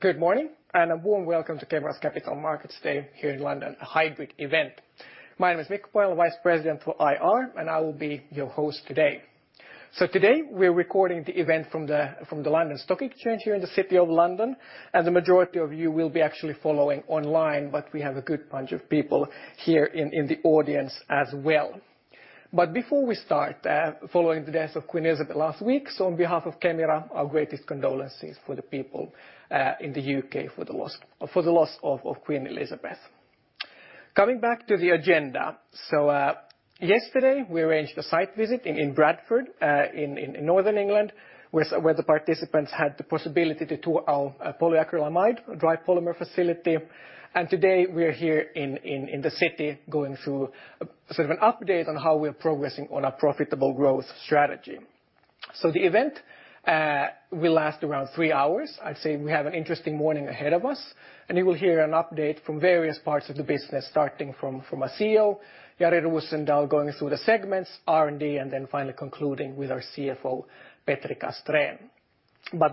Good morning, and a warm welcome to Kemira's Capital Markets Day here in London, a hybrid event. My name is Mikko Pohjala, Vice President for IR, and I will be your host today. Today, we're recording the event from the London Stock Exchange here in the City of London, and the majority of you will be actually following online, but we have a good bunch of people here in the audience as well. Before we start, following the death of Queen Elizabeth last week, on behalf of Kemira, our deepest condolences for the people in the UK for the loss of Queen Elizabeth. Coming back to the agenda. Yesterday, we arranged a site visit in Bradford, in northern England, where the participants had the possibility to tour our polyacrylamide dry polymer facility. Today, we're here in the city going through a sort of an update on how we're progressing on our profitable growth strategy. The event will last around three hours. I'd say we have an interesting morning ahead of us, and you will hear an update from various parts of the business, starting from our CEO, Jari Rosendal, going through the segments, R&D, and then finally concluding with our CFO, Petri Castrén.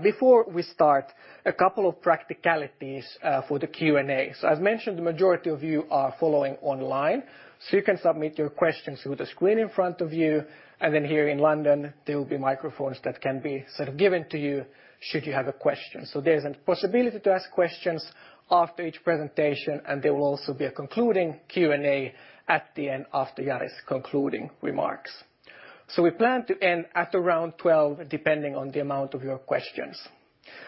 Before we start, a couple of practicalities for the Q&A. I've mentioned that the majority of you are following online, so you can submit your questions through the screen in front of you. Here in London, there will be microphones that can be sort of given to you should you have a question. There's a possibility to ask questions after each presentation, and there will also be a concluding Q&A at the end after Jari's concluding remarks. We plan to end at around 12, depending on the amount of your questions.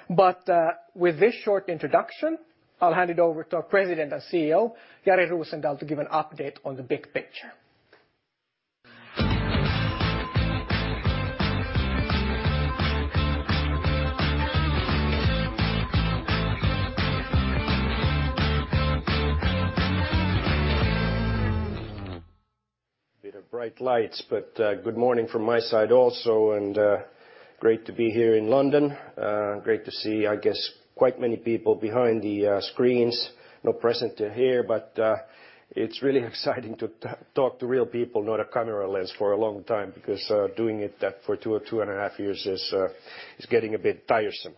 With this short introduction, I'll hand it over to our President and CEO, Jari Rosendal, to give an update on the big picture. Bit of bright lights, good morning from my side also, and great to be here in London. Great to see, I guess, quite many people behind the screens, not present here. It's really exciting to talk to real people, not a camera lens, for a long time because doing that for two or two point five years is getting a bit tiresome.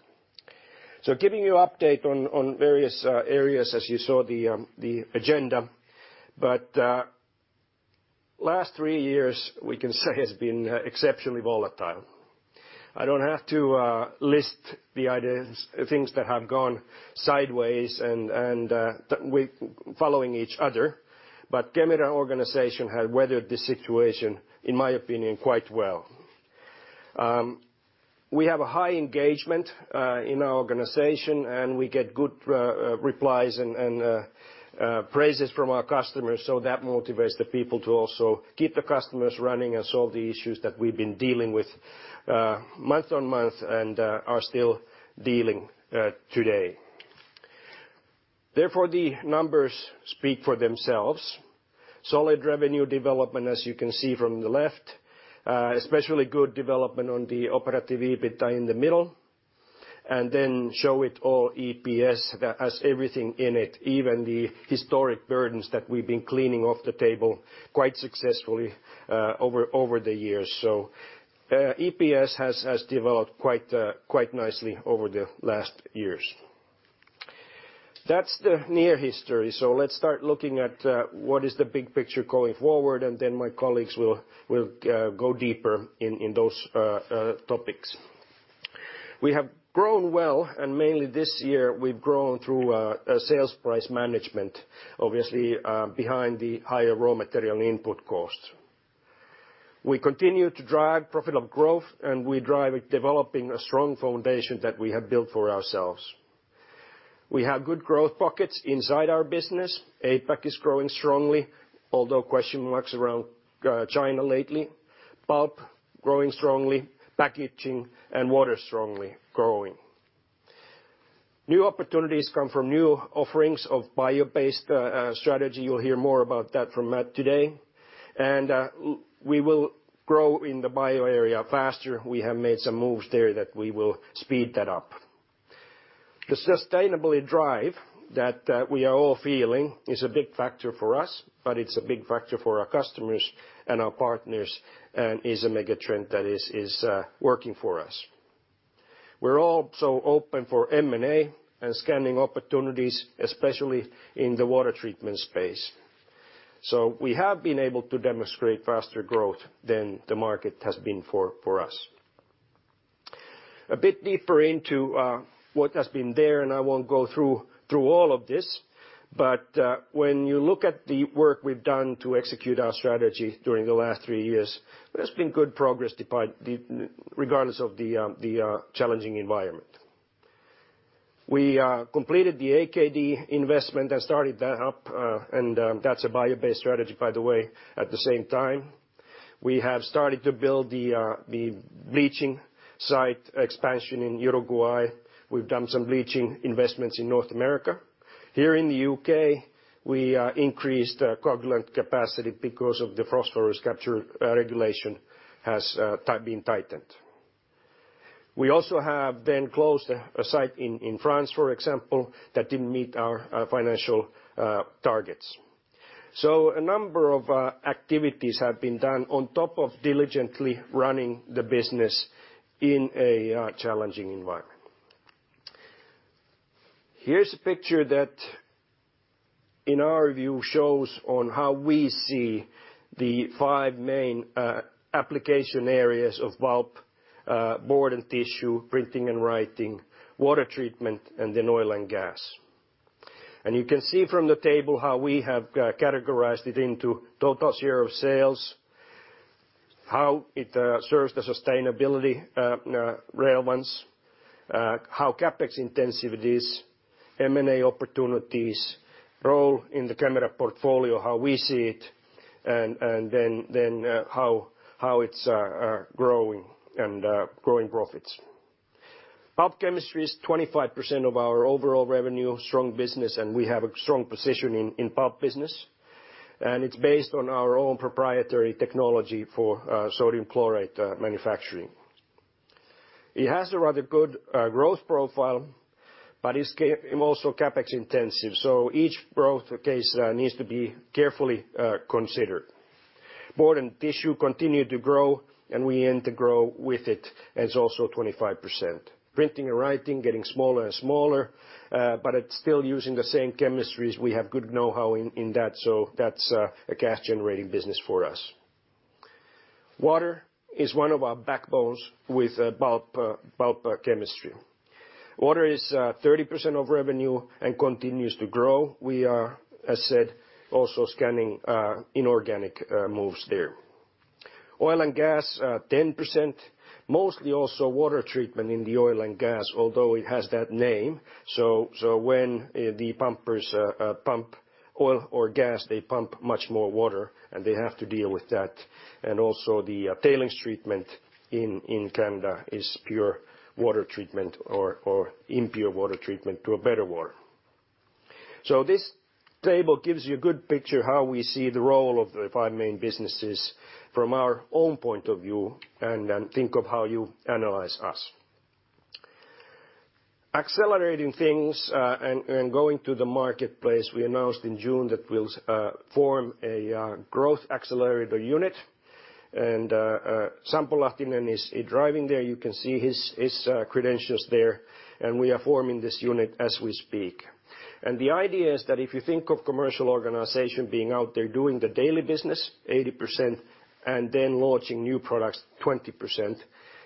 Giving you update on various areas as you saw the agenda, last three years, we can say has been exceptionally volatile. I don't have to list the issues, things that have gone sideways and following each other, Kemira organization has weathered the situation, in my opinion, quite well. We have a high engagement in our organization, and we get good replies and praises from our customers, so that motivates the people to also keep the customers running and solve the issues that we've been dealing with month-on-month and are still dealing today. Therefore, the numbers speak for themselves. Solid revenue development, as you can see from the left, especially good development on the operative EBITDA in the middle, and then overall EPS that has everything in it, even the historic burdens that we've been cleaning off the table quite successfully over the years. EPS has developed quite nicely over the last years. That's the near history. Let's start looking at what the big picture is going forward, and then my colleagues will go deeper in those topics. We have grown well, and mainly this year, we've grown through sales price management, obviously, behind the higher raw material input costs. We continue to drive profitable growth, and we drive it developing a strong foundation that we have built for ourselves. We have good growth pockets inside our business. APAC is growing strongly, although question marks around China lately. Pulp, growing strongly. Packaging and water, strongly growing. New opportunities come from new offerings of bio-based strategy. You'll hear more about that from Matt today. We will grow in the bio area faster. We have made some moves there that we will speed that up. The sustainability drive that we are all feeling is a big factor for us, but it's a big factor for our customers and our partners and is a mega trend that is working for us. We're also open for M&A and scanning opportunities, especially in the water treatment space. We have been able to demonstrate faster growth than the market has been for us. A bit deeper into what has been there, and I won't go through all of this, but when you look at the work we've done to execute our strategy during the last three years, there's been good progress regardless of the challenging environment. We completed the AKD investment and started that up, and that's a bio-based strategy, by the way, at the same time. We have started to build the bleaching site expansion in Uruguay. We've done some bleaching investments in North America. Here in the UK, we increased our coagulant capacity because of the phosphorus capture regulation has been tightened. We also have then closed a site in France, for example, that didn't meet our financial targets. A number of activities have been done on top of diligently running the business in a challenging environment. Here's a picture that, in our view, shows how we see the five main application areas of pulp, board and tissue, printing and writing, water treatment, and then oil and gas. You can see from the table how we have categorized it into total share of sales, how it serves the sustainability relevance, how CapEx intensity is, M&A opportunities, role in the Kemira portfolio, how we see it, and then how it's growing and growing profits. Pulp chemistry is 25% of our overall revenue, strong business, and we have a strong position in pulp business, and it's based on our own proprietary technology for sodium chlorate manufacturing. It has a rather good growth profile, but it's also CapEx intensive, so each growth case needs to be carefully considered. Board and tissue continue to grow, and we aim to .with it, and it's also 25%. Printing and writing, getting smaller and smaller, but it's still using the same chemistries. We have good know-how in that, so that's a cash-generating business for us. Water is one of our backbones with pulp chemistry. Water is 30% of revenue and continues to grow. We are, as said, also scanning inorganic moves there. Oil and gas, 10%, mostly also water treatment in the oil and gas, although it has that name. When the pumpers pump oil or gas, they pump much more water, and they have to deal with that. Also the tailings treatment in Canada is pure water treatment or impure water treatment to a better water. This table gives you a good picture how we see the role of the five main businesses from our own point of view and think of how you analyze us. Accelerating things and going to the marketplace, we announced in June that we'll form a growth accelerator unit, and Sampo Lahtinen is driving there. You can see his credentials there, and we are forming this unit as we speak. The idea is that if you think of commercial organization being out there doing the daily business 80% and then launching new products 20%,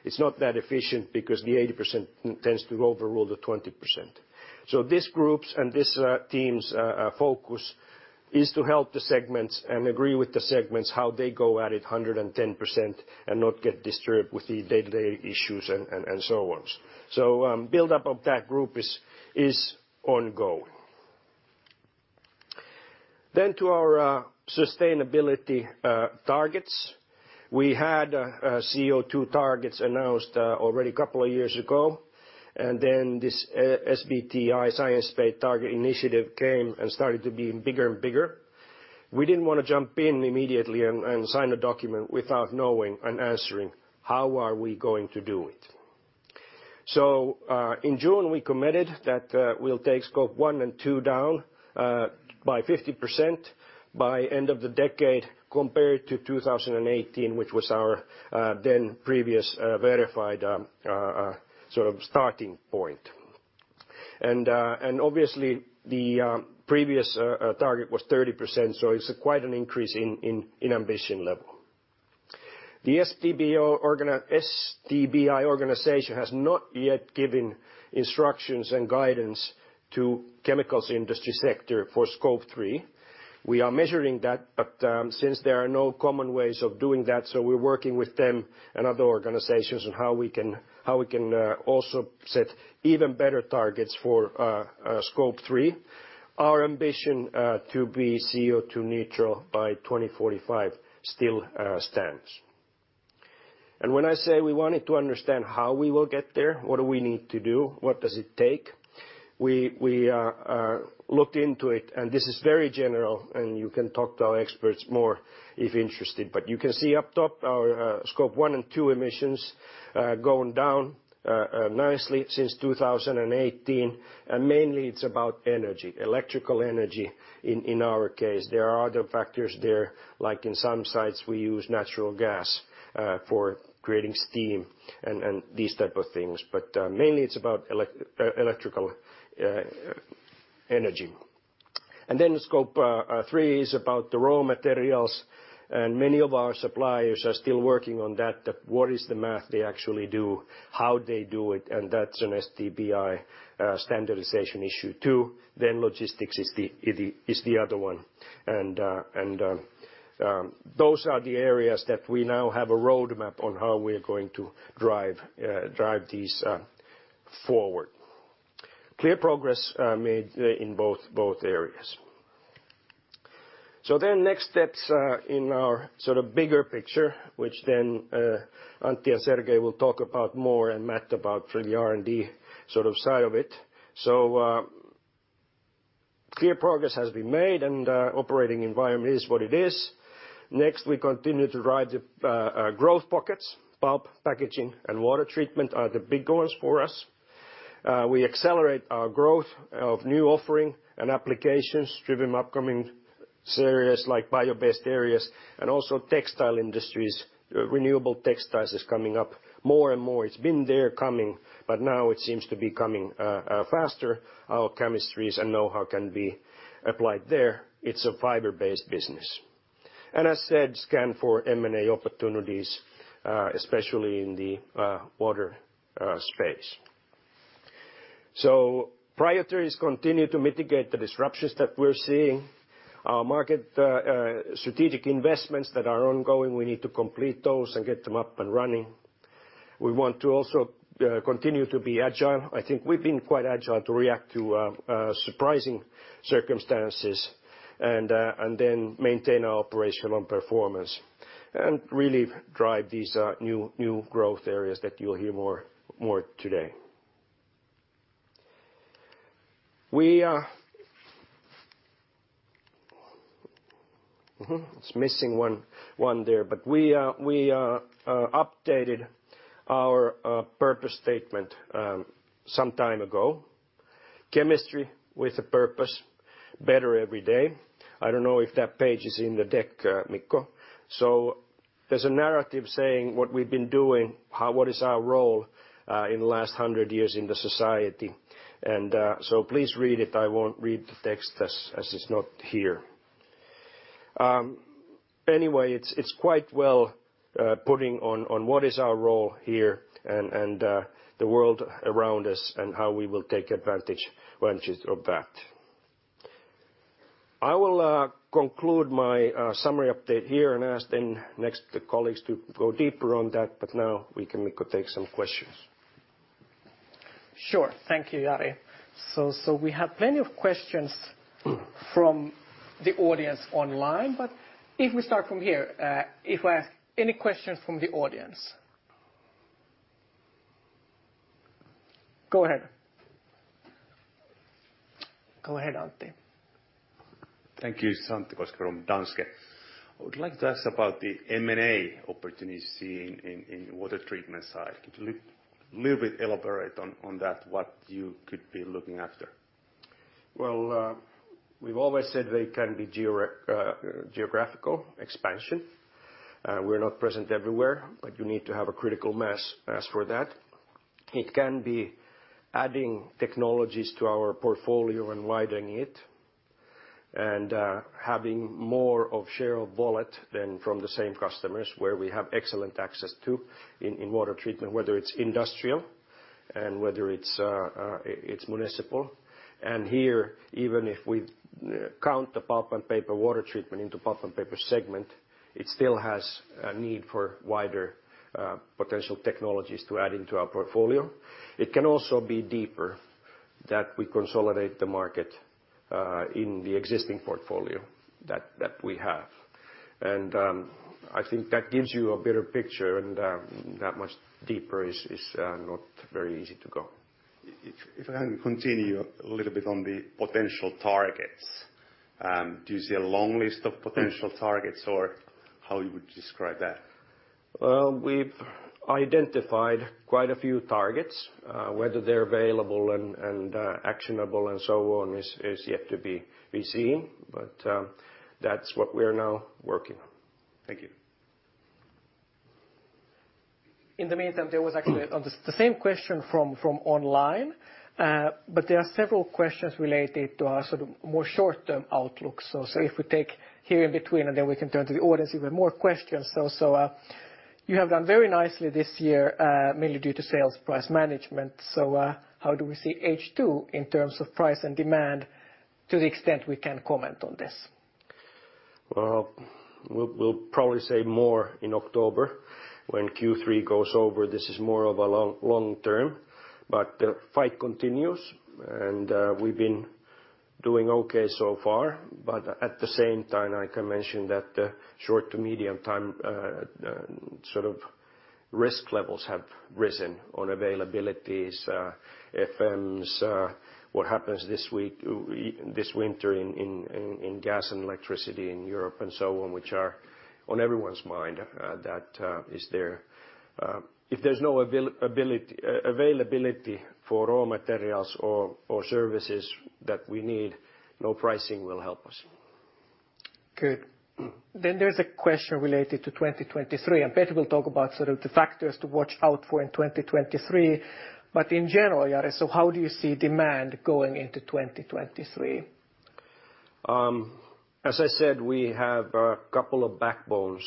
it's not that efficient because the 80% tends to overrule the 20%. This group and this team's focus is to help the segments and agree with the segments how they go at it 110% and not get disturbed with the day-to-day issues and so on. Buildup of that group is ongoing. To our sustainability targets. We had CO2 targets announced already a couple of years ago, and then this SBTi, Science Based Targets initiative, came and started to be bigger and bigger. We didn't wanna jump in immediately and sign a document without knowing and answering how were we going to do it. In June, we committed that we'll take Scope 1 and 2 down by 50% by end of the decade compared to 2018, which was our then previous sort of starting point. Obviously the previous target was 30%, so it's quite an increase in ambition level. The SBTi organization has not yet given instructions and guidance to chemicals industry sector for Scope 3. We are measuring that, but since there are no common ways of doing that, we're working with them and other organizations on how we can also set even better targets for Scope 3. Our ambition to be CO2 neutral by 2045 still stands. When I say we wanted to understand how we will get there, what do we need to do, what does it take, we looked into it, and this is very general, and you can talk to our experts more if interested. You can see up top our Scope 1 and 2 emissions going down nicely since 2018, and mainly it's about energy, electrical energy in our case. There are other factors there, like in some sites we use natural gas for creating steam and these type of things, but mainly it's about electrical energy. Then Scope 3 is about the raw materials, and many of our suppliers are still working on that. What is the math they actually do, how they do it, and that's an SBTi standardization issue too. Logistics is the other one. Those are the areas that we now have a roadmap on how we're going to drive these forward. Clear progress made in both areas. Next steps in our sort of bigger picture, which Antti and Sergej will talk about more and Matt about for the R&D sort of side of it. Clear progress has been made, and operating environment is what it is. Next, we continue to ride the growth pockets. Pulp, packaging, and water treatment are the big ones for us. We accelerate our growth of new offering and applications driven upcoming areas like bio-based areas and also textile industries. Renewable textiles is coming up more and more. It's been there coming, but now it seems to be coming faster. Our chemistries and know-how can be applied there. It's a fiber-based business. As said, scan for M&A opportunities, especially in the water space. Priorities continue to mitigate the disruptions that we're seeing. Our market strategic investments that are ongoing, we need to complete those and get them up and running. We want to also continue to be agile. I think we've been quite agile to react to surprising circumstances and then maintain our operational performance and really drive these new growth areas that you'll hear more today. We... It's missing one there, but we updated our purpose statement some time ago. Chemistry with a purpose, better every day. I don't know if that page is in the deck, Mikko. There's a narrative saying what we've been doing, what is our role in the last hundred years in the society. Please read it. I won't read the text as it's not here. Anyway, it's quite well putting on what is our role here and the world around us and how we will take advantage of that. I will conclude my summary update here and ask the colleagues to go deeper on that. Now we can, Mikko, take some questions. Sure. Thank you, Jari. We have plenty of questions. Mm. from the audience online. If we start from here, if we have any questions from the audience. Go ahead. Go ahead, Antti. Thank you. It's Antti Koskivuori from Danske. I would like to ask about the M&A opportunity in the water treatment side. Could you little bit elaborate on that, what you could be looking after? Well, we've always said they can be a geographical expansion. We're not present everywhere, but you need to have a critical mass as for that. It can be adding technologies to our portfolio and widening it and having more of share of wallet from the same customers where we have excellent access to in water treatment, whether it's industrial and whether it's municipal. Here, even if we count the Pulp & Paper water treatment into Pulp & Paper segment, it still has a need for wider potential technologies to add into our portfolio. It can also be deeper that we consolidate the market in the existing portfolio that we have. I think that gives you a better picture and that much deeper is not very easy to go. If I can continue a little bit on the potential targets, do you see a long list of potential targets or how you would describe that? Well, we've identified quite a few targets. Whether they're available and actionable and so on is yet to be seen. That's what we're now working on. Thank you. In the meantime, there was the same question from online. There are several questions related to sort of more short-term outlook. You have done very nicely this year, mainly due to sales price management. How do we see H2 in terms of price and demand to the extent we can comment on this? Well, we'll probably say more in October when Q3 goes over. This is more of a long term, but the fight continues and we've been doing okay so far. At the same time, I can mention that the short- to medium-term sort of risk levels have risen on availabilities, FMs, what happens this week, this winter in gas and electricity in Europe and so on, which are on everyone's mind, that is there. If there's no availability for raw materials or services that we need, no pricing will help us. Good. There's a question related to 2023, and Petri will talk about sort of the factors to watch out for in 2023. In general, Jari, so how do you see demand going into 2023? As I said, we have a couple of backbones.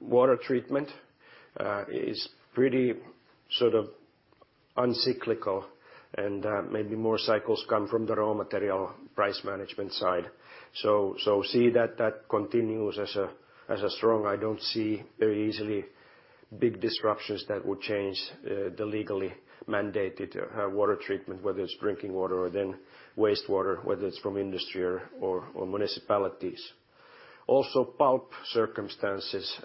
Water treatment is pretty sort of uncyclical and maybe more cycles come from the raw material price management side. See that that continues as a strong. I don't see very easily big disruptions that would change the legally mandated water treatment, whether it's drinking water or then wastewater, whether it's from industry or municipalities. Also, pulp circumstances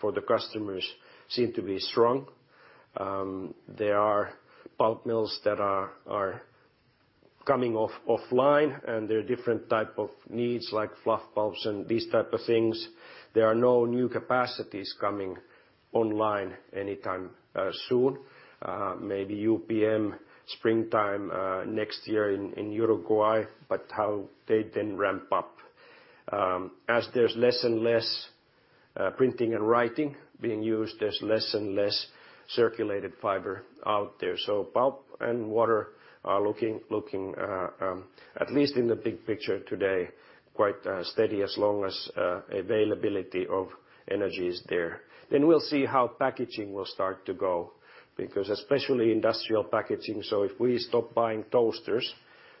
for the customers seem to be strong. There are pulp mills that are coming off offline and there are different type of needs like fluff pulp and these types of things. There are no new capacities coming online anytime soon. Maybe UPM springtime next year in Uruguay, but how they then ramp up. As there's less and less printing and writing being used, there's less and less circulated fiber out there. Pulp and water are looking, at least in the big picture today, quite steady as long as availability of energy is there. We'll see how packaging will start to go, because especially industrial packaging. If we stop buying toasters,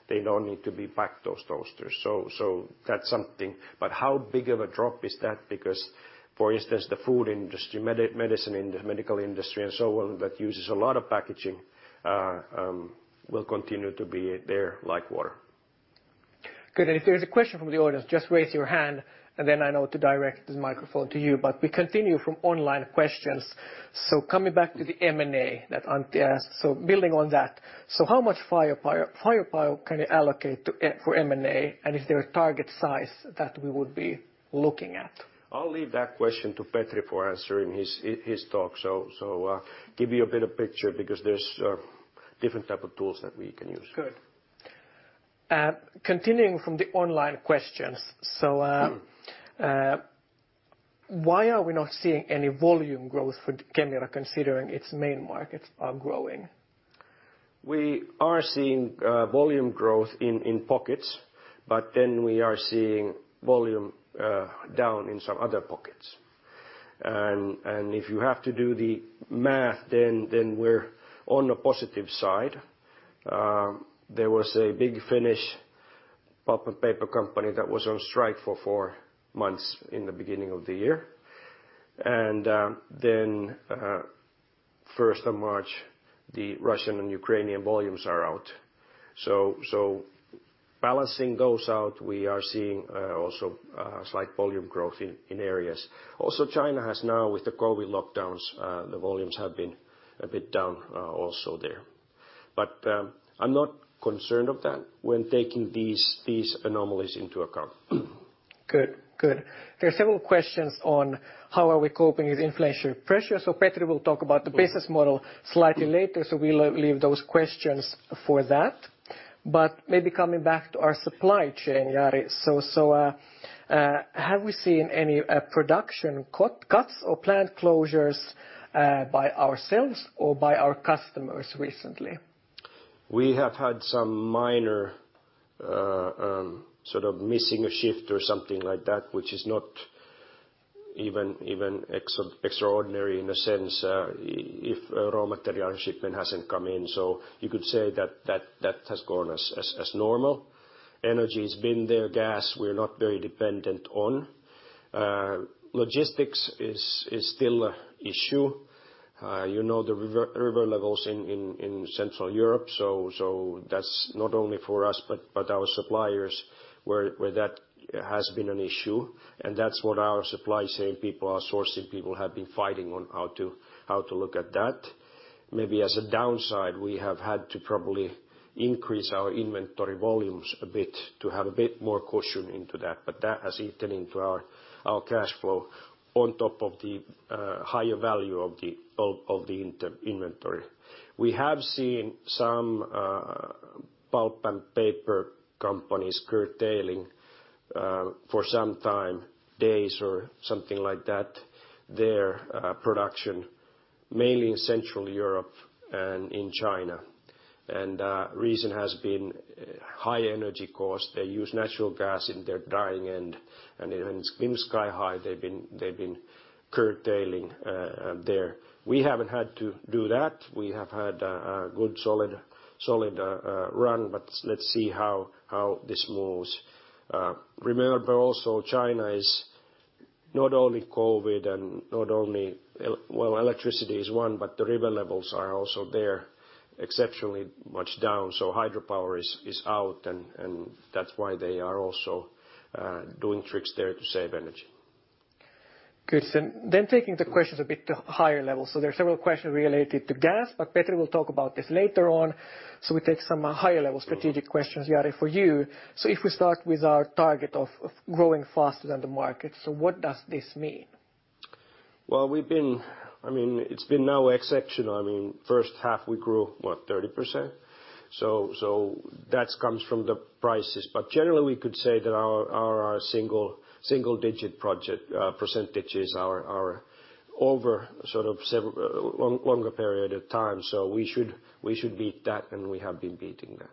they don't need to be packed, those toasters. That's something. How big of a drop is that? Because, for instance, the food industry, medicine, the medical industry and so on that uses a lot of packaging will continue to be there like water. Good. If there's a question from the audience, just raise your hand, and then I know to direct the microphone to you. We continue from online questions. Coming back to the M&A that Antti asked. Building on that, so how much fire power can you allocate for M&A, and is there a target size that we would be looking at? I'll leave that question to Petri for answering his talk. Give you a better picture because there's different type of tools that we can use. Good. Continuing from the online questions. Mm. Why are we not seeing any volume growth for Kemira, considering its main markets are growing? We are seeing volume growth in pockets, but then we are seeing volume down in some other pockets. If you have to do the math, then we're on the positive side. There was a big Finnish pulp and paper company that was on strike for four months at the beginning of the year. First of March, the Russian and Ukrainian volumes are out. Balancing those out, we are seeing also slight volume growth in areas. Also, China has now, with the COVID lockdowns, the volumes have been a bit down, also there. I'm not concerned about that when taking these anomalies into account. Good. Good. There are several questions about how we are coping with inflationary pressure. Petri will talk about the business model slightly later. We'll leave those questions for that. Maybe coming back to our supply chain, Jari. Have we seen any production cuts or plant closures by ourselves or by our customers recently? We have had some minor, sort of missing a shift or something like that, which is not even extraordinary in a sense, if a raw material shipment hasn't come in. You could say that has gone as normal. Energy has been there. Gas, we're not very dependent on. Logistics is still an issue. You know, the river levels in central Europe. That's not only for us, but our suppliers where that has been an issue. That's what our supply chain people, our sourcing people have been fighting on how to look at that. Maybe as a downside, we have had to probably increase our inventory volumes a bit to have a bit more caution into that. That has eaten into our cash flow on top of the higher value of the net inventory. We have seen some Pulp & Paper companies curtailing for some time, days or something like that, their production, mainly in Central Europe and in China. Reason has been high energy cost. They use natural gas in their drying end, and it's been sky high. They've been curtailing there. We haven't had to do that. We have had a good solid run, but let's see how this moves. Remember also China is not only COVID and not only. Well, electricity is one, but the river levels are also there exceptionally low. So, hydropower is out, and that's why they are also doing tricks there to save energy. Good. Taking the questions a bit higher level. There are several questions related to gas, but Petri will talk about this later on. We take some higher level strategic questions, Jari, for you. If we start with our target of growing faster than the market. What does this mean? Well, we've been. I mean, it's been no exception. I mean, first half we grew, what, 30%. That comes from the prices. Generally, we could say that our single-digit growth percentage is over sort of longer period of time. We should beat that, and we have been beating that.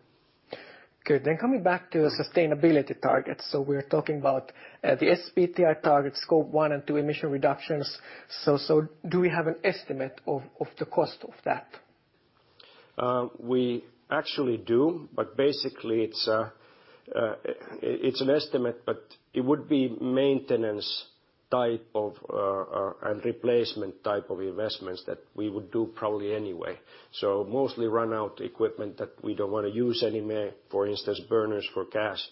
Good. Coming back to sustainability targets. We're talking about the SBTi target Scope 1 and 2 emission reductions. Do we have an estimate of the cost of that? We actually do, but basically it's an estimate, but it would be maintenance type of and replacement type of investments that we would do probably anyway. Mostly run-out equipment that we don't want to use anymore. For instance, burners for gas,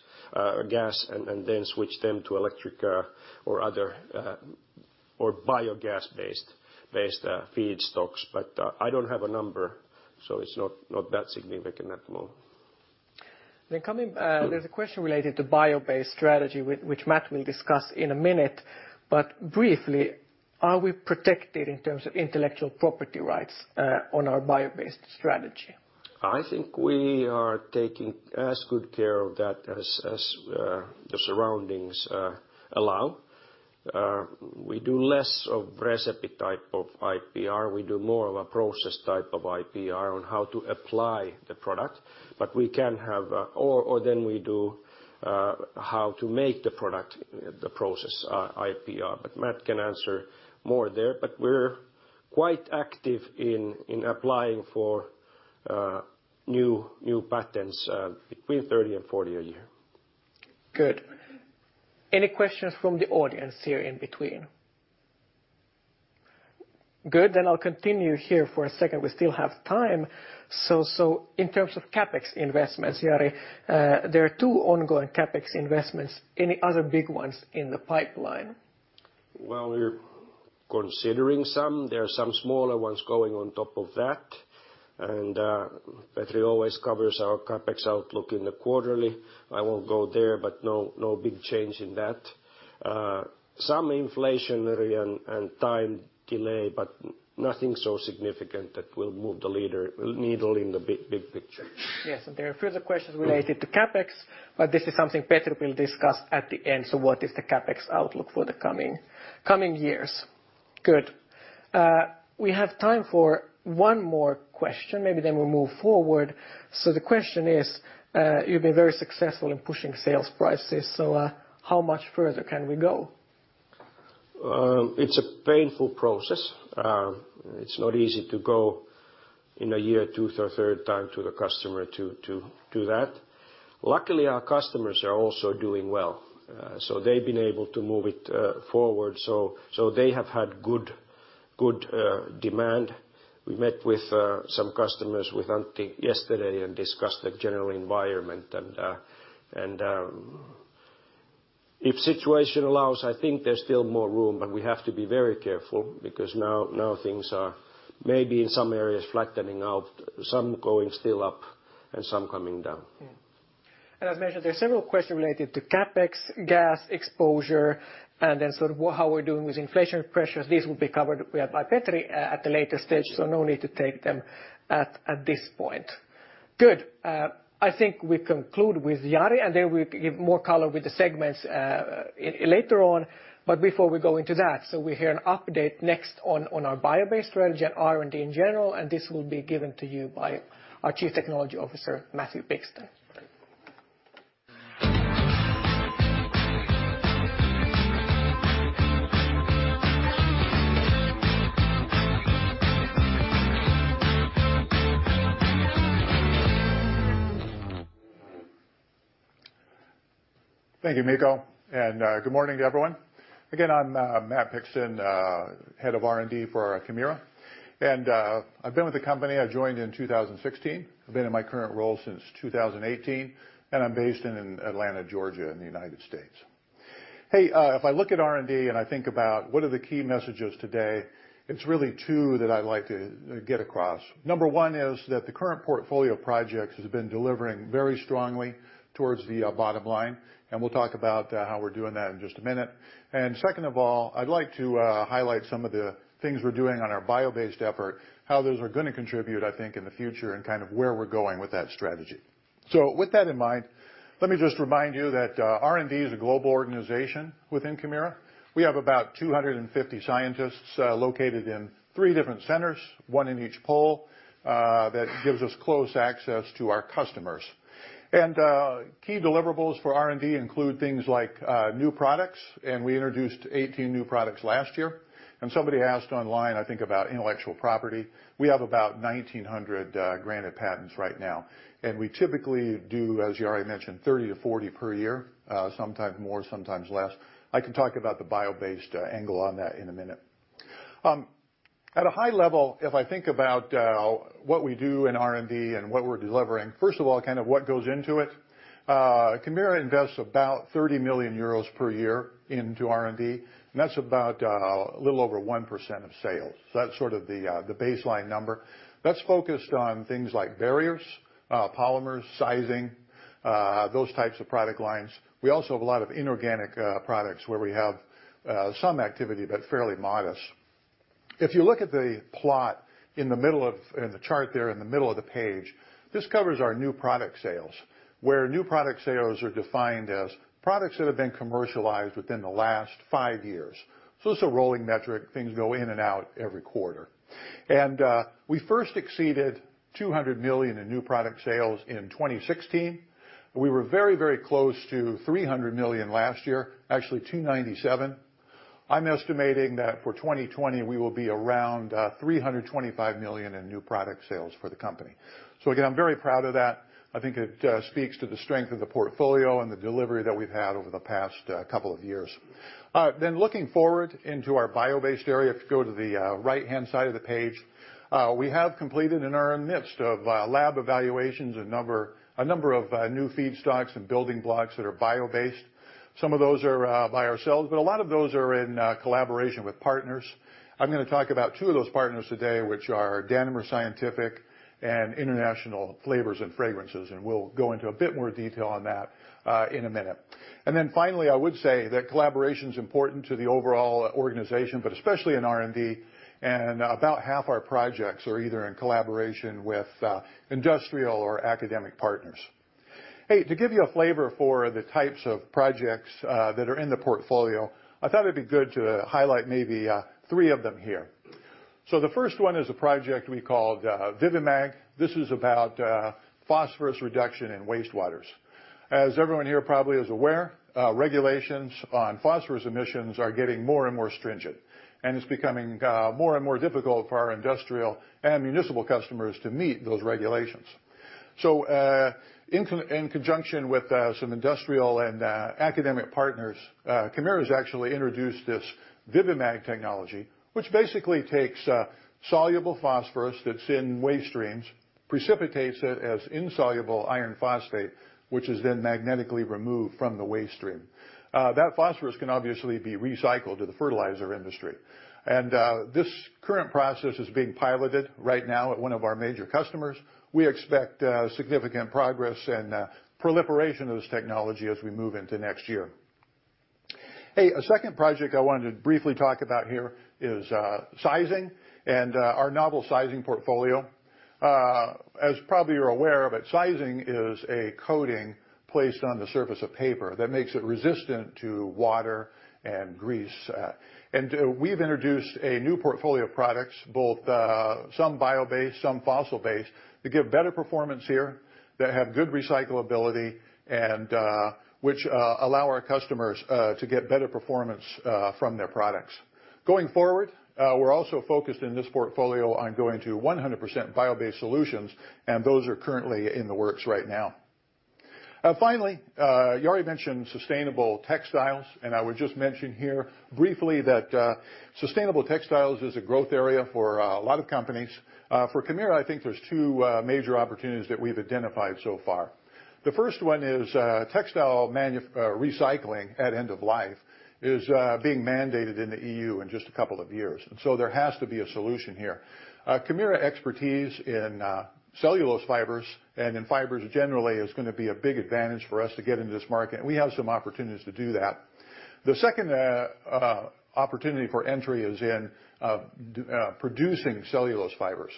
and then switch them to electric or other types or biogas-based feedstocks. I don't have a number, so it's not that significant at the moment. Coming, there's a question related to bio-based strategy, which Matt will discuss in a minute. Briefly, are we protected in terms of intellectual property rights on our bio-based strategy? I think we are taking as good care of that as the surroundings allow. We do less of recipe type of IPR. We do more of a process type of IPR on how to apply the product. We can have. Then we do how to make the product, the process IPR. Matt can answer more there. We're quite active in applying for new patents between 30 and 40 a year. Good. Any questions from the audience here in between? Good, then I'll continue here for a second, we still have time. In terms of CapEx investments, Jari, there are two ongoing CapEx investments. Any other big ones in the pipeline? We're considering some. There are some smaller ones going on top of that. Petri always covers our CapEx outlook in the quarterly. I won't go there, but no big change in that. Some inflationary and time delay, but nothing so significant that will move the needle in the big picture. Yes, there are further questions related to CapEx, but this is something Petri will discuss at the end. What is the CapEx outlook for the coming years? Good. We have time for one more question, maybe then we'll move forward. The question is, you've been very successful in pushing sales prices, so, how much further can we go? It's a painful process. It's not easy to go in a year, two, or third time to the customer to do that. Luckily, our customers are also doing well. They've been able to move it forward. They have had good demand. We met with some customers with Antti yesterday and discussed the general environment. If situation allows, I think there's still more room, but we have to be very careful because now things are maybe in some areas flattening out, some going still up and some coming down. Yeah. As mentioned, there are several questions related to CapEx, gas exposure, and then sort of how we're doing with inflationary pressures. This will be covered by Petri Castrén at the later stage, so no need to take them at this point. Good. I think we conclude with Jari Rosendal, and then we'll give more color with the segments later on. Before we go into that, we hear an update next on our bio-based strategy and R&D in general, and this will be given to you by our Chief Technology Officer, Matthew Pixton. Right. Thank you, Mikko, and good morning to everyone. Again, I'm Matthew Pixton, Head of R&D for Kemira. I've been with the company, I joined in 2016. I've been in my current role since 2018, and I'm based in Atlanta, Georgia, in the United States. Hey, if I look at R&D and I think about what are the key messages today, it's really two that I'd like to get across. Number one is that the current portfolio of projects has been delivering very strongly towards the bottom line, and we'll talk about how we're doing that in just a minute. Second of all, I'd like to highlight some of the things we're doing on our bio-based effort, how those are gonna contribute, I think, in the future, and kind of where we're going with that strategy. With that in mind, let me just remind you that R&D is a global organization within Kemira. We have about 250 scientists located in three different centers, one in each pole, that gives us close access to our customers. Key deliverables for R&D include things like new products, and we introduced 18 new products last year. Somebody asked online, I think, about intellectual property. We have about 1,900 granted patents right now. We typically do, as Jari mentioned, 30-40 per year, sometimes more, sometimes less. I can talk about the bio-based angle on that in a minute. At a high level, if I think about what we do in R&D and what we're delivering, first of all, kind of what goes into it. Kemira invests about 30 million euros per year into R&D, and that's about a little over 1% of sales. That's sort of the baseline number. That's focused on things like barriers, polymers, sizing, those types of product lines. We also have a lot of inorganic products where we have some activity, but fairly modest. If you look at the plot in the chart there in the middle of the page, this covers our new product sales, where new product sales are defined as products that have been commercialized within the last five years. This is a rolling metric. Things go in and out every quarter. We first exceeded 200 million in new product sales in 2016. We were very, very close to 300 million last year, actually 297. I'm estimating that for 2020, we will be around 325 million in new product sales for the company. Again, I'm very proud of that. I think it speaks to the strength of the portfolio and the delivery that we've had over the past couple of years. Looking forward into our bio-based area, if you go to the right-hand side of the page, we have completed and are in the of midst of lab evaluations, a number of new feedstocks and building blocks that are bio-based. Some of those are by ourselves, but a lot of those are in collaboration with partners. I'm gonna talk about two of those partners today, which are Danimer Scientific and International Flavors & Fragrances, and we'll go into a bit more detail on that in a minute. Finally, I would say that collaboration's important to the overall organization, but especially in R&D, and about half our projects are either in collaboration with industrial or academic partners. Hey, to give you a flavor for the types of projects that are in the portfolio, I thought it'd be good to highlight maybe three of them here. The first one is a project we called ViviMag. This is about phosphorus reduction in wastewaters. As everyone here probably is aware, regulations on phosphorus emissions are getting more and more stringent, and it's becoming more and more difficult for our industrial and municipal customers to meet those regulations. In conjunction with some industrial and academic partners, Kemira's actually introduced this ViviMag technology, which basically takes soluble phosphorus that's in waste streams, precipitates it as insoluble iron phosphate, which is then magnetically removed from the waste stream. That phosphorus can obviously be recycled to the fertilizer industry. This current process is being piloted right now at one of our major customers. We expect significant progress and proliferation of this technology as we move into next year. Hey, a second project I wanted to briefly talk about here is sizing and our novel sizing portfolio. As probably you're aware of it, sizing is a coating placed on the surface of paper that makes it resistant to water and grease. We've introduced a new portfolio of products, both some bio-based, some fossil-based, to give better performance here, that have good recyclability, and which allow our customers to get better performance from their products. Going forward, we're also focused in this portfolio on going to 100% bio-based solutions, and those are currently in the works right now. Finally, Jari mentioned sustainable textiles, and I would just mention here briefly that sustainable textiles is a growth area for a lot of companies. For Kemira, I think there's two major opportunities that we've identified so far. The first one is, recycling at end of life is being mandated in the EU in just a couple of years, and so there has to be a solution here. Kemira expertise in cellulose fibers and in fibers generally is gonna be a big advantage for us to get into this market, and we have some opportunities to do that. The second opportunity for entry is in producing cellulose fibers.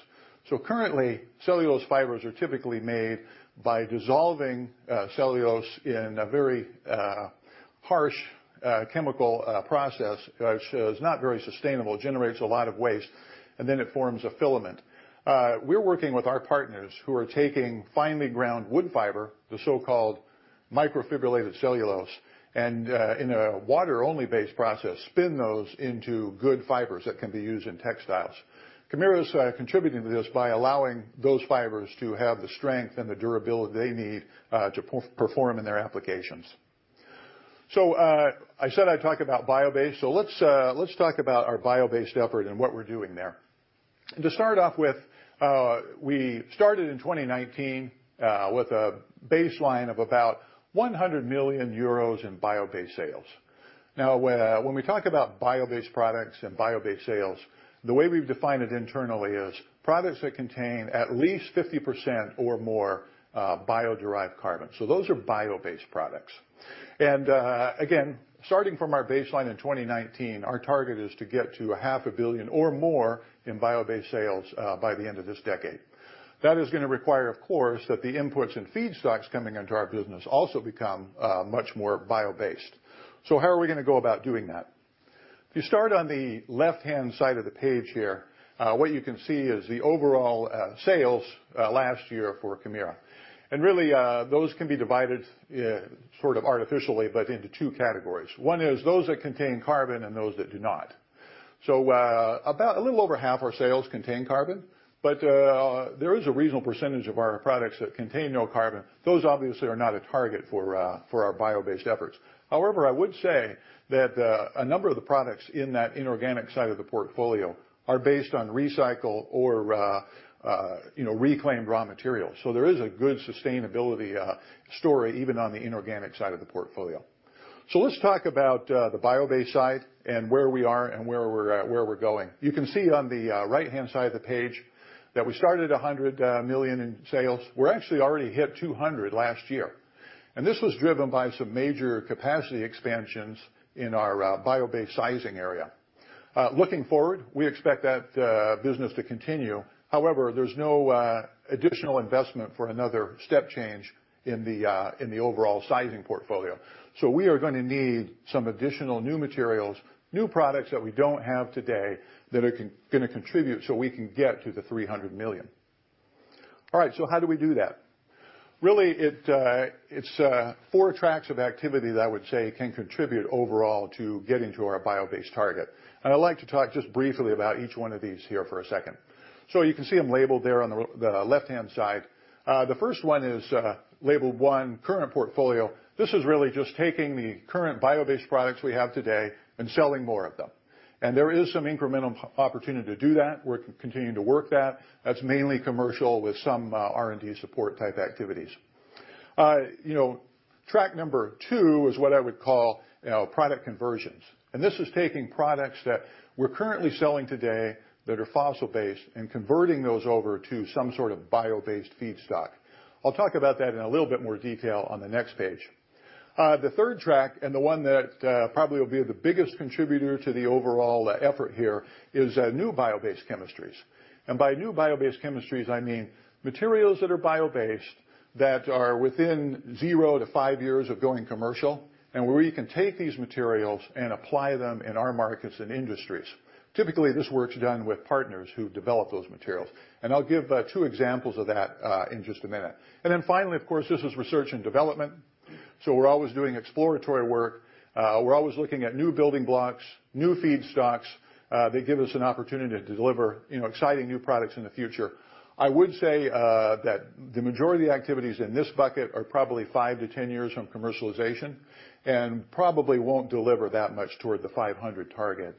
Currently, cellulose fibers are typically made by dissolving cellulose in a very harsh chemical process, so it's not very sustainable. Generates a lot of waste, and then it forms a filament. We're working with our partners who are taking finely ground wood fiber, the so-called microfibrillated cellulose, and in a water-based process, spin those into good fibers that can be used in textiles. Kemira is contributing to this by allowing those fibers to have the strength and the durability they need to perform in their applications. I said I'd talk about bio-based, so let's talk about our bio-based effort and what we're doing there. To start off with, we started in 2019 with a baseline of about 100 million euros in bio-based sales. Now, when we talk about bio-based products and bio-based sales, the way we've defined it internally is products that contain at least 50% or more bio-derived carbon. Those are bio-based products. Again, starting from our baseline in 2019, our target is to get to 500 billion or more in bio-based sales by the end of this decade. That is gonna require, of course, that the inputs and feedstocks coming into our business also become much more bio-based. How are we gonna go about doing that? If you start on the left-hand side of the page here, what you can see is the overall sales last year for Kemira. Really, those can be divided sort of artificially, but into two categories. One is those that contain carbon and those that do not. About a little over half our sales contain carbon, but there is a reasonable percentage of our products that contain no carbon. Those obviously are not a target for our bio-based efforts. However, I would say that a number of the products in that inorganic side of the portfolio are based on recycled or, you know, reclaimed raw materials. There is a good sustainability story even on the inorganic side of the portfolio. Let's talk about the bio-based side and where we are and where we're at, where we're going. You can see on the right-hand side of the page that we started at 100 million in sales. We actually already hit 200 million last year, and this was driven by some major capacity expansions in our bio-based sizing area. Looking forward, we expect that business to continue. However, there's no additional investment for another step change in the overall sizing portfolio. We are gonna need some additional new materials, new products that we don't have today that are gonna contribute, so we can get to 300 million. All right, how do we do that? Really, it's four tracks of activity that I would say can contribute overall to getting to our bio-based target. I'd like to talk just briefly about each one of these here for a second. You can see them labeled there on the left-hand side. The first one is labeled one, Current Portfolio. This is really just taking the current bio-based products we have today and selling more of them. There is some incremental opportunity to do that. We're continuing to work on that. That's mainly commercial with some R&D support-type activities. You know, track number two is what I would call, you know, product conversions. This is taking products that we're currently selling today that are fossil-based and converting those over to some sort of bio-based feedstock. I'll talk about that in a little bit more detail on the next page. The third track, and the one that probably will be the biggest contributor to the overall effort here is new bio-based chemistries. By new bio-based chemistries, I mean materials that are bio-based that are within zero to five years of going commercial and where we can take these materials and apply them in our markets and industries. Typically, this work's done with partners who develop those materials, and I'll give two examples of that in just a minute. Then finally, of course, this is research and development. We're always doing exploratory work. We're always looking at new building blocks, new feedstocks. They give us an opportunity to deliver, you know, exciting new products in the future. I would say that the majority of the activities in this bucket are probably five to 10 years from commercialization and probably won't deliver that much toward the 500 target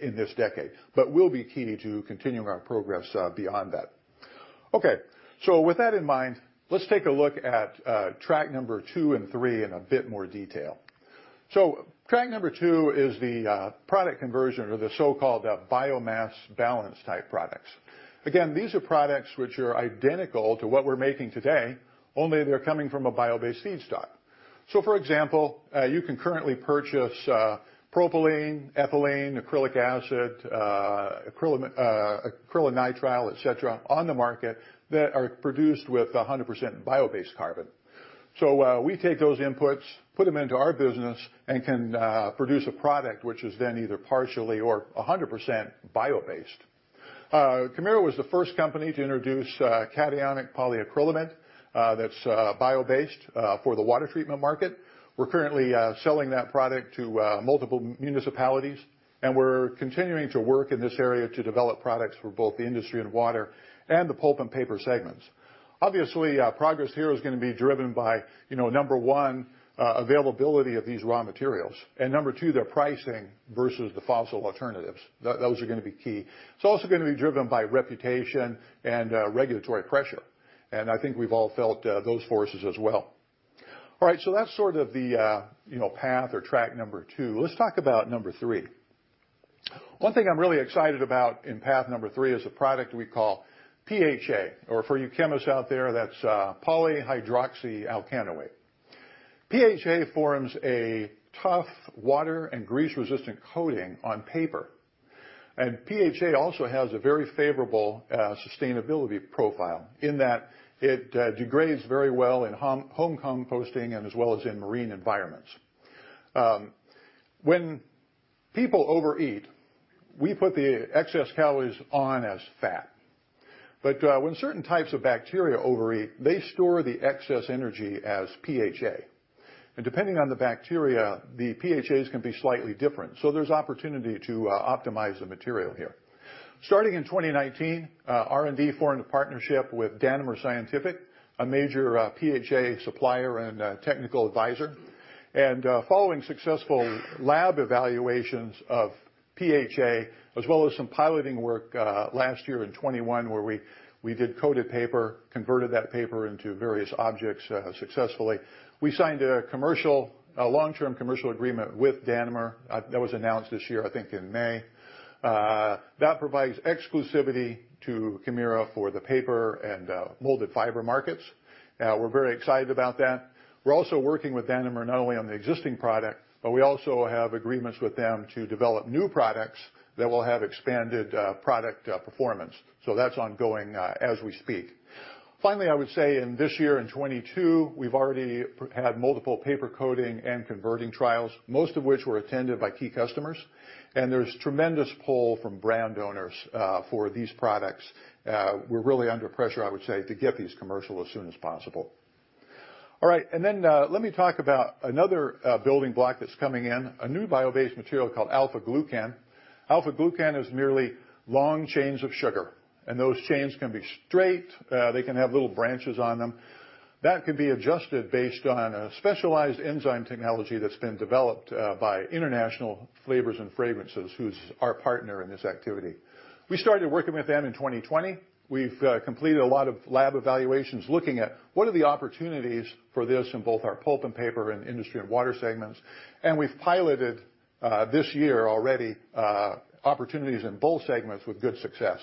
in this decade, but will be key to continuing our progress beyond that. Okay, with that in mind, let's take a look at track number two and three in a bit more detail. Track number two is the product conversion or the so-called biomass balance type products. Again, these are products which are identical to what we're making today, only they're coming from a bio-based feedstock. For example, you can currently purchase propylene, ethylene, acrylic acid, acrylonitrile, et cetera, on the market that are produced with 100% bio-based carbon. We take those inputs, put them into our business, and can produce a product which is then either partially or 100% bio-based. Kemira was the first company to introduce cationic polyacrylamide that's bio-based for the water treatment market. We're currently selling that product to multiple municipalities, and we're continuing to work in this area to develop products for both the Industry & Water and the Pulp & Paper segments. Obviously, progress here is gonna be driven by, you know, number one, availability of these raw materials, and number two, their pricing versus the fossil alternatives. Those are gonna be key. It's also gonna be driven by reputation and regulatory pressure, and I think we've all felt those forces as well. All right, so that's sort of the you know, path or track number two. Let's talk about number three. One thing I'm really excited about in path number three is a product we call PHA, or, for you chemists out there, that's polyhydroxyalkanoate. PHA forms a tough water and grease-resistant coating on paper. PHA also has a very favorable sustainability profile in that it degrades very well in home composting and as well as in marine environments. When people overeat, we put the excess calories on as fat. When certain types of bacteria overeat, they store the excess energy as PHA. Depending on the bacteria, the PHAs can be slightly different, so there's opportunity to optimize the material here. Starting in 2019, R&D formed a partnership with Danimer Scientific, a major PHA supplier and a technical advisor. Following successful lab evaluations of PHA, as well as some piloting work last year in 2021, where we did coated paper, converted that paper into various objects successfully. We signed a long-term commercial agreement with Danimer that was announced this year, I think in May. That provides exclusivity to Kemira for the paper and molded fiber markets. We're very excited about that. We're also working with Danimer not only on the existing product, but we also have agreements with them to develop new products that will have expanded product performance. That's ongoing as we speak. Finally, I would say in this year, in 2022, we've already had multiple paper coating and converting trials, most of which were attended by key customers. There's tremendous pull from brand owners for these products. We're really under pressure, I would say, to get these commercial as soon as possible. All right, let me talk about another building block that's coming in, a new bio-based material called alpha glucan. Alpha glucan is merely long chains of sugar, and those chains can be straight, they can have little branches on them. That can be adjusted based on a specialized enzyme technology that's been developed by International Flavors and Fragrances, who's our partner in this activity. We started working with them in 2020. We've completed a lot of lab evaluations looking at what are the opportunities for this in both our Pulp & Paper and Industry and Water segments. We've piloted this year already opportunities in both segments with good success.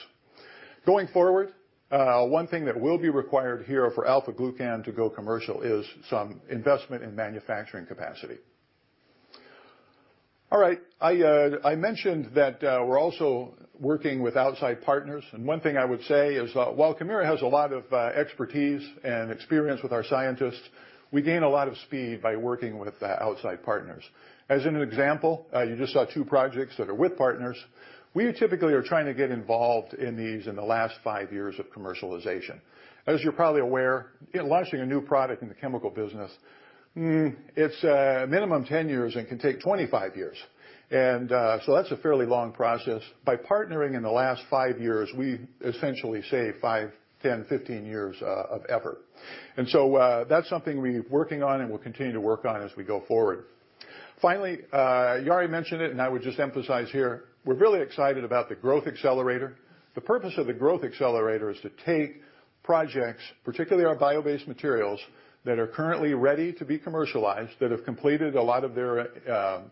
Going forward, one thing that will be required here for alpha glucan to go commercial is some investment in manufacturing capacity. All right. I mentioned that we're also working with outside partners, and one thing I would say is, while Kemira has a lot of expertise and experience with our scientists, we gain a lot of speed by working with outside partners. As an example, you just saw two projects that are with partners. We typically are trying to get involved in these in the last five years of commercialization. As you're probably aware, in launching a new product in the chemical business, it's minimum 10 years and can take 25 years. That's a fairly long process. By partnering in the last five years, we essentially saved 5, 10, 15 years of effort. That's something we're working on and will continue to work on as we go forward. Finally, Jari mentioned it, and I would just emphasize here, we're really excited about the Growth Accelerator. The purpose of the Growth Accelerator is to take projects, particularly our bio-based materials, that are currently ready to be commercialized, that have completed a lot of their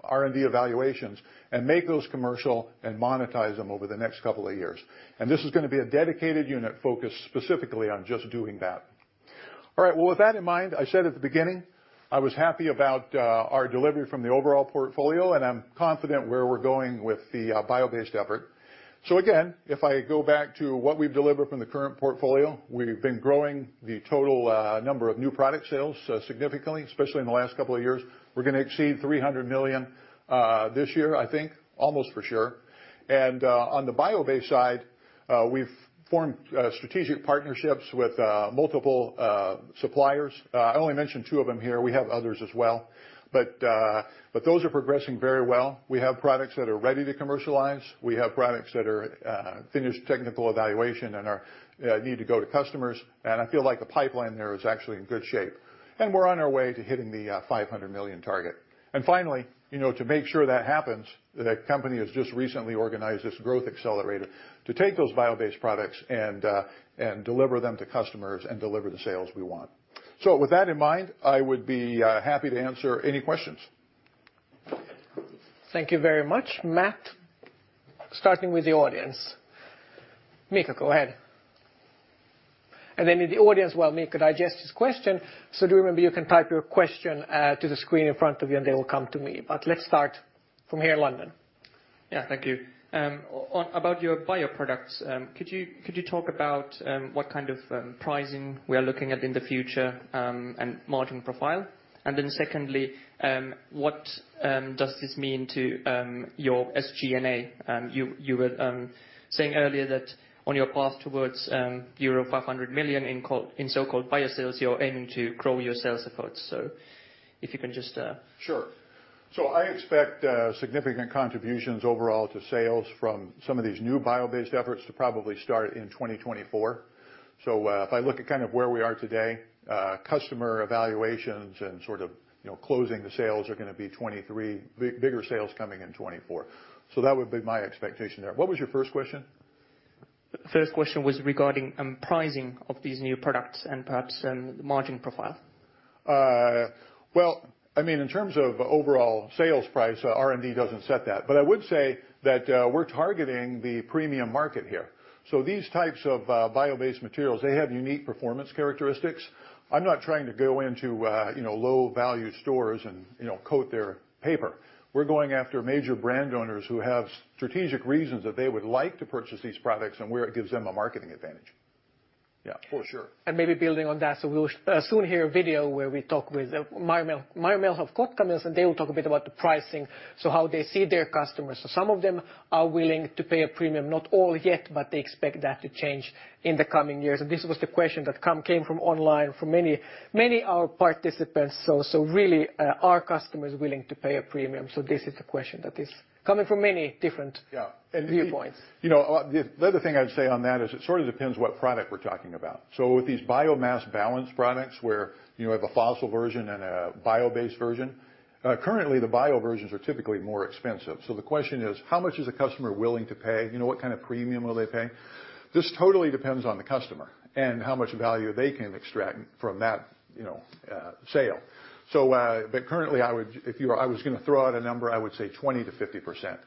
R&D evaluations, and make those commercial and monetize them over the next couple of years. This is gonna be a dedicated unit focused specifically on just doing that. All right. Well, with that in mind, I said at the beginning, I was happy about our delivery from the overall portfolio, and I'm confident where we're going with the bio-based effort. Again, if I go back to what we've delivered from the current portfolio, we've been growing the total number of new product sales significantly, especially in the last couple of years. We're gonna exceed 300 million this year, I think, almost for sure. On the bio-based side, we've formed strategic partnerships with multiple suppliers. I only mentioned two of them here. We have others as well. But those are progressing very well. We have products that are ready to commercialize. We have products that are finished with technical evaluation and are ready to go to customers, and I feel like the pipeline there is actually in good shape. We're on our way to hitting the 500 million target. Finally, you know, to make sure that happens, the company has just recently organized this growth accelerator to take those bio-based products and deliver them to customers and deliver the sales we want. With that in mind, I would be happy to answer any questions. Thank you very much. Matt, starting with the audience. Mika, go ahead. Then, in the audience, while Mika digests his question, so do remember, you can type your question to the screen in front of you, and they will come to me. Let's start from here, London. Yeah. Thank you. On about your bioproducts, could you talk about what kind of pricing we are looking at in the future, and margin profile. Then secondly, what does this mean to your SG&A. You were saying earlier that on your path towards euro 500 million in so-called bio sales, you are aiming to grow your sales efforts. If you can just, Sure. I expect significant contributions overall to sales from some of these new bio-based efforts to probably start in 2024. If I look at kind of where we are today, customer evaluations and sort of, you know, closing the sales are gonna be 2023, bigger sales coming in 2024. That would be my expectation there. What was your first question? First question was regarding pricing of these new products and perhaps the margin profile. Well, I mean, in terms of overall sales price, R&D doesn't set that. I would say that we're targeting the premium market here. These types of bio-based materials, they have unique performance characteristics. I'm not trying to go into you know, low-value stores and, you know, coat their paper. We're going after major brand owners who have strategic reasons that they would like to purchase these products and where it gives them a marketing advantage. Yeah, for sure. Maybe building on that, we'll soon hear a video where we talk with MM Kotkamills, and they will talk a bit about the pricing, so how they see their customers. Some of them are willing to pay a premium, not all yet, but they expect that to change in the coming years. This was the question that came from online from many of our participants. Really, are customers willing to pay a premium? This is the question that is coming from many different. Yeah. viewpoints. You know, the other thing I'd say on that is it sort of depends what product we're talking about. With these biomass balance products where, you know, you have a fossil version and a bio-based version, currently the bio versions are typically more expensive. The question is, how much is a customer willing to pay? You know, what kind of premium will they pay? This totally depends on the customer and how much value they can extract from that, you know, sale. But currently, if I was gonna throw out a number, I would say 20%-50%.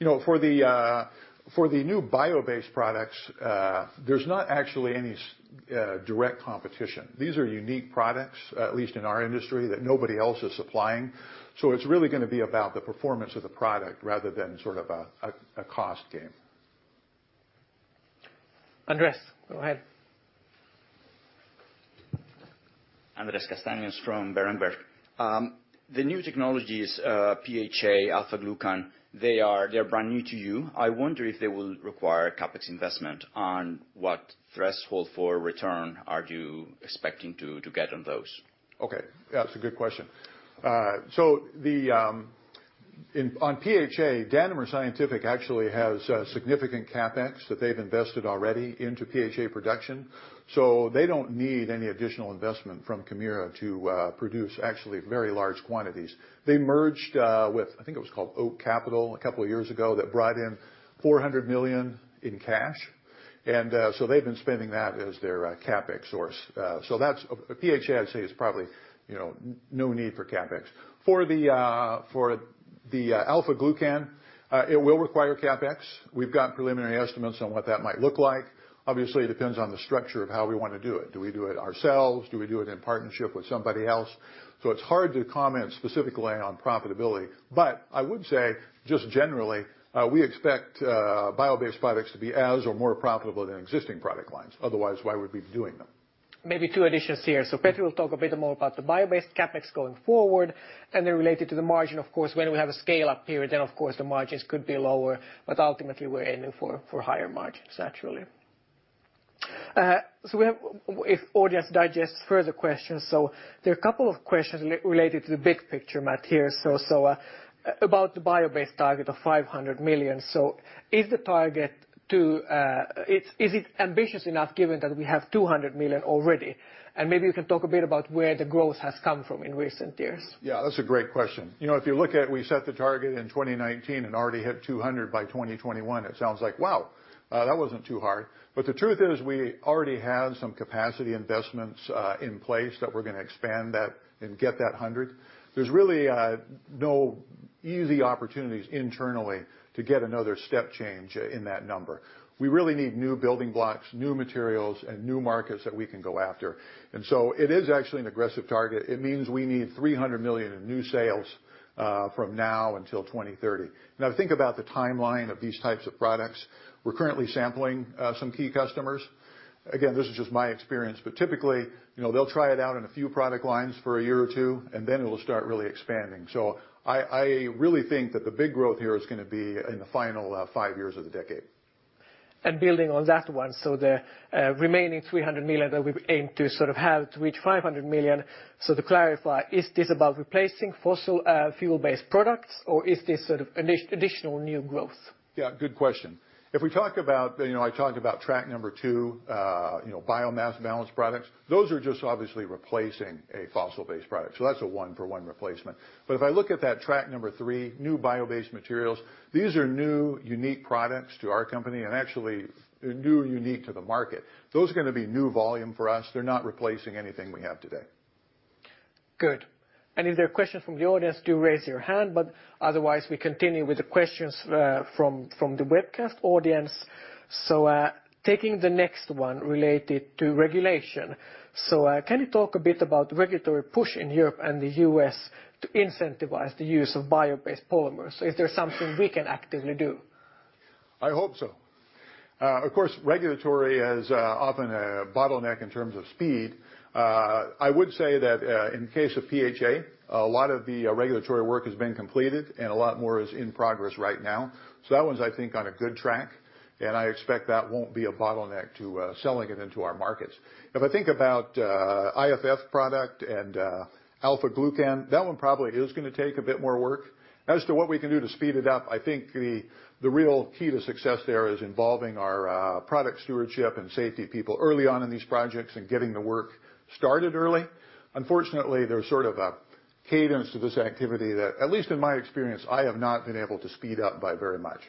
You know, for the new bio-based products, there's not actually any direct competition. These are unique products, at least in our industry, that nobody else is supplying. It's really gonna be about the performance of the product rather than sort of a cost game. Andrés, go ahead. Andrés Castaños-Mollor from Berenberg. The new technologies, PHA, alpha glucan, they are, they're brand new to you. I wonder if they will require CapEx investment, and what threshold for return are you expecting to get on those? Okay. Yeah, that's a good question. On PHA, Danimer Scientific actually has significant CapEx that they've invested already into PHA production, so they don't need any additional investment from Kemira to produce actually very large quantities. They merged with, I think it was called Live Oak, a couple of years ago, that brought in 400 million in cash. So, they've been spending that as their CapEx source. So that's PHA, I'd say, is probably, you know, no need for CapEx. For the alpha-glucan, it will require CapEx. We've got preliminary estimates on what that might look like. Obviously, it depends on the structure of how we wanna do it. Do we do it ourselves? Do we do it in partnership with somebody else? So, it's hard to comment specifically on profitability. I would say, just generally, we expect bio-based products to be as or more profitable than existing product lines. Otherwise, why would we be doing them? Maybe two additions here. Petri will talk a bit more about the bio-based CapEx going forward and then related to the margin, of course, when we have a scale up period, then of course the margins could be lower, but ultimately we're aiming for higher margins, naturally. If the audience has further questions. There are a couple of questions related to the big picture, Matt, here. About the bio-based target of 500 million. Is the target too ambitious enough given that we have 200 million already? Maybe you can talk a bit about where the growth has come from in recent years. Yeah, that's a great question. You know, if you look at we set the target in 2019 and already hit 200 by 2021, it sounds like, wow, that wasn't too hard. The truth is we already had some capacity investments in place that we're gonna expand that and get that 100. There's really no easy opportunities internally to get another step change in that number. We really need new building blocks, new materials, and new markets that we can go after. It is actually an aggressive target. It means we need 300 million in new sales from now until 2030. Now think about the timeline of these types of products. We're currently sampling some key customers. Again, this is just my experience, but typically, you know, they'll try it out in a few product lines for a year or two, and then it'll start really expanding. I really think that the big growth here is gonna be in the final five years of the decade. Building on that one, so the remaining 300 million that we've aimed to sort of have to reach 500 million, so to clarify, is this about replacing fossil fuel-based products, or is this sort of additional new growth? Yeah, good question. If we talk about, you know, I talked about track two you know, biomass balance products, those are just obviously replacing a fossil-based product, so that's a one-for-one replacement. If I look at that track three, new bio-based materials, these are new, unique products to our company and actually new and unique to the market. Those are gonna be new volume for us. They're not replacing anything we have today. Good. If there are questions from the audience, do raise your hand, but otherwise we continue with the questions from the webcast audience. Taking the next one related to regulation. Can you talk a bit about the regulatory push in Europe and the U.S. to incentivize the use of bio-based polymers? Is there something we can actively do? I hope so. Of course, regulatory is often a bottleneck in terms of speed. I would say that in case of PHA, a lot of the regulatory work has been completed, and a lot more is in progress right now. That one's, I think, on a good track, and I expect that won't be a bottleneck to selling it into our markets. If I think about IFF product and alpha glucan, that one probably is gonna take a bit more work. As to what we can do to speed it up, I think the real key to success there is involving our product stewardship and safety people early on in these projects and getting the work started early. Unfortunately, there's sort of a cadence to this activity that, at least in my experience, I have not been able to speed up by very much.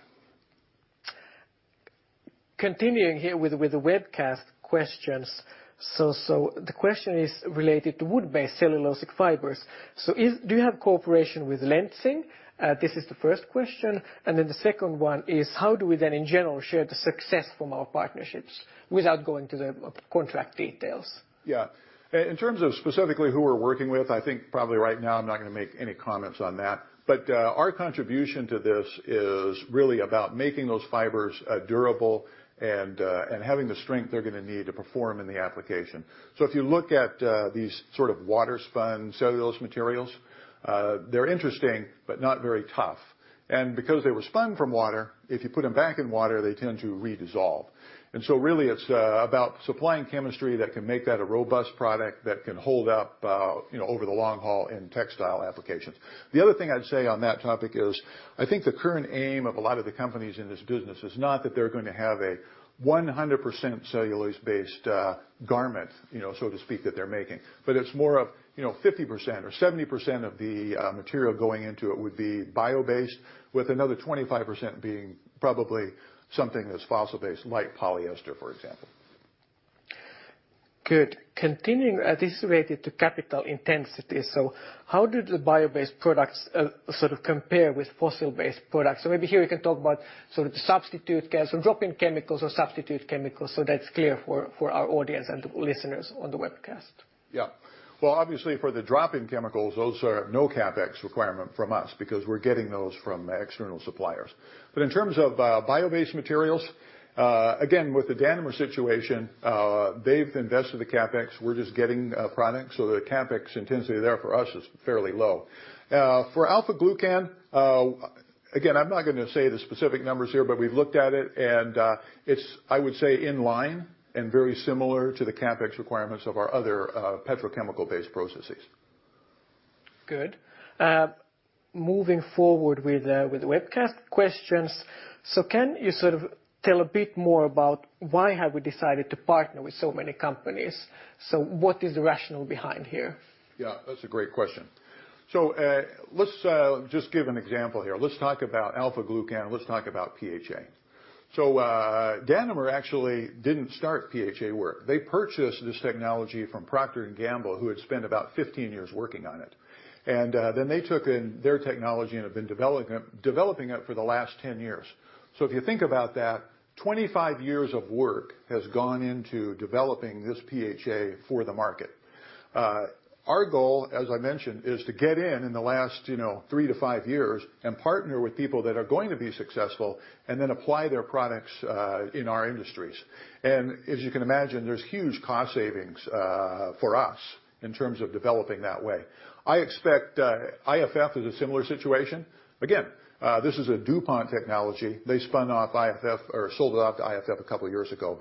Continuing here with the webcast questions. The question is related to wood-based cellulosic fibers. Do you have cooperation with Lenzing? This is the first question. Then the second one is, how do we then in general share the success from our partnerships without going into the contract details? In terms of specifically who we're working with, I think probably right now I'm not gonna make any comments on that. Our contribution to this is really about making those fibers durable and having the strength they're gonna need to perform in the application. If you look at these sort of water-spun cellulose materials, they're interesting but not very tough. Because they were spun from water, if you put them back in water, they tend to redissolve. Really it's about supplying chemistry that can make that a robust product that can hold up, you know, over the long haul in textile applications. The other thing I'd say on that topic is, I think the current aim of a lot of the companies in this business is not that they're gonna have a 100% cellulose-based, garment, you know, so to speak, that they're making, but it's more of, you know, 50% or 70% of the material going into it would be bio-based, with another 25% being probably something that's fossil-based, like polyester, for example. Good. Continuing. This is related to capital intensity. How do the bio-based products, sort of compare with fossil-based products? Maybe here you can talk about drop-in chemicals or substitute chemicals so that's clear for our audience and listeners on the webcast. Well, obviously for the drop-in chemicals, those are no CapEx requirement from us because we're getting those from external suppliers. In terms of bio-based materials, again, with the Danimer situation, they've invested the CapEx. We're just getting product, so the CapEx intensity there for us is fairly low. For alpha glucan, again, I'm not gonna say the specific numbers here, but we've looked at it and it's, I would say, in line and very similar to the CapEx requirements of our other petrochemical-based processes. Good. Moving forward with the webcast questions. Can you sort of tell a bit more about why have we decided to partner with so many companies? What is the rationale behind here? Yeah, that's a great question. Let's just give an example here. Let's talk about alpha glucan. Let's talk about PHA. Danimer actually didn't start PHA work. They purchased this technology from Procter & Gamble, who had spent about 15 years working on it. Then they took in their technology and have been developing it for the last 10 years. If you think about that, 25 years of work have gone into developing this PHA for the market. Our goal, as I mentioned, is to get in the last, you know, three to five years and partner with people that are going to be successful and then apply their products in our industries. As you can imagine, there's huge cost savings for us in terms of developing that way. I expect IFF is a similar situation. Again, this is a DuPont technology. They spun off IFF or sold it off to IFF a couple of years ago.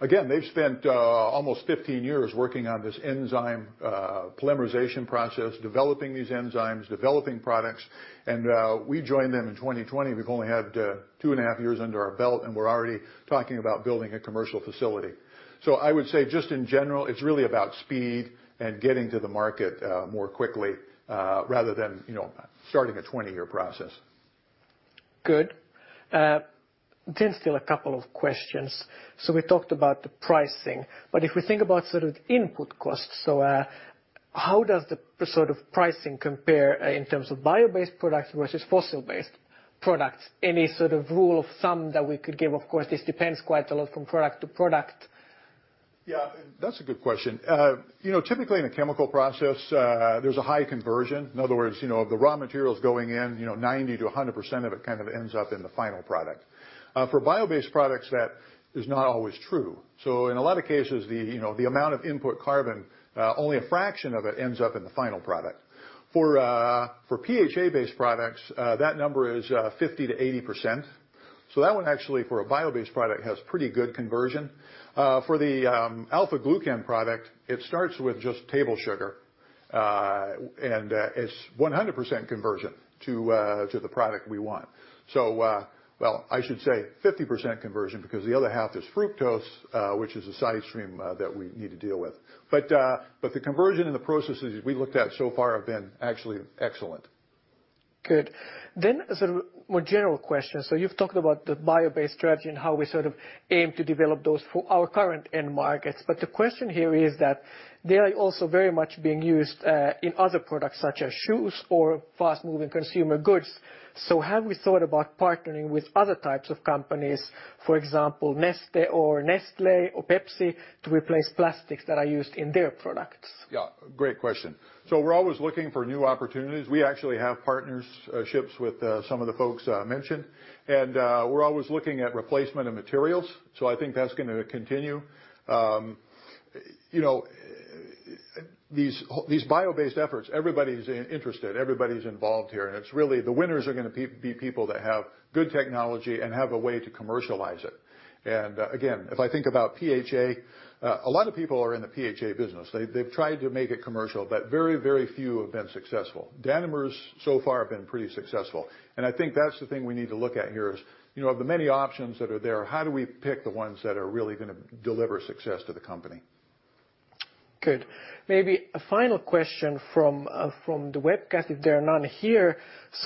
Again, they've spent almost 15 years working on this enzyme polymerization process, developing these enzymes, developing products, and we joined them in 2020. We've only had two point five years under our belt, and we're already talking about building a commercial facility. I would say, just in general, it's really about speed and getting to the market more quickly rather than, you know, starting a 20-year process. Good. Still a couple of questions. We talked about the pricing, but if we think about sort of input costs, so, how does the sort of pricing compare in terms of bio-based products versus fossil-based products? Any sort of rule of thumb that we could give? Of course, this depends quite a lot from product to product. Yeah. That's a good question. You know, typically in a chemical process, there's a high conversion. In other words, you know, of the raw materials going in, you know, 90%-100% of it kind of ends up in the final product. For bio-based products, that is not always true. In a lot of cases, you know, the amount of input carbon only a fraction of it ends up in the final product. For PHA-based products, that number is 50%-80%. That one actually, for a bio-based product, has pretty good conversion. For the alpha glucan product, it starts with just table sugar. It's 100% conversion to the product we want. Well, I should say 50% conversion because the other half is fructose, which is a side stream that we need to deal with. The conversion in the processes we looked at so far have been actually excellent. Good. As a more general question, so you've talked about the bio-based strategy and how we sort of aim to develop those for our current end markets. The question here is that they are also very much being used in other products such as shoes or fast-moving consumer goods. Have we thought about partnering with other types of companies, for example, Neste or Nestlé or PepsiCo, to replace plastics that are used in their products? Yeah. Great question. We're always looking for new opportunities. We actually have partnerships with some of the folks mentioned. We're always looking at replacement of materials, so I think that's gonna continue. You know, these bio-based efforts, everybody's interested, everybody's involved here, and it's really the winners are gonna be people that have good technology and have a way to commercialize it. Again, if I think about PHA, a lot of people are in the PHA business. They've tried to make it commercial, but very, very few have been successful. Danimer's so far been pretty successful. I think that's the thing we need to look at here is, you know, of the many options that are there, how do we pick the ones that are really gonna deliver success to the company? Good. Maybe a final question from the webcast, if there are none here.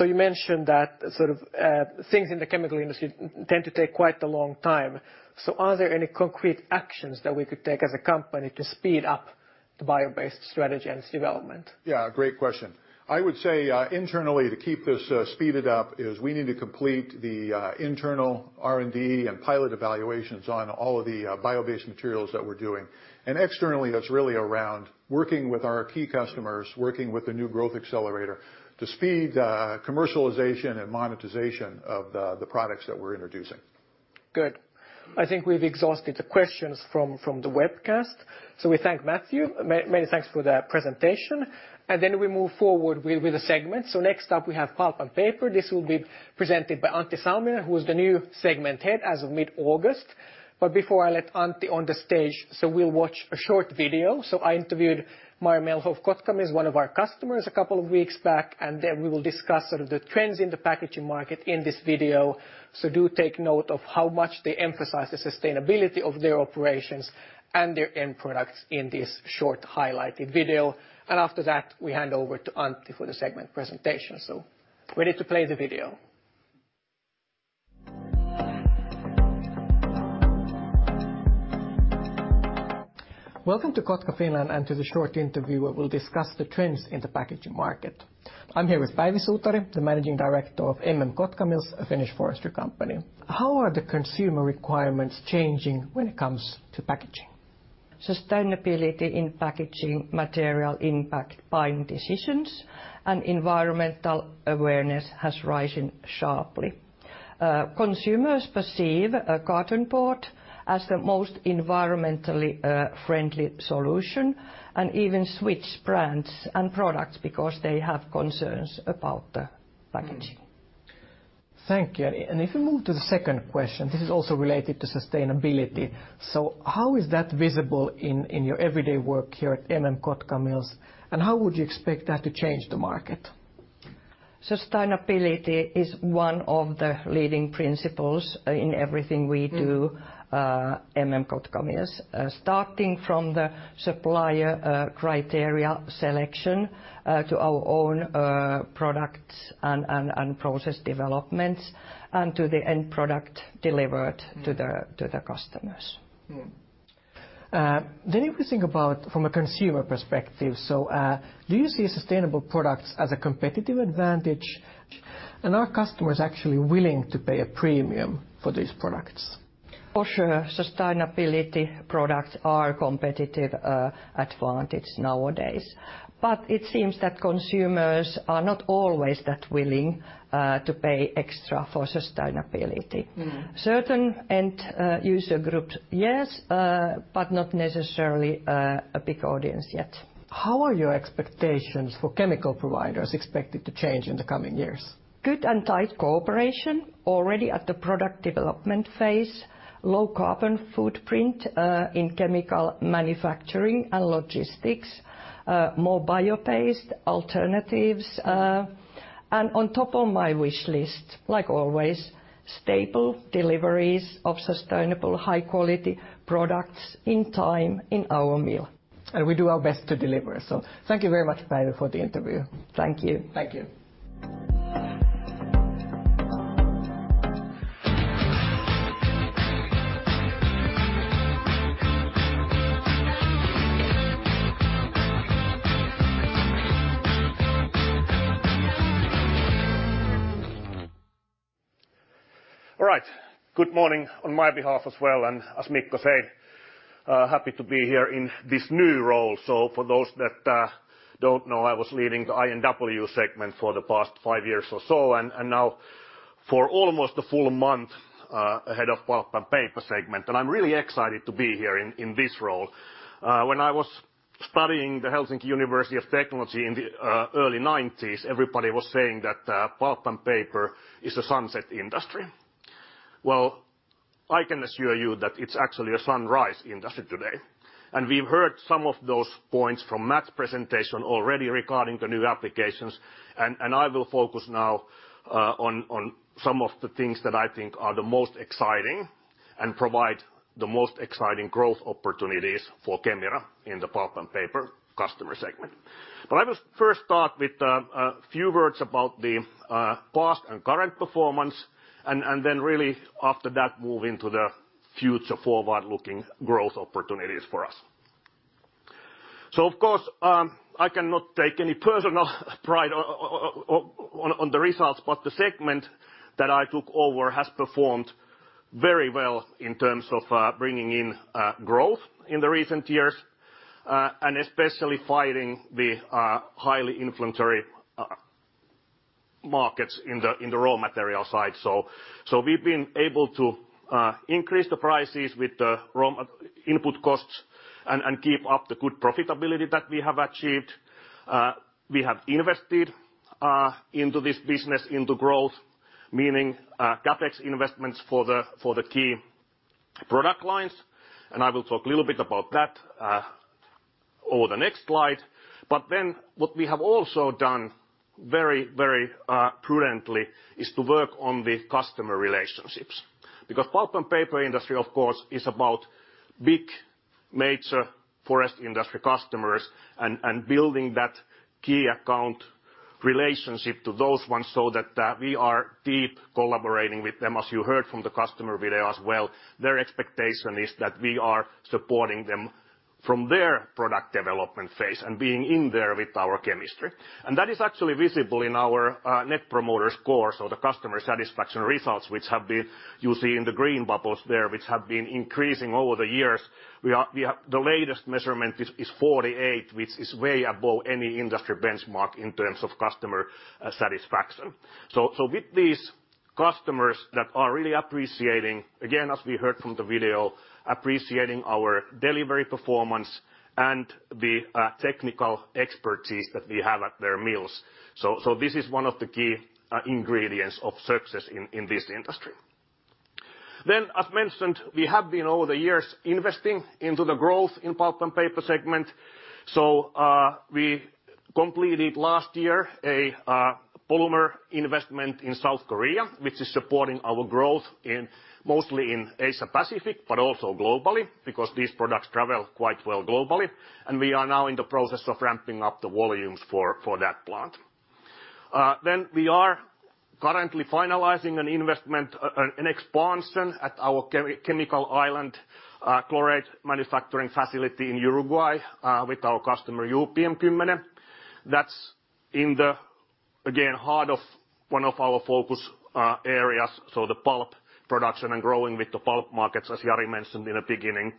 You mentioned that sort of things in the chemical industry tend to take quite a long time. Are there any concrete actions that we could take as a company to speed up the bio-based strategy and its development? Yeah, great question. I would say internally, to keep this speeded up is we need to complete the internal R&D and pilot evaluations on all of the bio-based materials that we're doing. Externally, that's really around working with our key customers, working with the new growth accelerator to speed commercialization and monetization of the products that we're introducing. Good. I think we've exhausted the questions from the webcast. We thank Matthew. Many thanks for the presentation. We move forward with the segment. Next up, we have Pulp & Paper. This will be presented by Antti Salminen, who is the new segment head as of mid-August. Before I let Antti on the stage, we'll watch a short video. I interviewed Päivi Suutari of MM Kotkamills, one of our customers, a couple of weeks back, and then we will discuss sort of the trends in the packaging market in this video. Do take note of how much they emphasize the sustainability of their operations and their end products in this short-highlighted video. After that, we hand over to Antti for the segment presentation. Ready to play the video. Welcome to Kotka, Finland, and to the short interview where we'll discuss the trends in the packaging market. I'm here with Päivi Suutari, the Managing Director of MM Kotkamills, a Finnish forestry company. How are the consumer requirements changing when it comes to packaging? Sustainability in packaging material impact buying decisions, and environmental awareness has risen sharply. Consumers perceive a carton board as the most environmentally friendly solution and even switch brands and products because they have concerns about the packaging. Thank you. If we move to the second question, this is also related to sustainability. How is that visible in your everyday work here at MM Kotkamills, and how would you expect that to change the market? Sustainability is one of the leading principles in everything we do, MM Kotkamills. Starting from the supplier criteria selection, to our own products and process developments and to the end product delivered to the customers. If you think about from a consumer perspective, do you see sustainable products as a competitive advantage? And are customers actually willing to pay a premium for these products? For sure, sustainability products are competitive advantage nowadays. It seems that consumers are not always that willing to pay extra for sustainability. Mm. Certain end user groups, yes, but not necessarily a big audience yet. How are your expectations for chemical providers expected to change in the coming years? Good and tight cooperation already at the product development phase, low carbon footprint, in chemical manufacturing and logistics, more bio-based alternatives, and on top of my wish list, like always, stable deliveries of sustainable high quality products in time in our mill. We do our best to deliver. Thank you very much, Päivi, for the interview. Thank you. Thank you. All right. Good morning on my behalf as well, and as Mikko said, happy to be here in this new role. For those that don't know, I was leading the I&W segment for the past five years or so, and now for almost a full month, head of Pulp & Paper segment. I'm really excited to be here in this role. When I was studying the Helsinki University of Technology in the early nineties, everybody was saying that pulp and paper is a sunset industry. Well, I can assure you that it's actually a sunrise industry today. We've heard some of those points from Matt's presentation already regarding the new applications. I will focus now on some of the things that I think are the most exciting and provide the most exciting growth opportunities for Kemira in the pulp and paper customer segment. I will first start with a few words about the past and current performance and then really after that, move into the future forward-looking growth opportunities for us. Of course, I cannot take any personal pride on the results, but the segment that I took over has performed very well in terms of bringing in growth in the recent years and especially fighting the highly inflammatory markets in the raw material side. We've been able to increase the prices with the raw material input costs and keep up the good profitability that we have achieved. We have invested into this business, into growth, meaning CapEx investments for the key product lines. I will talk a little bit about that over the next slide. What we have also done very prudently is to work on the customer relationships. Because pulp and paper industry, of course, is about big, major forest industry customers and building that key account relationship to those ones so that we are deep collaborating with them. As you heard from the customer video as well, their expectation is that we are supporting them from their product development phase and being in there with our chemistry. That is actually visible in our net promoter score. The customer satisfaction results, you see in the green bubbles there, which have been increasing over the years. The latest measurement is 48, which is way above any industry benchmark in terms of customer satisfaction. With these customers that are really appreciating, again, as we heard from the video, appreciating our delivery performance and the technical expertise that we have at their mills. This is one of the key ingredients of success in this industry. As mentioned, we have been over the years investing into the growth in Pulp & Paper segment. We completed last year a polymer investment in South Korea, which is supporting our growth mostly in Asia Pacific, but also globally, because these products travel quite well globally. We are now in the process of ramping up the volumes for that plant. We are currently finalizing an investment, an expansion at our chemical island, chlorate manufacturing facility in Uruguay, with our customer UPM-Kymmene. That's in the, again, heart of one of our focus areas, the pulp production and growing with the pulp markets, as Jari mentioned in the beginning.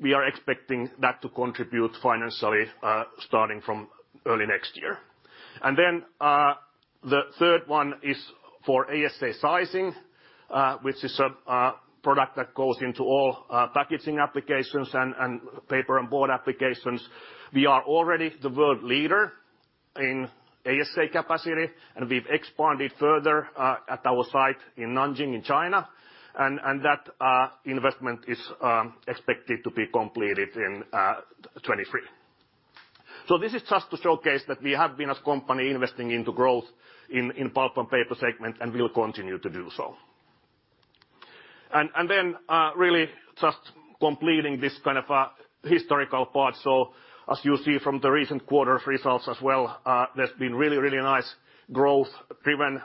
We are expecting that to contribute financially, starting from early next year. The third one is for ASA sizing, which is a product that goes into all packaging applications and paper and board applications. We are already the world leader in ASA capacity, and we've expanded further at our site in Nanjing, in China, and that investment is expected to be completed in 2023. This is just to showcase that we have been, as a company, investing into growth in Pulp & Paper segment, and we'll continue to do so. Really just completing this kind of a historical part. As you see from the recent quarter's results as well, there's been really nice growth driven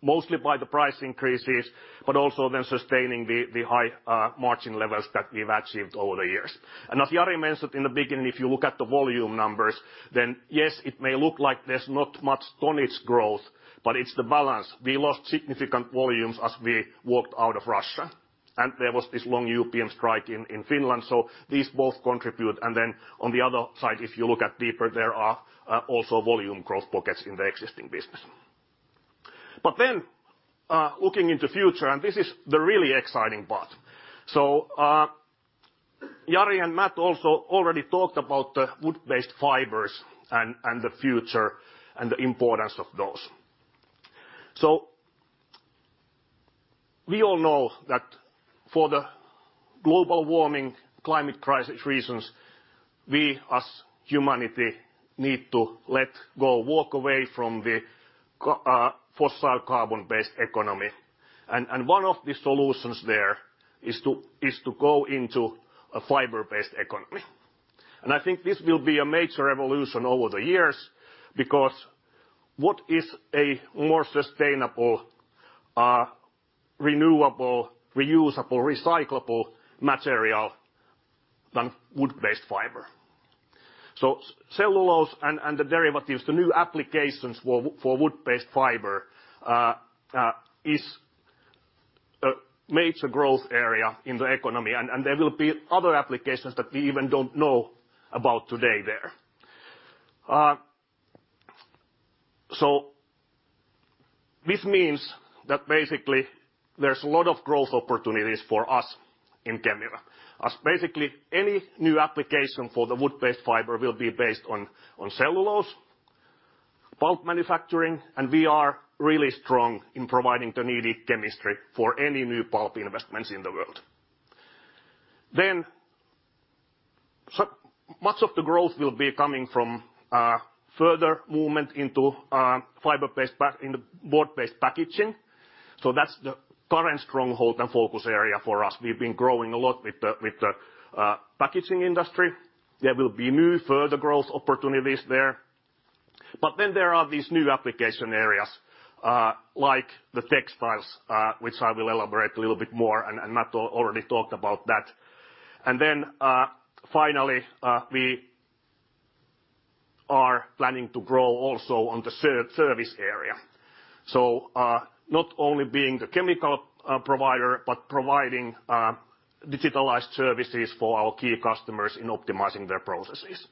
mostly by the price increases, but also then sustaining the high margin levels that we've achieved over the years. As Jari mentioned in the beginning, if you look at the volume numbers, then yes, it may look like there's not much tonnage growth, but it's the balance. We lost significant volumes as we walked out of Russia. There was this long UPM strike in Finland, so these both contribute. Then on the other side, if you look deeper, there are also volume growth pockets in the existing business. Then, looking into the future, this is the really exciting part. Jari and Matt also already talked about the wood-based fibers, and the future, and the importance of those. We all know that for the global warming climate crisis reasons, we as humanity need to let go, walk away from the fossil carbon-based economy. One of the solutions there is to go into a fiber-based economy. I think this will be a major evolution over the years because what is a more sustainable, renewable, reusable, recyclable material than wood-based fiber? Cellulose and the derivatives, the new applications for wood-based fiber is a major growth area in the economy, and there will be other applications that we even don't know about today there. This means that basically there's a lot of growth opportunities for us in Kemira. As basically any new application for the wood-based fiber will be based on cellulose, pulp manufacturing, and we are really strong in providing the needed chemistry for any new pulp investments in the world. Much of the growth will be coming from further movement into fiber-based packaging in the board-based packaging. That's the current stronghold and focus area for us. We've been growing a lot with the packaging industry. There will be new further growth opportunities there. There are these new application areas, like the textiles, which I will elaborate a little bit more, and Matt already talked about that. Finally, we are planning to grow also on the service area. Not only being the chemical provider, but providing digitalized services for our key customers in optimizing their processes.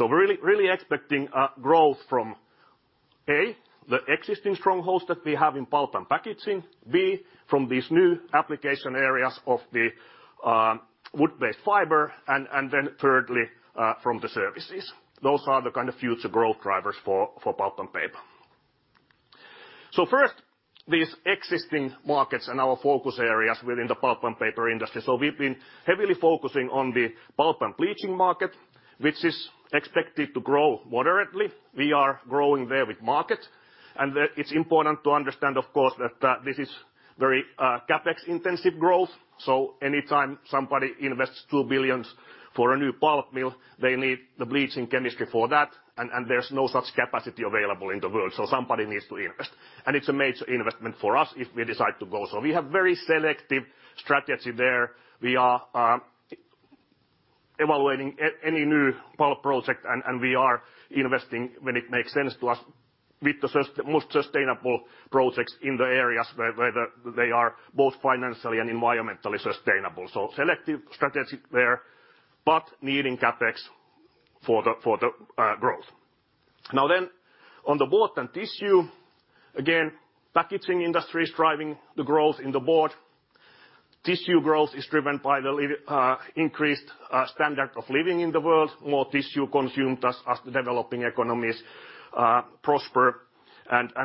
We're really expecting growth from A, the existing strongholds that we have in pulp and packaging, B, from these new application areas of the wood-based fiber, and then thirdly, from the services. Those are the kind of future growth drivers for pulp and paper. First, these existing markets and our focus areas within the pulp and paper industry. We've been heavily focusing on the pulp and bleaching market, which is expected to grow moderately. We are growing there with market. It's important to understand, of course, that this is very CapEx-intensive growth. Anytime somebody invests 2 billion for a new pulp mill, they need the bleaching chemistry for that, and there's no such capacity available in the world, so somebody needs to invest. It's a major investment for us if we decide to go. We have very selective strategy there. We are evaluating any new pulp project, and we are investing when it makes sense to us with the most sustainable projects in the areas where they are both financially and environmentally sustainable. Selective strategy there, but needing CapEx for the growth. On the board and tissue, again, packaging industry is driving the growth in the board. Tissue growth is driven by the increased standard of living in the world. More tissue consumed as the developing economies prosper.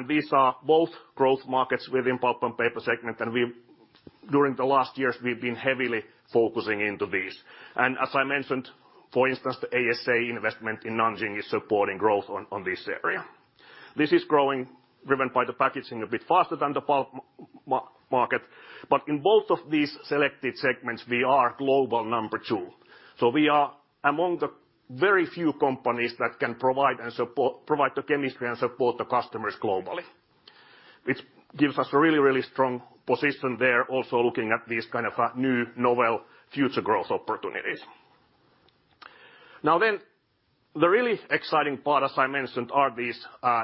These are both growth markets within Pulp & Paper segment. During the last years, we've been heavily focusing into these. As I mentioned, for instance, the ASA investment in Nanjing is supporting growth on this area. This is growing, driven by the packaging a bit faster than the pulp market. In both of these selected segments, we are global number two. We are among the very few companies that can provide and support the chemistry and support the customers globally, which gives us a really strong position there, also looking at these kind of new novel future growth opportunities. Now then, the really exciting part, as I mentioned, are these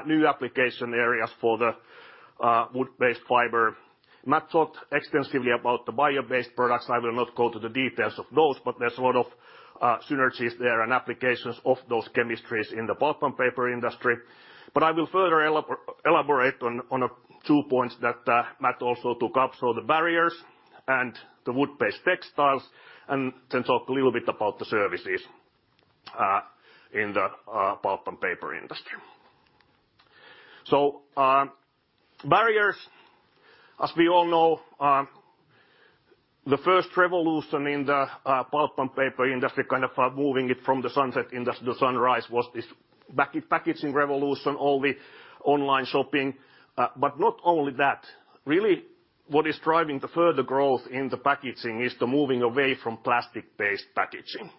new application areas for the wood-based fiber. Matthew talked extensively about the bio-based products. I will not go to the details of those, but there's a lot of synergies there and applications of those chemistries in the pulp and paper industry. I will further elaborate on two points that Matthew also took up. The barriers and the wood-based textiles, and then talk a little bit about the services in the pulp and paper industry. Barriers, as we all know, the first revolution in the pulp and paper industry, kind of moving it from the sunset into the sunrise was this packaging revolution, all the online shopping. Not only that, really what is driving the further growth in the packaging is the moving away from plastic-based packaging.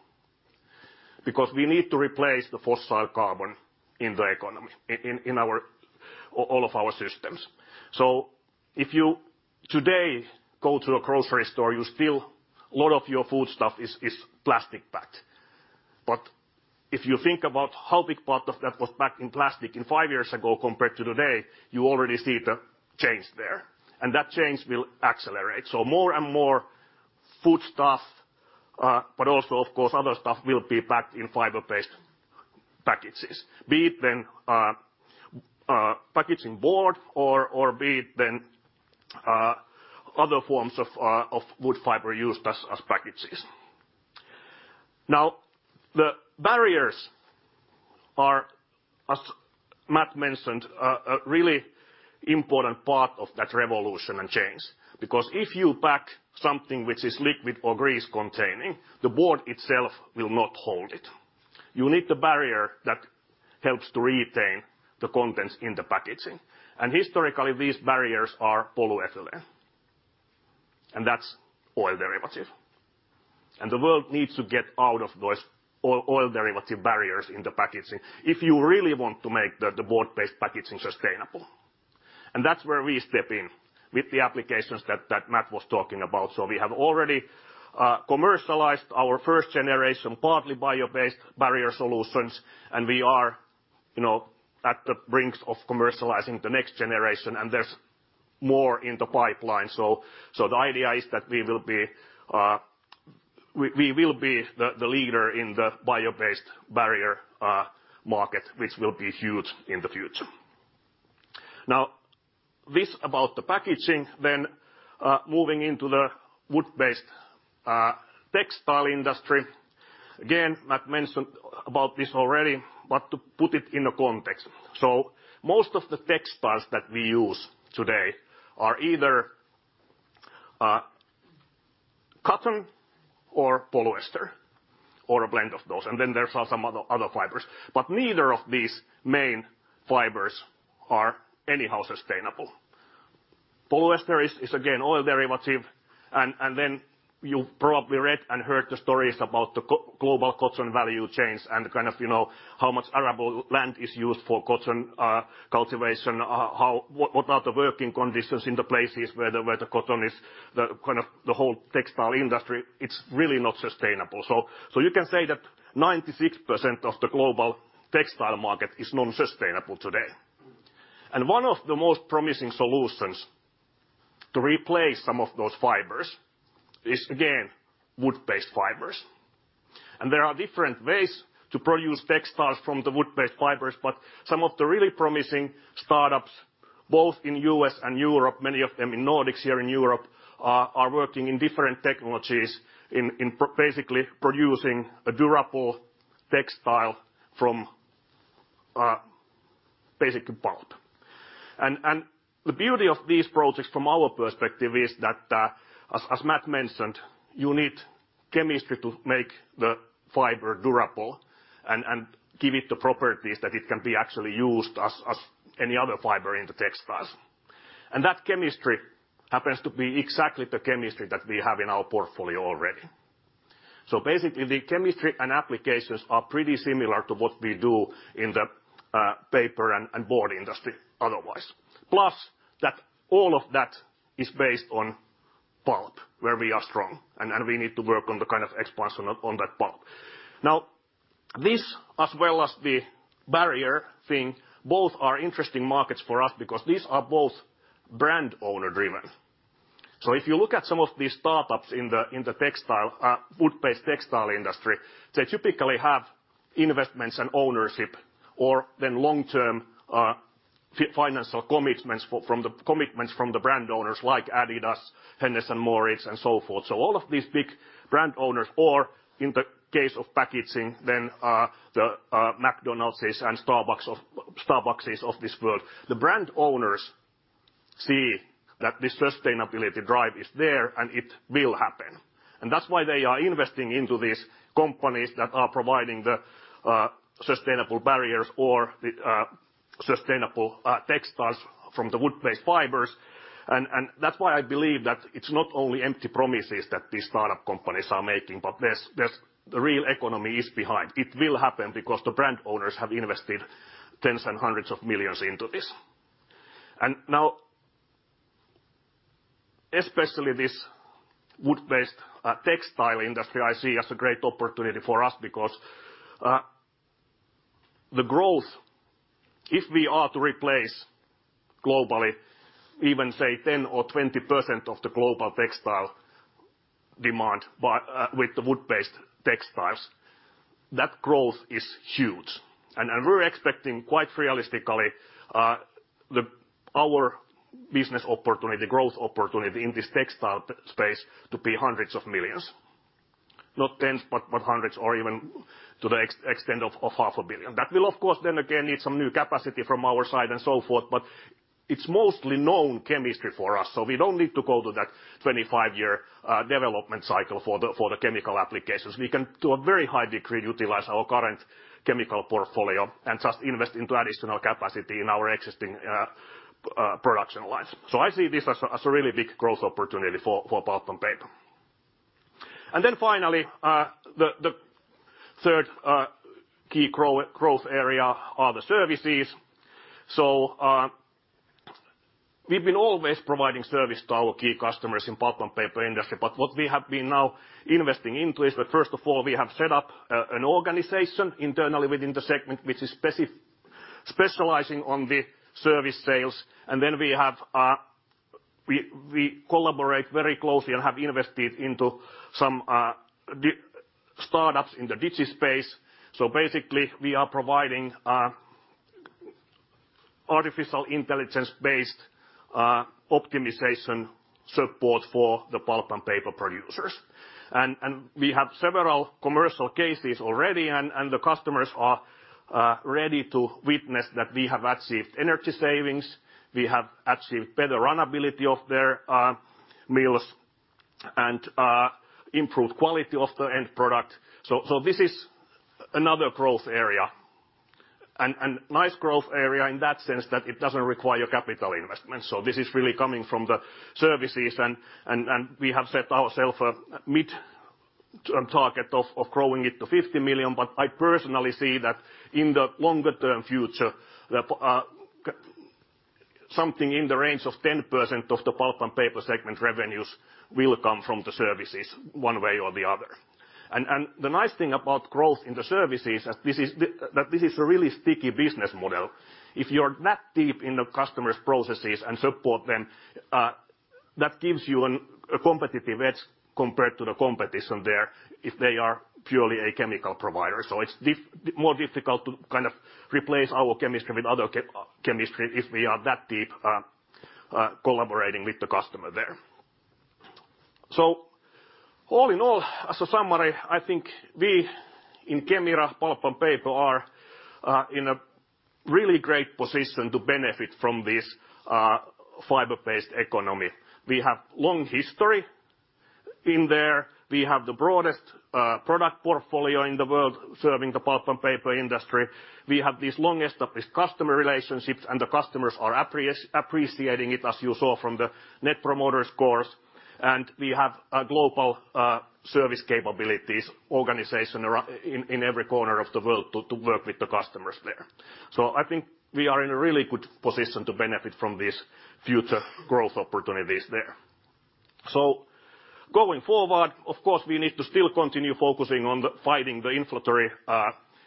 Because we need to replace the fossil carbon in the economy, in our all of our systems. If you today go to a grocery store, you still, a lot of your food stuff is plastic packed. If you think about how big part of that was packed in plastic five years ago compared to today, you already see the change there. That change will accelerate. More and more food stuff, but also of course, other stuff will be packed in fiber-based packages. Be it then packaging board or be it then other forms of wood fiber used as packages. Now, the barriers are, as Matt mentioned, a really important part of that revolution and change because if you pack something which is liquid or grease containing, the board itself will not hold it. You need the barrier that helps to retain the contents in the packaging, and historically these barriers are polyethylene, and that's oil derivative. The world needs to get out of those oil derivative barriers in the packaging if you really want to make the board-based packaging sustainable. That's where we step in with the applications that Matt was talking about. We have already commercialized our first generation partly bio-based barrier solutions, and we are, you know, at the brink of commercializing the next generation, and there's more in the pipeline. The idea is that we will be the leader in the bio-based barrier market, which will be huge in the future. Now, this is about the packaging, then moving into the wood-based textile industry. Again, Matt mentioned about this already, but to put it in the context. Most of the textiles that we use today are either cotton or polyester or a blend of those, and then there's also some other fibers. Neither of these main fibers are anyhow sustainable. Polyester is again oil derivative, and then you've probably read and heard the stories about the global cotton value chains and kind of, you know, how much arable land is used for cotton cultivation, what are the working conditions in the places where the cotton is, the kind of the whole textile industry, it's really not sustainable. You can say that 96% of the global textile market is non-sustainable today. One of the most promising solutions to replace some of those fibers is, again, wood-based fibers. There are different ways to produce textiles from the wood-based fibers, but some of the really promising startups, both in U.S. and Europe, many of them in Nordics here in Europe, are working in different technologies in basically producing a durable textile from basic pulp. The beauty of these projects from our perspective is that, as Matt mentioned, you need chemistry to make the fiber durable and give it the properties that it can be actually used as any other fiber in the textiles. That chemistry happens to be exactly the chemistry that we have in our portfolio already. Basically, the chemistry and applications are pretty similar to what we do in the paper and board industry otherwise. Plus, that all of that is based on pulp, where we are strong, and we need to work on the kind of expansion on that pulp. Now, this, as well as the barrier thing, both are interesting market for us because these are both brand-owner-driven. If you look at some of these startups in the textile, wood-based textile industry, they typically have investments and ownership or then long-term, financial commitments from the commitments from the brand owners like adidas, Hennes & Mauritz and so forth. All of these big brand owners, or in the case of packaging then, the McDonald's and Starbucks of this world. The brand owners see that the sustainability drive is there, and it will happen. That's why they are investing into these companies that are providing the sustainable barriers or the sustainable textiles from the wood-based fibers. That's why I believe that it's not only empty promises that these startup companies are making, but there's the real economy is behind. It will happen because the brand owners have invested tens and hundreds of millions EUR into this. Now, especially this wood-based textile industry, I see as a great opportunity for us because the growth, if we are to replace globally, even, say, 10% or 20% of the global textile demand by with the wood-based textiles, that growth is huge. We're expecting quite realistically our business opportunity, growth opportunity in this textile space to be hundreds of millions EUR. Not tens, but hundreds or even to the extent of half a billion EUR. That will, of course, then again, need some new capacity from our side and so forth, but it's mostly known chemistry for us. We don't need to go to that 25-year development cycle for the chemical applications. We can, to a very high degree, utilize our current chemical portfolio and just invest into additional capacity in our existing production lines. I see this as a really big growth opportunity for Pulp and Paper. Then finally, the third key growth area are the services. We've been always providing service to our key customers in pulp and paper industry, but what we have been now investing into is that, first of all, we have set up an organization internally within the segment, which is specializing on the service sales. Then we have we collaborate very closely and have invested into some startups in the digi space. Basically, we are providing artificial intelligence-based optimization support for the pulp and paper producers. We have several commercial cases already and the customers are ready to witness that we have achieved energy savings, we have achieved better runnability of their mills, and improved quality of the end product. This is another growth area. A nice growth area in that sense that it doesn't require capital investment. This is really coming from the services and we have set ourself a mid-term target of growing it to 50 million. I personally see that in the longer-term future, something in the range of 10% of the Pulp & Paper segment revenues will come from the services one way or the other. The nice thing about growth in the services is that this is a really sticky business model. If you're that deep in the customer's processes and support them, that gives you a competitive edge compared to the competition there if they are purely a chemical provider. It's more difficult to kind of replace our chemistry with other chemistry if we are that deep, collaborating with the customer there. All in all, as a summary, I think we in Kemira Pulp & Paper are in a really great position to benefit from this fiber-based economy. We have long history in there. We have the broadest product portfolio in the world serving the pulp and paper industry. We have the longest customer relationships, and the customers are appreciating it, as you saw from the net promoter scores. We have global service capabilities organization in every corner of the world to work with the customers there. I think we are in a really good position to benefit from these future growth opportunities there. Going forward, of course, we need to still continue focusing on fighting the inflationary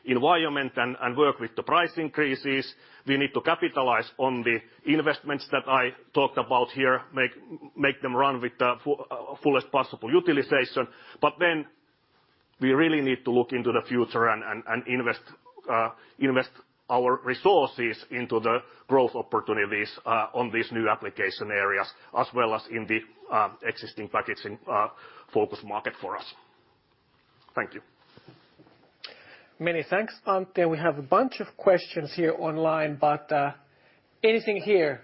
environment and work with the price increases. We need to capitalize on the investments that I talked about here, make them run with the fullest possible utilization. We really need to look into the future and invest our resources into the growth opportunities on these new application areas, as well as in the existing packaging focus market for us. Thank you. Many thanks, Antti. We have a bunch of questions here online, but anything here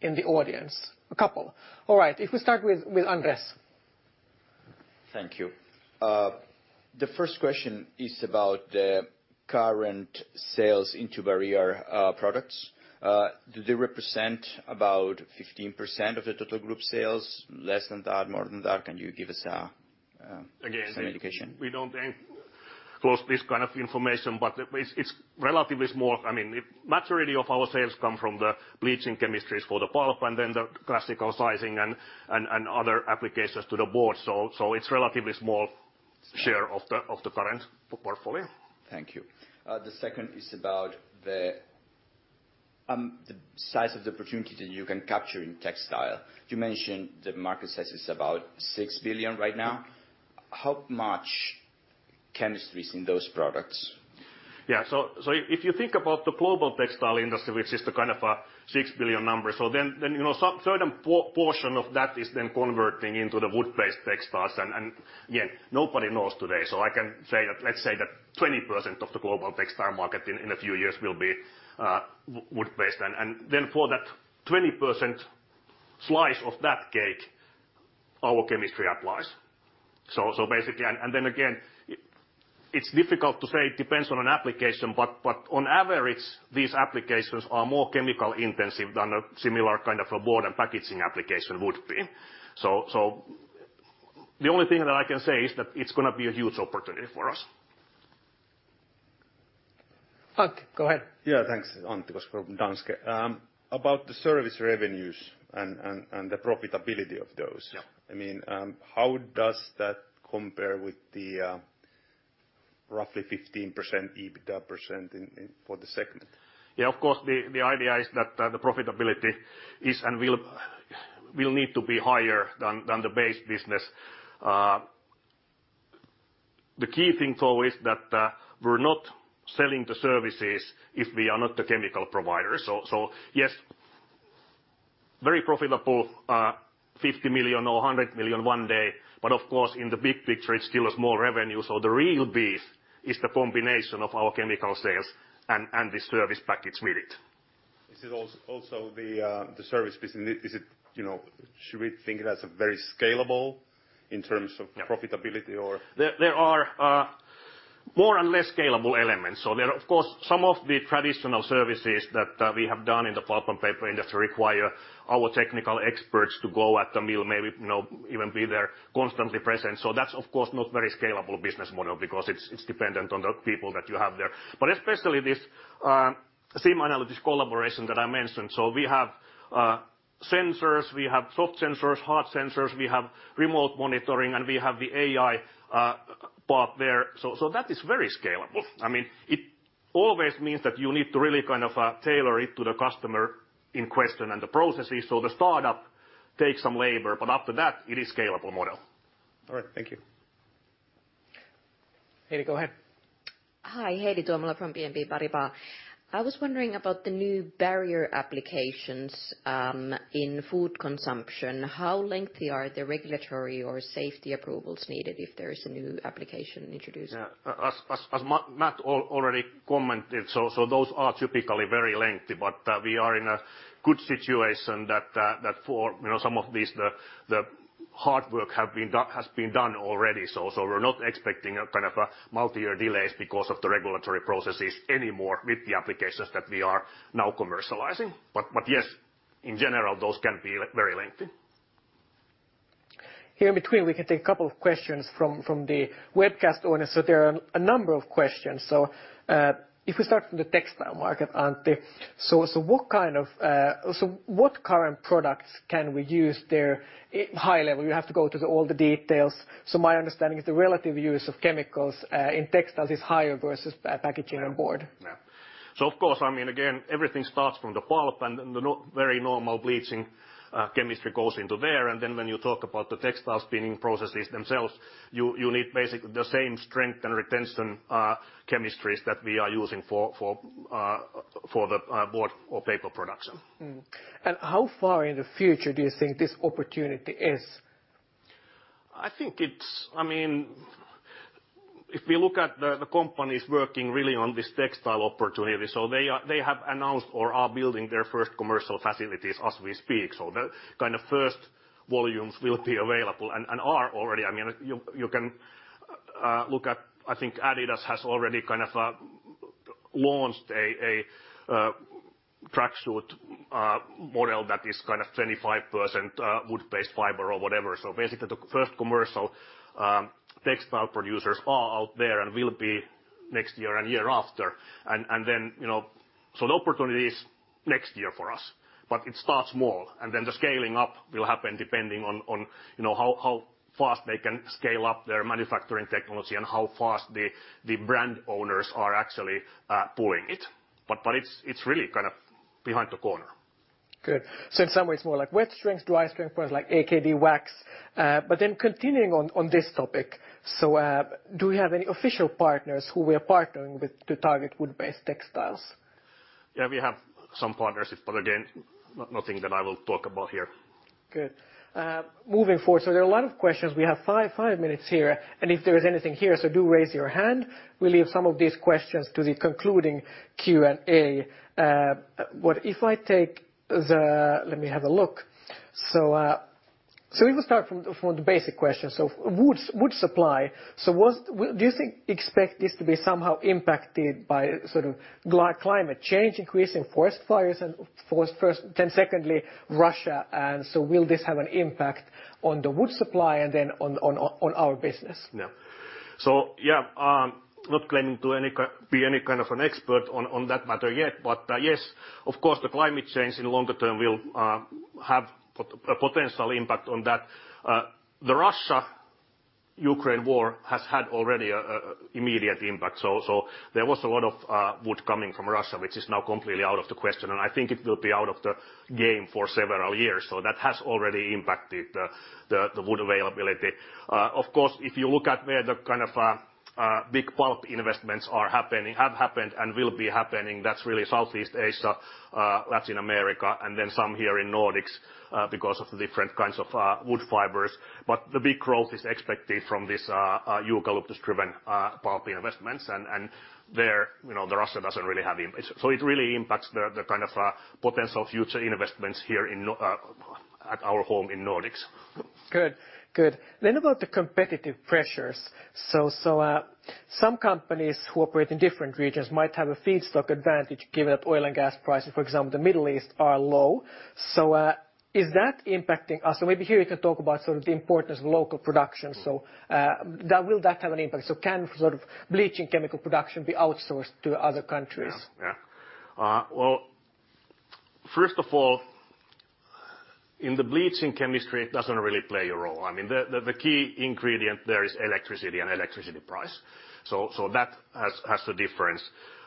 in the audience? A couple. All right, if we start with Andrés. Thank you. The first question is about the current sales of barrier products. Do they represent about 15% of the total group sales? Less than that, more than that? Can you give us some indication? Again, we don't close this kind of information, but it's relatively small. I mean, majority of our sales come from the bleaching chemistries for the pulp and then the classical sizing and other applications to the board. It's relatively small share of the current portfolio. Thank you. The second is about the size of the opportunity that you can capture in textile. You mentioned the market size is about 6 billion right now. How much chemistry is in those products? Yeah. If you think about the global textile industry, which is the kind of a 6 billion number. You know, some certain portion of that is then converting into the wood-based textiles. Again, nobody knows today. I can say that, let's say that 20% of the global textile market in a few years will be wood-based. Then for that 20% slice of that cake, our chemistry applies. Basically. Then again, it is difficult to say. It depends on an application. On average, these applications are more chemical-intensive than a similar kind of a board and packaging application would be. The only thing that I can say is that it is gonna be a huge opportunity for us. Antti, go ahead. Yeah, thanks, Antti. It was from Danske. About the service revenues and the profitability of those. Yeah. I mean, how does that compare with the roughly 15% EBITDA for the segment? Of course, the idea is that the profitability is and will need to be higher than the base business. The key thing, though, is that we're not selling the services if we are not the chemical provider. Yes, very profitable, 50 million or 100 million one day, but of course, in the big picture, it's still a small revenue. The real beef is the combination of our chemical sales and the service package with it. Is it also the service business, is it, you know, should we think that's a very scalable in terms of? Yeah. Profitability or? There are more and less scalable elements. There are, of course, some of the traditional services that we have done in the pulp and paper industry require our technical experts to go to the mill, maybe, you know, even be there constantly present. That's, of course, not very scalable business model because it's dependent on the people that you have there. Especially this system analysis collaboration that I mentioned. We have sensors, we have soft sensors, hard sensors, we have remote monitoring, and we have the AI part there. That is very scalable. I mean, it always means that you need to really kind of tailor it to the customer in question and the processes. The startup takes some labor, but after that, it is scalable model. All right, thank you. Heidi, go ahead. Hi, Heidi Tuomola from BNP Paribas. I was wondering about the new barrier applications in food consumption. How lengthy are the regulatory or safety approvals needed if there is a new application introduced? Yeah. As Matt already commented, those are typically very lengthy. We are in a good situation that for you know some of these the hard work has been done already. We're not expecting a kind of a multi-year delays because of the regulatory processes anymore with the applications that we are now commercializing. Yes, in general, those can be very lengthy. Here in between, we can take a couple of questions from the webcast owners. There are a number of questions. If we start from the textile market, Antti, what kind of current products can we use there at high level? You don't have to go into all the details. My understanding is the relative use of chemicals in textiles is higher versus packaging and board. Of course, I mean, again, everything starts from the pulp and then very normal bleaching chemistry goes into there. When you talk about the textile spinning processes themselves, you need basically the same strength and retention chemistries that we are using for the board or paper production. How far in the future do you think this opportunity is? I mean, if we look at the companies working really on this textile opportunity, they have announced or are building their first commercial facilities as we speak. The kind of first volumes will be available and are already. I mean, you can look at, I think adidas has already kind of launched a tracksuit model that is kind of 25% wood-based fiber or whatever. Basically the first commercial textile producers are out there and will be next year and year after. Then, you know, the opportunity is next year for us. It starts small, and then the scaling up will happen depending on, you know, how fast they can scale up their manufacturing technology and how fast the brand owners are actually pulling it. It's really kind of behind the corner. Good. In some way it's more like wet strength to dry strength products like AKD wax. Continuing on this topic, do we have any official partners who we are partnering with to target wood-based textiles? Yeah, we have some partnerships, but again, nothing that I will talk about here. Good. Moving forward, there are a lot of questions. We have five minutes here, and if there is anything here, do raise your hand. We'll leave some of these questions to the concluding Q&A. Let me have a look. We will start from the basic question. Wood supply, what do you expect this to be somehow impacted by sort of global climate change, increase in forest fires and forest pests, then secondly, Russia? Will this have an impact on the wood supply and then on our business? Not claiming to be any kind of an expert on that matter yet. Yes, of course, the climate change in the longer term will have a potential impact on that. The Russia-Ukraine war has had already an immediate impact. There was a lot of wood coming from Russia, which is now completely out of the question. I think it will be out of the game for several years. That has already impacted the wood availability. Of course, if you look at where the kind of big pulp investments are happening, have happened and will be happening, that's really Southeast Asia, Latin America, and then some here in Nordics, because of the different kinds of wood fibers. The big growth is expected from this eucalyptus-driven pulp investments. There, you know, the Russia doesn't really have. So it really impacts the kind of potential future investments here at our home in Nordics. Good. About the competitive pressures. Some companies who operate in different regions might have a feedstock advantage given that oil and gas prices, for example, in the Middle East are low. Is that impacting us? Maybe here you can talk about sort of the importance of local production. Will that have an impact? Can sort of bleaching chemical production be outsourced to other countries? Yeah. Well, first of all, in the bleaching chemistry, it doesn't really play a role. I mean, the key ingredient there is electricity and electricity price. That has the difference.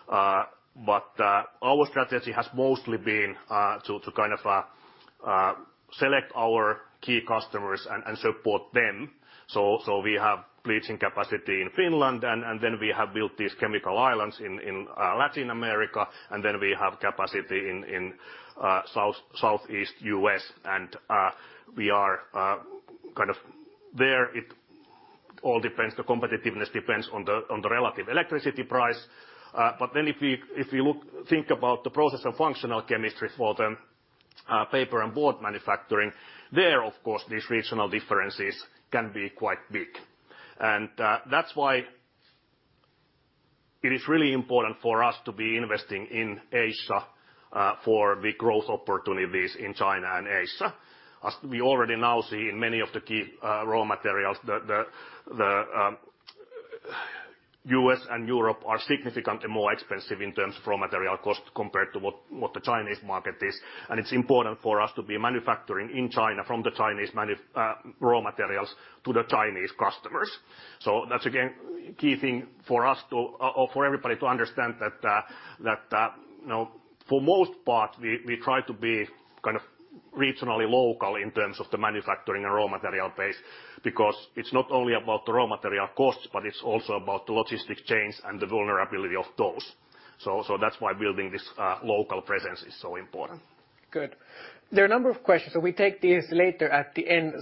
Our strategy has mostly been to kind of select our key customers and support them. We have bleaching capacity in Finland, and then we have built these chemical islands in Latin America, and then we have capacity in South, Southeast U.S. We are kind of there. It all depends. The competitiveness depends on the relative electricity price. If we think about the process and functional chemistries for the paper and board manufacturing, there, of course, these regional differences can be quite big. That's why it is really important for us to be investing in Asia for big growth opportunities in China and Asia, as we already now see in many of the key raw materials. U.S. and Europe are significantly more expensive in terms of raw material cost compared to what the Chinese market is, and it's important for us to be manufacturing in China from the Chinese raw materials to the Chinese customers. That's, again, key thing for us or for everybody to understand that you know, for most part we try to be kind of regionally local in terms of the manufacturing and raw material base because it's not only about the raw material costs, but it's also about the logistics chains and the vulnerability of those. That's why building this local presence is so important. Good. There are a number of questions so we take these later at the end,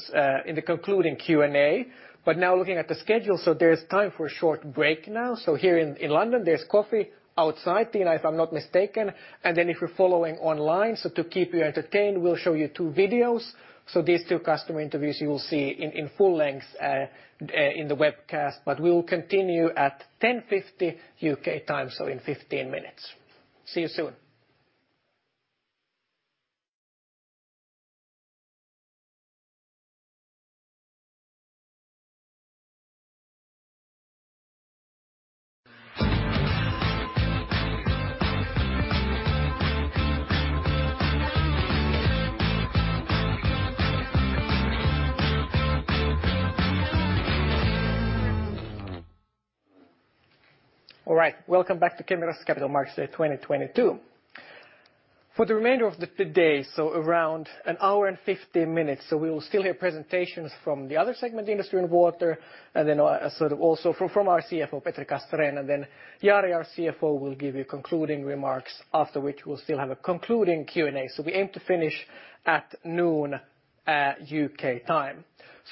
in the concluding Q&A. Now looking at the schedule, there is time for a short break now. Here in London, there's coffee outside, Tiina, if I'm not mistaken. If you're following online, to keep you entertained, we'll show you two videos. These two customer interviews you will see in full length in the webcast. We will continue at 10:50 A.M. UK time, in 15 minutes. See you soon. All right. Welcome back to Kemira's Capital Markets Day 2022. For the remainder of the day, around an hour and 50 minutes, we will still hear presentations from the other segment, Industry & Water, and then sort of also from our CFO, Petri Castrén. Jari, our CFO, will give you concluding remarks after which we'll still have a concluding Q&A. We aim to finish at noon, UK time.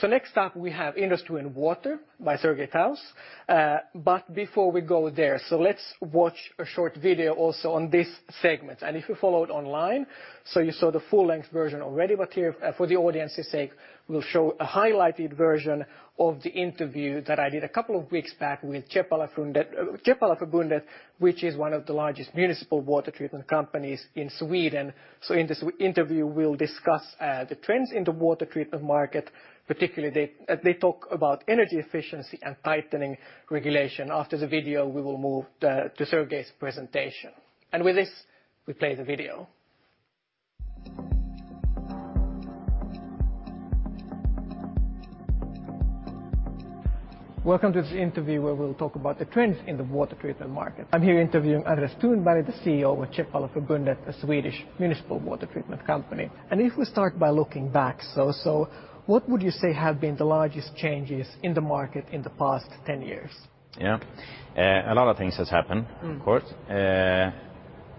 Next up we have Industry & Water by Sergej Toews. Before we go there, let's watch a short video also on this segment. If you followed online, you saw the full-length version already. Here, for the audience's sake, we'll show a highlighted version of the interview that I did a couple of weeks back with Käppalaförbundet, which is one of the largest municipal water treatment companies in Sweden. In this interview, we'll discuss the trends in the water treatment market. Particularly they talk about energy efficiency and tightening regulation. After the video, we will move to Sergej Toews's presentation. With this, we play the video. Welcome to this interview where we'll talk about the trends in the water treatment market. I'm here interviewing. The CEO of Käppalaförbundet, a Swedish municipal water treatment company. If we start by looking back, so what would you say have been the largest changes in the market in the past 10 years? Yeah. A lot of things has happened. Mm. Of course.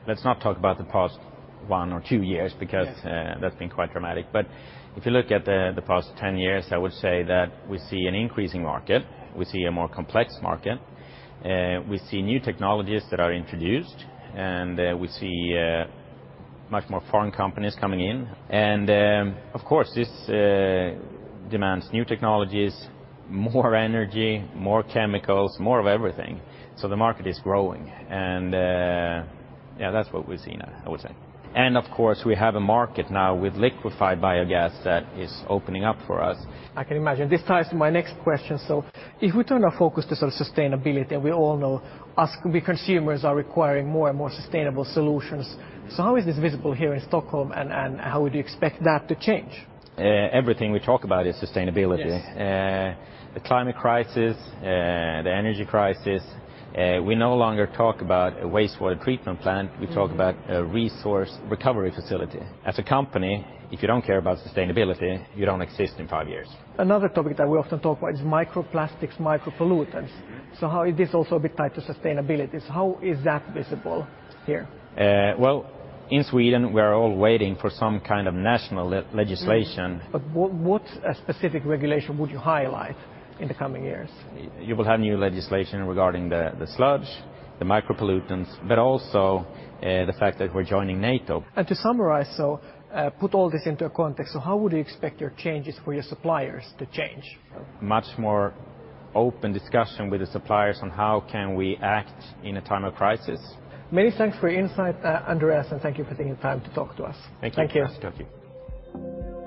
Let's not talk about the past one or two years because Yes That's been quite dramatic. If you look at the past 10 years, I would say that we see an increasing market. We see a more complex market. We see new technologies that are introduced, and we see much more foreign companies coming in. Of course, this demands new technologies, more energy, more chemicals, more of everything. The market is growing. Yeah, that's what we've seen, I would say. Of course we have a market now with liquefied biogas that is opening up for us. I can imagine. This ties to my next question. If we turn our focus to sort of sustainability, and we all know us, we consumers, are requiring more and more sustainable solutions. How is this visible here in Stockholm and how would you expect that to change? Everything we talk about is sustainability. Yes. The climate crisis, the energy crisis, we no longer talk about a wastewater treatment plant. Mm. We talk about a resource recovery facility. As a company, if you don't care about sustainability, you don't exist in five years. Another topic that we often talk about is microplastics, micropollutants. Mm-hmm. How is this also a bit tied to sustainability? How is that visible here? Well, in Sweden we are all waiting for some kind of national legislation. What specific regulation would you highlight in the coming years? You will have new legislation regarding the sludge, the micropollutants, but also the fact that we're joining NATO. To summarize, put all this into a context, how would you expect your changes for your suppliers to change? Much more open discussion with the suppliers on how can we act in a time of crisis. Many thanks for your insight, Andreas, and thank you for taking the time to talk to us. Thank you. Thank you.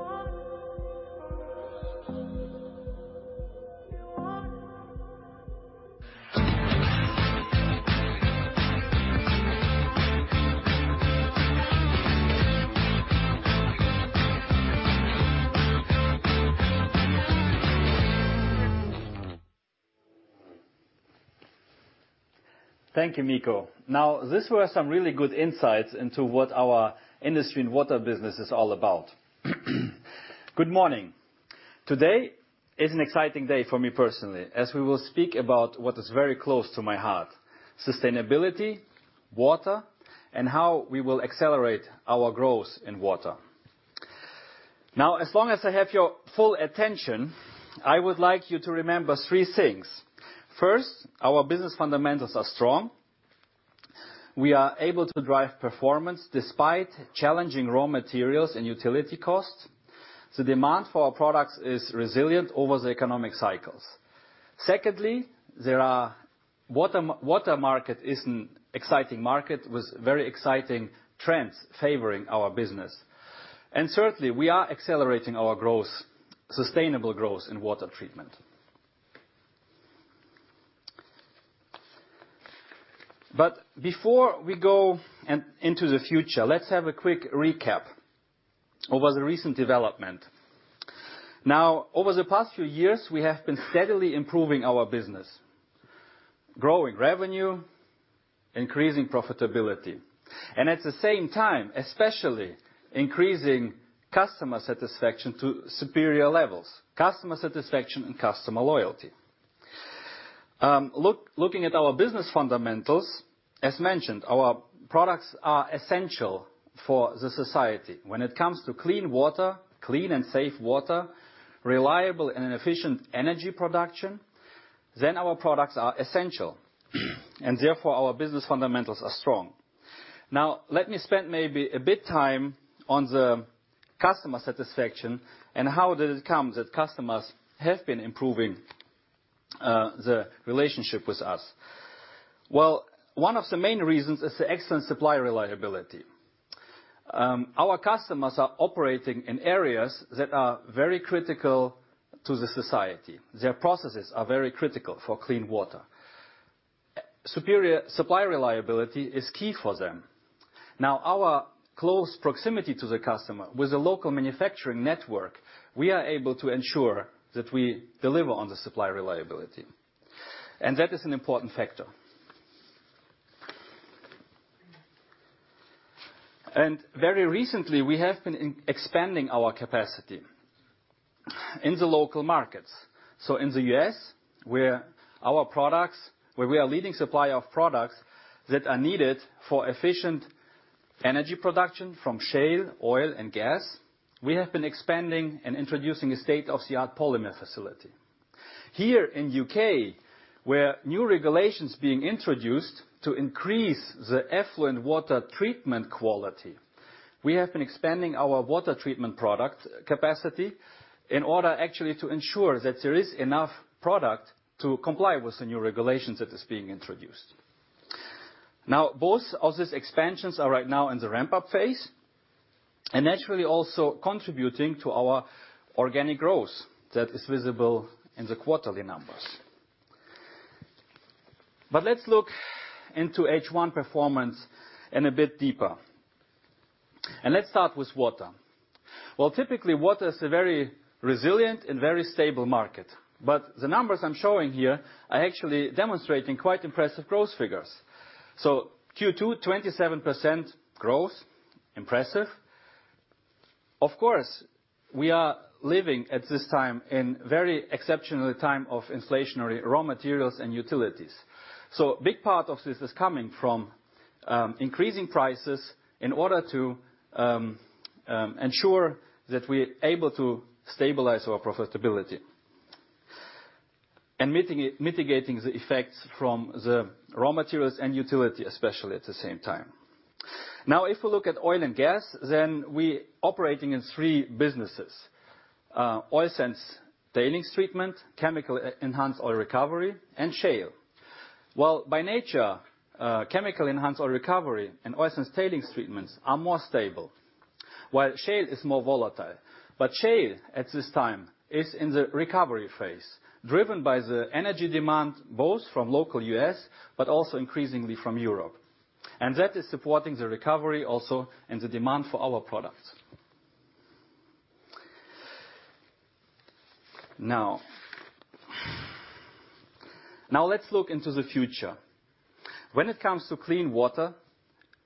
Thank you. Thank you, Mikko. Now, these were some really good insights into what our Industry & Water business is all about. Good morning. Today is an exciting day for me personally, as we will speak about what is very close to my heart, sustainability, water, and how we will accelerate our growth in water. Now, as long as I have your full attention, I would like you to remember three things. First, our business fundamentals are strong. We are able to drive performance despite challenging raw materials and utility costs. The demand for our products is resilient over the economic cycles. Secondly, the water market is an exciting market with very exciting trends favoring our business. Thirdly, we are accelerating our growth. Sustainable growth in water treatment. Before we go into the future, let's have a quick recap over the recent development. Over the past few years, we have been steadily improving our business, growing revenue, increasing profitability. At the same time, especially increasing customer satisfaction to superior levels, customer satisfaction and customer loyalty. Looking at our business fundamentals, as mentioned, our products are essential for the society. When it comes to clean water, clean and safe water, reliable and efficient energy production, then our products are essential. Therefore, our business fundamentals are strong. Let me spend maybe a bit time on the customer satisfaction and how did it come that customers have been improving the relationship with us. Well, one of the main reasons is the excellent supply reliability. Our customers are operating in areas that are very critical to the society. Their processes are very critical for clean water. Superior supply reliability is key for them. Now, our close proximity to the customer with a local manufacturing network, we are able to ensure that we deliver on the supply reliability, and that is an important factor. Very recently, we have been expanding our capacity in the local markets. In the U.S., where our products, where we are leading supplier of products that are needed for efficient energy production from shale, oil and gas, we have been expanding and introducing a state-of-the-art polymer facility. Here in the U.K., where new regulations being introduced to increase the effluent water treatment quality, we have been expanding our water treatment product capacity in order actually to ensure that there is enough product to comply with the new regulations that is being introduced. Now, both of these expansions are right now in the ramp-up phase, and naturally also contributing to our organic growth that is visible in the quarterly numbers. Let's look into H1 performance in a bit deeper. Let's start with water. Well, typically, water is a very resilient and very stable market, but the numbers I'm showing here are actually demonstrating quite impressive growth figures. Q2, 27% growth, impressive. Of course, we are living at this time in very exceptional time of inflationary raw materials and utilities. Big part of this is coming from increasing prices in order to ensure that we're able to stabilize our profitability. Mitigating the effects from the raw materials and utility, especially at the same time. Now, if you look at oil and gas, then we're operating in three businesses, oil sands tailings treatment, chemical enhanced oil recovery, and shale. Well, by nature, chemical enhanced oil recovery and oil sands tailings treatments are more stable, while shale is more volatile. Shale at this time is in the recovery phase, driven by the energy demand, both from local U.S., but also increasingly from Europe. That is supporting the recovery also and the demand for our products. Now let's look into the future. When it comes to clean water,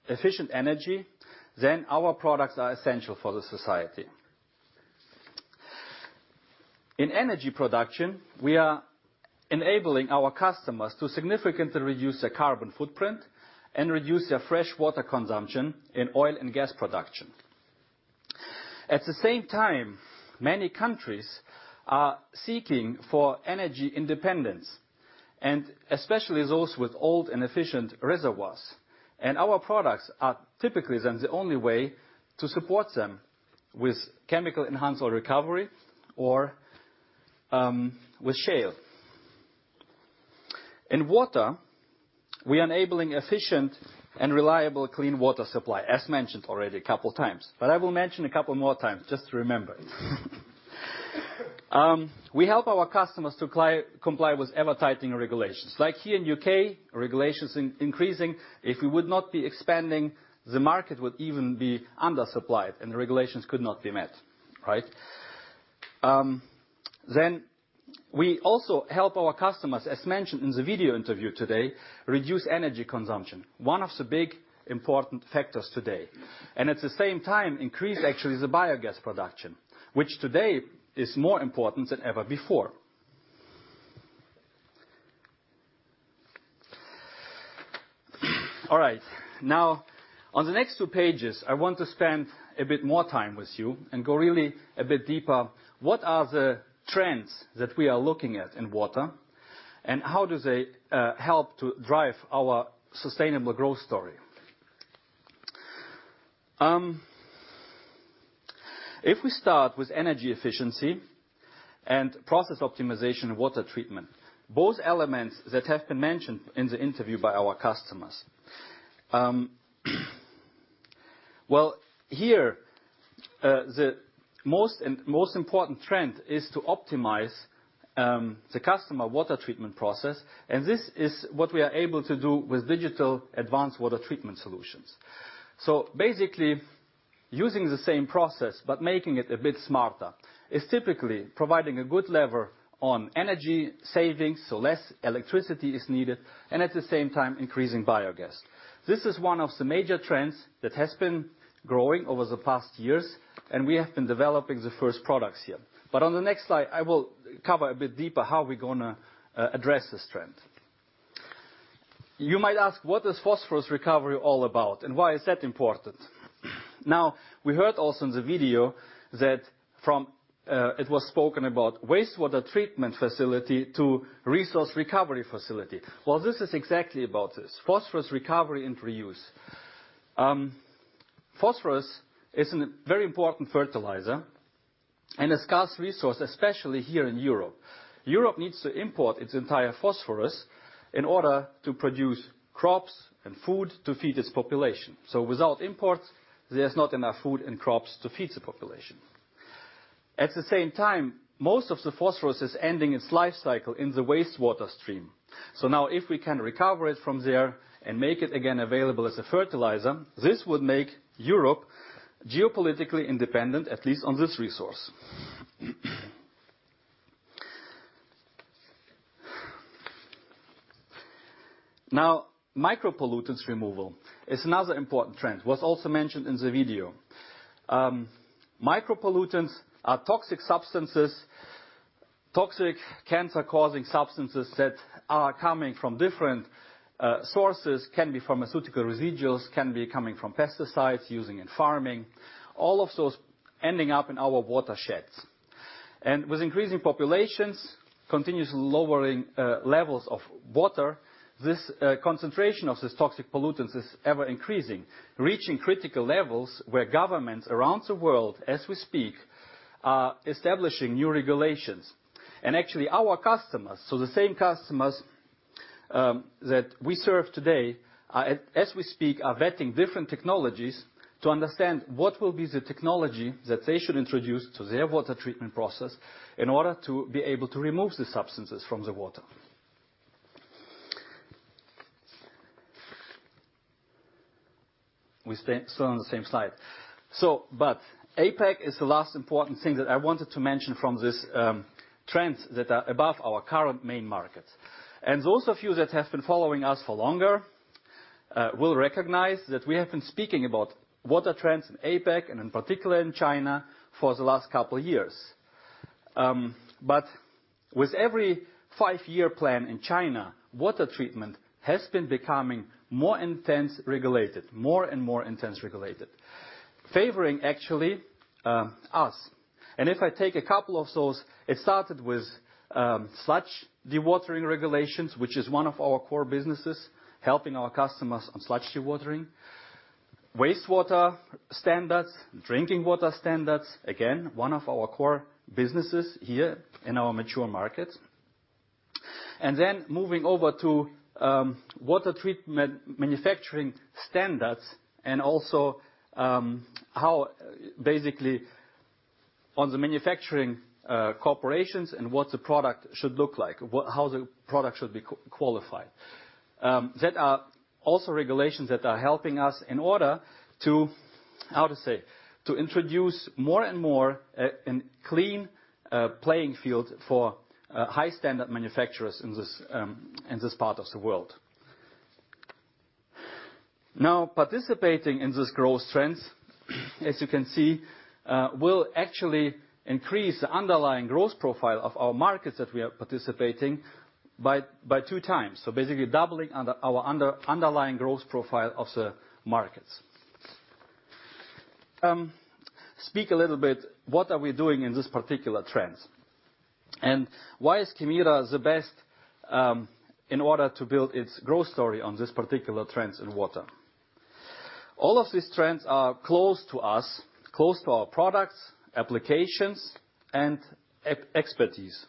efficient energy, then our products are essential for the society. In energy production, we are enabling our customers to significantly reduce their carbon footprint and reduce their fresh water consumption in oil and gas production. At the same time, many countries are seeking for energy independence, and especially those with old inefficient reservoirs. Our products are typically then the only way to support them with chemical enhanced oil recovery or, with shale. In water, we're enabling efficient and reliable clean water supply, as mentioned already a couple of times, but I will mention a couple more times just to remember. We help our customers to comply with ever-tightening regulations. Like here in U.K., regulations increasing. If we would not be expanding, the market would even be undersupplied and the regulations could not be met, right? We also help our customers, as mentioned in the video interview today, reduce energy consumption, one of the big important factors today. At the same time, increase actually the biogas production, which today is more important than ever before. All right. Now, on the next two pages, I want to spend a bit more time with you and go really a bit deeper. What are the trends that we are looking at in water, and how do they help to drive our sustainable growth story? If we start with energy efficiency and process optimization of water treatment, both elements that have been mentioned in the interview by our customers, well, here, the most important trend is to optimize the customer water treatment process, and this is what we are able to do with digital advanced water treatment solutions. Basically using the same process but making it a bit smarter is typically providing a good level on energy savings, so less electricity is needed, and at the same time increasing biogas. This is one of the major trends that has been growing over the past years, and we have been developing the first products here. On the next slide, I will cover a bit deeper how we're gonna address this trend. You might ask, what is phosphorus recovery all about and why is that important? Now, we heard also in the video that from it was spoken about wastewater treatment facility to resource recovery facility. Well, this is exactly about this, phosphorus recovery and reuse. Phosphorus is a very important fertilizer and a scarce resource, especially here in Europe. Europe needs to import its entire phosphorus in order to produce crops and food to feed its population. Without imports, there's not enough food and crops to feed the population. At the same time, most of the phosphorus is ending its life cycle in the wastewater stream. Now if we can recover it from there and make it again available as a fertilizer, this would make Europe geopolitically independent, at least on this resource. Now, micropollutants removal is another important trend, was also mentioned in the video. Micropollutants are toxic substances, toxic cancer-causing substances that are coming from different sources. Can be pharmaceutical residuals, can be coming from pesticides used in farming, all of those ending up in our watersheds. With increasing populations, continuously lowering levels of water, this concentration of these toxic pollutants is ever increasing, reaching critical levels where governments around the world as we speak are establishing new regulations. Actually our customers, so the same customers that we serve today, as we speak, are vetting different technologies to understand what will be the technology that they should introduce to their water treatment process in order to be able to remove the substances from the water. We're still on the same slide. APAC is the last important thing that I wanted to mention from these trends that are above our current main markets. Those of you that have been following us for longer will recognize that we have been speaking about water trends in APAC and in particular in China for the last couple years. With every five-year plan in China, water treatment has been becoming more intensely regulated, favoring actually us. If I take a couple of those, it started with sludge dewatering regulations, which is one of our core businesses, helping our customers on sludge dewatering. Wastewater standards, drinking water standards, again, one of our core businesses here in our mature markets. Moving over to water treatment manufacturing standards and also how basically on the manufacturing corporations and what the product should look like, how the product should be qualified. There are also regulations that are helping us in order to, how to say, to introduce more and more a clean playing field for high standard manufacturers in this part of the world. Now, participating in this growth trends, as you can see, will actually increase the underlying growth profile of our markets that we are participating by 2x. Basically doubling underlying growth profile of the markets. Speak a little bit what are we doing in this particular trends, and why is Kemira the best in order to build its growth story on this particular trends in water? All of these trends are close to us, close to our products, applications and expertise.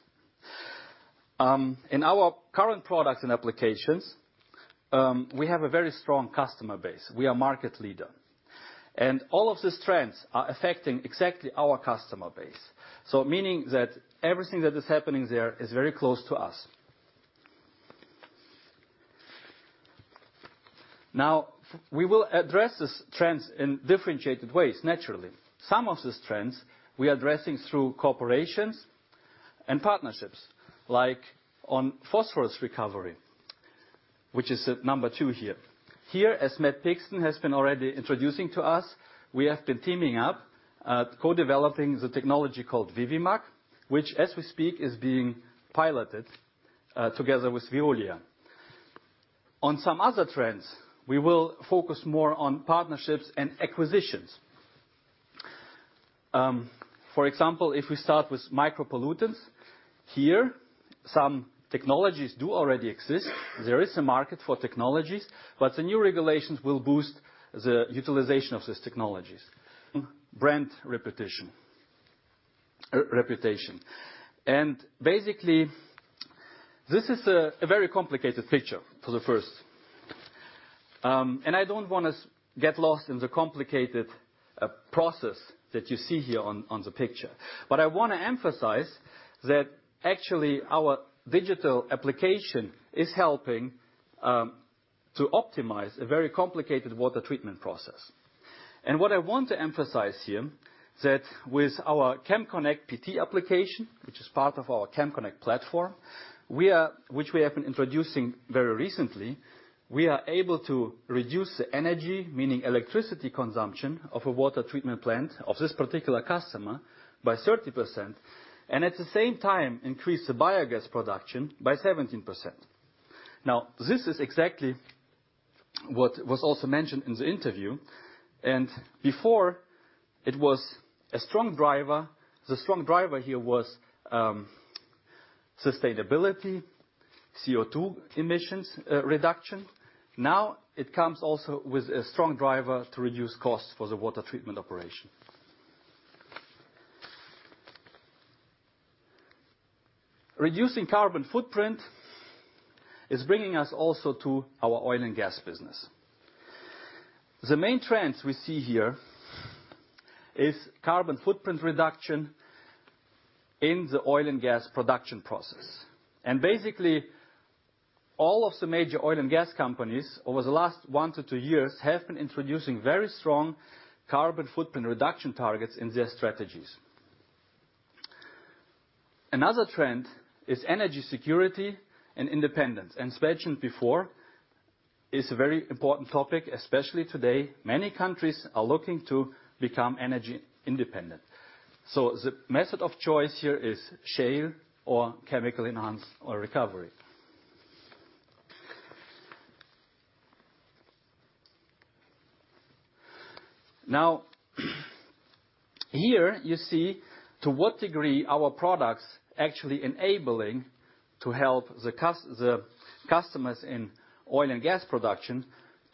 In our current products and applications, we have a very strong customer base. We are market leader. All of these trends are affecting exactly our customer base. Meaning that everything that is happening there is very close to us. Now, we will address these trends in differentiated ways, naturally. Some of these trends we are addressing through corporations and partnerships, like on phosphorus recovery, which is at number two here. Here, as Matthew Pixton has been already introducing to us, we have been teaming up, co-developing the technology called ViviMag, which as we speak, is being piloted together with Veolia. On some other trends, we will focus more on partnerships and acquisitions. For example, if we start with micropollutants, here, some technologies do already exist. There is a market for technologies, but the new regulations will boost the utilization of these technologies. Brand reputation. Basically, this is a very complicated picture for the first. I don't wanna get lost in the complicated process that you see here on the picture. I wanna emphasize that actually our digital application is helping to optimize a very complicated water treatment process. What I want to emphasize here, that with our KemConnect PT application, which is part of our KemConnect platform, which we have been introducing very recently, we are able to reduce the energy, meaning electricity consumption of a water treatment plant of this particular customer by 30%, and at the same time increase the biogas production by 17%. Now, this is exactly what was also mentioned in the interview. Before it was a strong driver, the strong driver here was sustainability, CO2 emissions, reduction. Now, it comes also with a strong driver to reduce costs for the water treatment operation. Reducing carbon footprint is bringing us also to our oil and gas business. The main trends we see here is carbon footprint reduction in the oil and gas production process. Basically, all of the major oil and gas companies over the last one to two years have been introducing very strong carbon footprint reduction targets in their strategies. Another trend is energy security and independence. As mentioned before, it's a very important topic, especially today. Many countries are looking to become energy independent. The method of choice here is shale or chemically enhanced oil recovery. Now, here you see to what degree our products actually enabling to help the customers in oil and gas production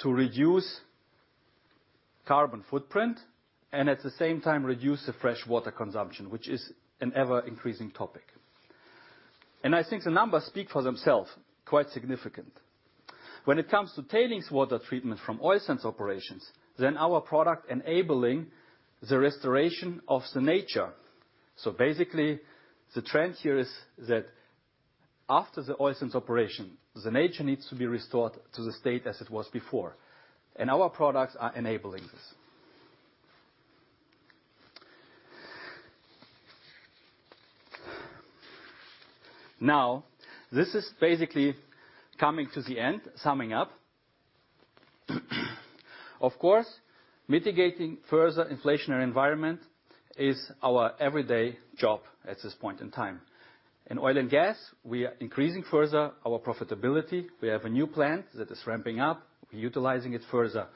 to reduce carbon footprint, and at the same time reduce the fresh water consumption, which is an ever-increasing topic. I think the numbers speak for themselves, quite significant. When it comes to tailings water treatment from oil sands operations, our product enabling the restoration of the nature. Basically, the trend here is that after the oil sands operation, the nature needs to be restored to the state as it was before. Our products are enabling this. Now, this is basically coming to the end, summing up. Of course, mitigating further inflationary environment is our everyday job at this point in time. In oil and gas, we are increasing further our profitability. We have a new plant that is ramping up. We're utilizing it further,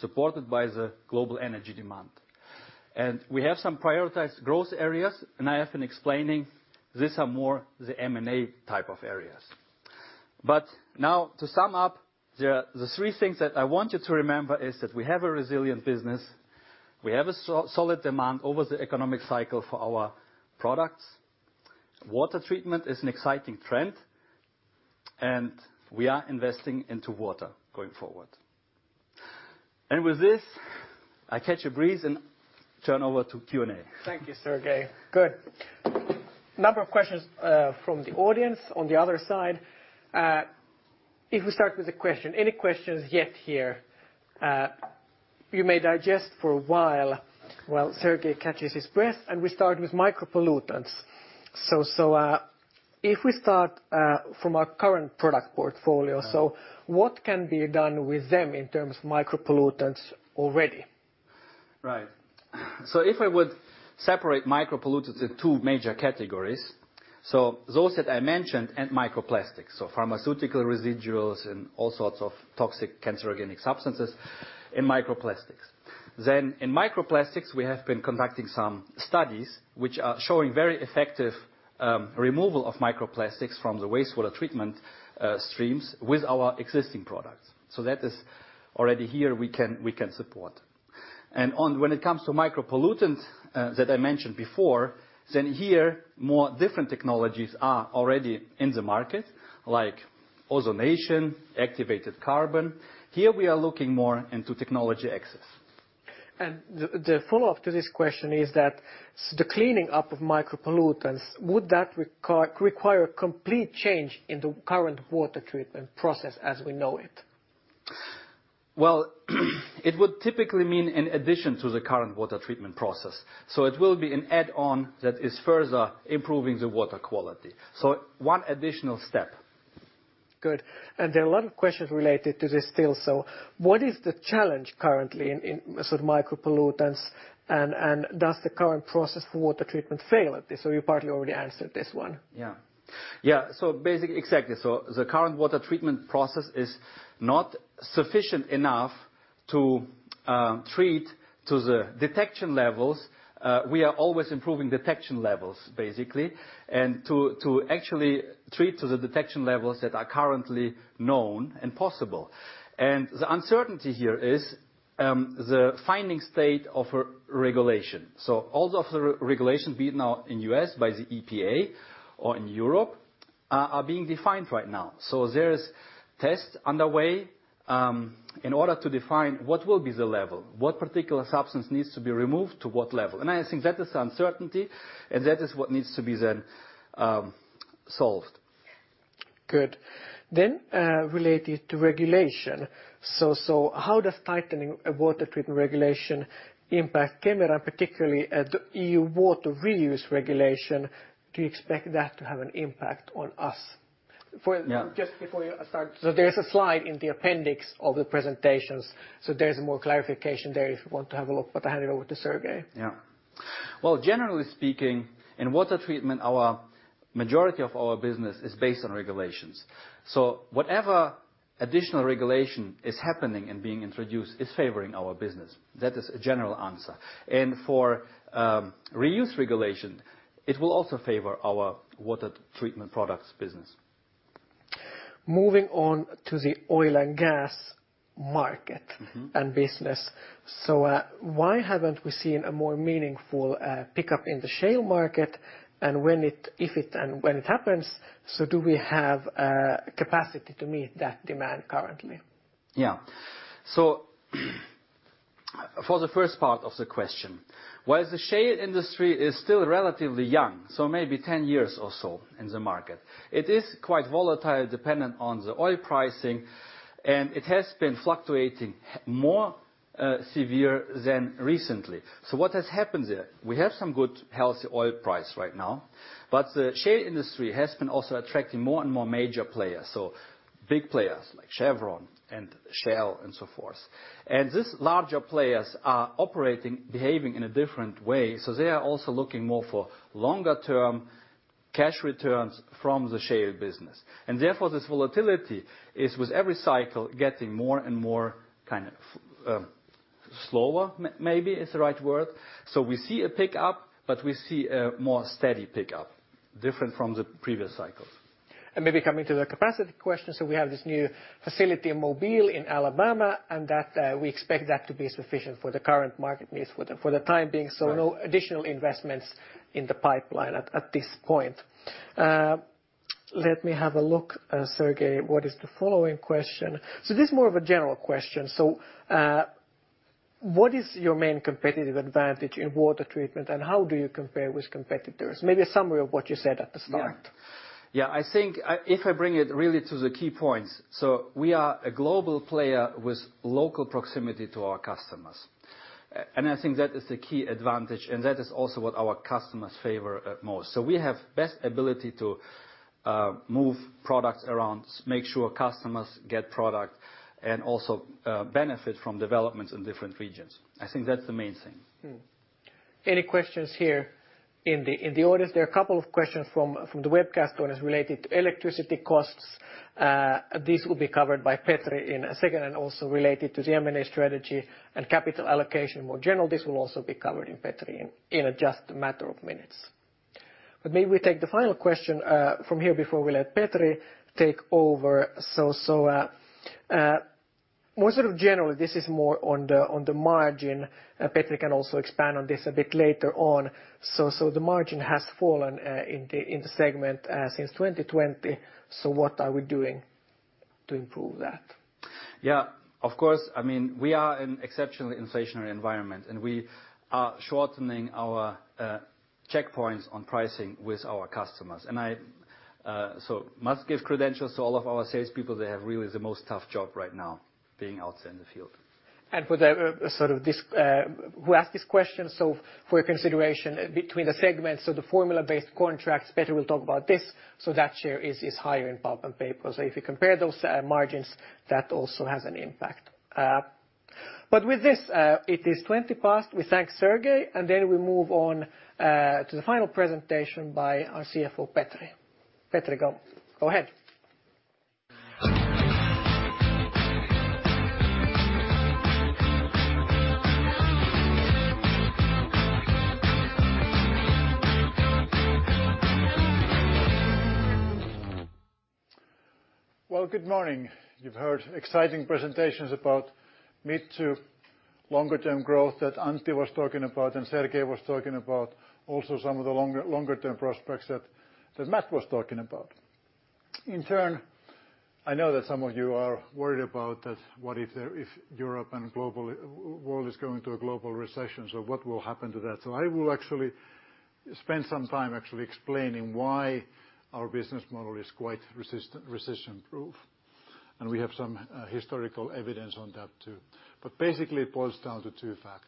supported by the global energy demand. We have some prioritized growth areas, and I have been explaining, these are more the M&A type of areas. Now to sum up, the three things that I want you to remember is that we have a resilient business. We have a solid demand over the economic cycle for our products. Water treatment is an exciting trend, and we are investing in water going forward. With this, I hand it over to Q&A. Thank you, Sergej. Good. Number of questions from the audience on the other side. If we start with the question, any questions yet here, you may digest for a while while Sergej catches his breath, and we start with micropollutants. If we start from our current product portfolio, what can be done with them in terms of micropollutants already? Right. If I would separate micropollutants in two major categories, those that I mentioned and microplastics. Pharmaceutical residuals and all sorts of toxic carcinogenic substances and microplastics. In microplastics, we have been conducting some studies which are showing very effective removal of microplastics from the wastewater treatment streams with our existing products. That is already here, we can support. When it comes to micropollutants that I mentioned before, here, more different technologies are already in the market, like ozonation, activated carbon. Here we are looking more into technology access. The follow-up to this question is that the cleaning up of micropollutants would that require complete change in the current water treatment process as we know it? Well, it would typically mean an addition to the current water treatment process. It will be an add-on that is further improving the water quality. One additional step. Good. There are a lot of questions related to this still. What is the challenge currently in sort of micropollutants and does the current process for water treatment fail at this? You partly already answered this one. Exactly. The current water treatment process is not sufficient enough to treat to the detection levels. We are always improving detection levels, basically, and to actually treat to the detection levels that are currently known and possible. The uncertainty here is the current state of regulation. All of the regulation, be it now in the U.S. by the EPA or in Europe, are being defined right now. There's tests underway in order to define what will be the level, what particular substance needs to be removed to what level. I think that is the uncertainty, and that is what needs to be solved. Good. Related to regulation, so how does tightening a water treatment regulation impact Kemira, particularly at the EU water reuse regulation? Do you expect that to have an impact on us? Yeah. Just before you start, so there's a slide in the appendix of the presentations. There's more clarification there if you want to have a look. I hand it over to Sergej. Yeah. Well, generally speaking, in water treatment, our majority of our business is based on regulations. Whatever additional regulation is happening and being introduced is favoring our business. That is a general answer. For reuse regulation, it will also favor our water treatment products business. Moving on to the oil and gas market. Mm-hmm... and business. Why haven't we seen a more meaningful pickup in the shale market? If it and when it happens, do we have capacity to meet that demand currently? Yeah. For the first part of the question, the shale industry is still relatively young, so maybe 10 years or so in the market, it is quite volatile, dependent on the oil pricing, and it has been fluctuating more severely than recently. What has happened there? We have some good, healthy oil prices right now, but the shale industry has been also attracting more and more major players, so big players like Chevron and Shell and so forth. These larger players are operating; and behaving in a different way. They are also looking more for longer-term cash returns from the shale business. Therefore, this volatility is with every cycle getting more and more, kind of slower, maybe it's the right word. We see a pickup, but we see a more steady pickup, different from the previous cycles. Maybe coming to the capacity question. We have this new facility in Mobile, Alabama, and that we expect that to be sufficient for the current market needs for the time being. Right. No additional investments in the pipeline at this point. Let me have a look, Sergej, what is the following question? This is more of a general question. What is your main competitive advantage in water treatment, and how do you compare with competitors? Maybe a summary of what you said at the start. Yeah. I think if I bring it really to the key points, we are a global player with local proximity to our customers. I think that is the key advantage, and that is also what our customers favor at most. We have best ability to move products around, make sure customers get product and also benefit from developments in different regions. I think that's the main thing. Any questions here in the audience? There are a couple of questions from the webcast audience related to electricity costs. This will be covered by Petri in a second, and also related to the M&A strategy and capital allocation more general. This will also be covered by Petri in just a matter of minutes. Maybe we take the final question from here before we let Petri take over. More sort of general, this is more on the margin. Petri can also expand on this a bit later on. The margin has fallen in the segment since 2020. What are we doing to improve that? Yeah. Of course, I mean, we are in exceptionally inflationary environment, and we are shortening our checkpoints on pricing with our customers. I so must give credentials to all of our sales people. They have really the most tough job right now being outside in the field. Who asked this question, for your consideration between the segments, the formula-based contracts, Petri will talk about this. That share is higher in pulp and paper. If you compare those margins, that also has an impact. With this, it is 20 past. We thank Sergej, and then we move on to the final presentation by our CFO, Petri. Petri, go ahead. Well, good morning. You've heard exciting presentations about mid- to longer-term growth that Antti was talking about and Sergej was talking about, also some of the longer-term prospects that Matt was talking about. In turn, I know that some of you are worried about what if Europe and the world is going through a global recession, so what will happen to that. I will actually spend some time actually explaining why our business model is quite resistant, recession-proof, and we have some historical evidence on that too. Basically, it boils down to two facts.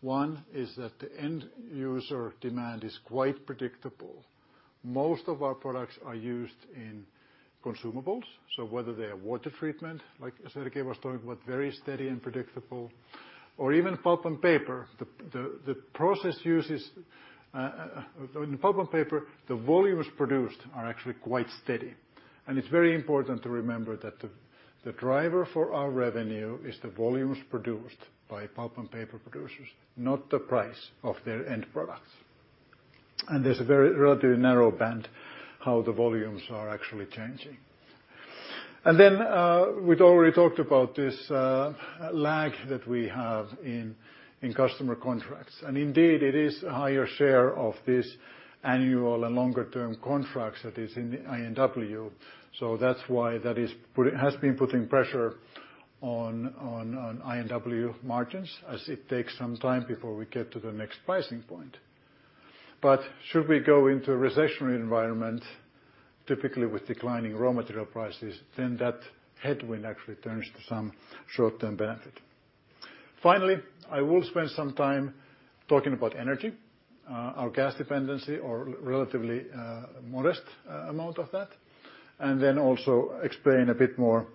One is that the end user demand is quite predictable. Most of our products are used in consumables. Whether they are water treatment, like Sergej was talking about, very steady and predictable, or even Pulp & Paper, the processes used in the Pulp & Paper, the volumes produced are actually quite steady. It's very important to remember that the driver for our revenue is the volumes produced by Pulp & Paper producers, not the price of their end products. There's a very relatively narrow band how the volumes are actually changing. We'd already talked about this lag that we have in customer contracts. Indeed, it is a higher share of this annual and longer term contracts that is in I&W, so that's why that has been putting pressure on I&W margins as it takes some time before we get to the next pricing point. Should we go into a recessionary environment, typically with declining raw material prices, then that headwind actually turns to some short-term benefit. Finally, I will spend some time talking about energy, our gas dependency or relatively modest amount of that, and then also explain a bit more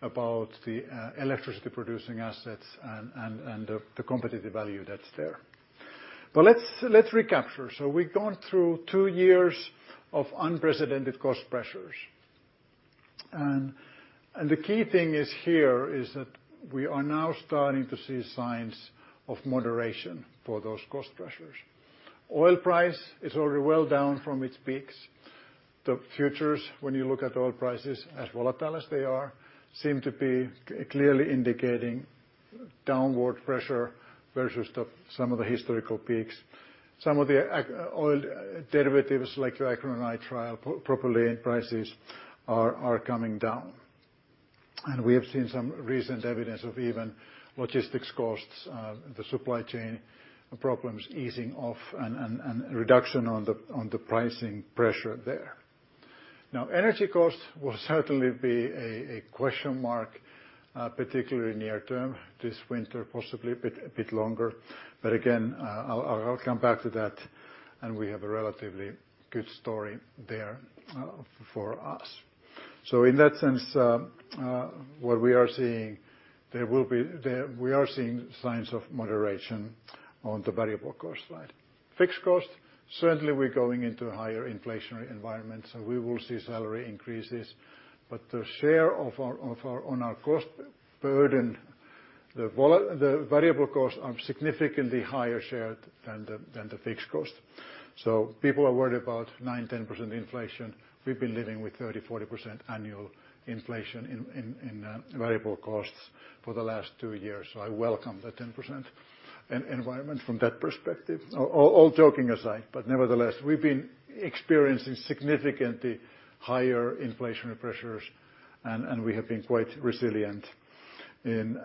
about the electricity producing assets and the competitive value that's there. Let's recapture. We've gone through two years of unprecedented cost pressures. The key thing here is that we are now starting to see signs of moderation for those cost pressures. Oil price is already well down from its peaks. The futures, when you look at oil prices, as volatile as they are, seem to be clearly indicating downward pressure versus some of the historical peaks. Some of the oil derivatives like acrylonitrile, propylene prices are coming down. We have seen some recent evidence of even logistics costs, the supply chain problems easing off and reduction on the pricing pressure there. Now, energy costs will certainly be a question mark, particularly near term this winter, possibly a bit longer. Again, I'll come back to that, and we have a relatively good story there, for us. In that sense, what we are seeing, we are seeing signs of moderation on the variable cost side. Fixed costs, certainly we're going into a higher inflationary environment, so we will see salary increases. The share of our... On our cost burden, the variable costs are significantly higher share than the fixed cost. People are worried about 9-10% inflation. We've been living with 30-40% annual inflation in variable costs for the last two years. I welcome the 10% inflation environment from that perspective. All joking aside, but nevertheless, we've been experiencing significantly higher inflationary pressures, and we have been quite resilient in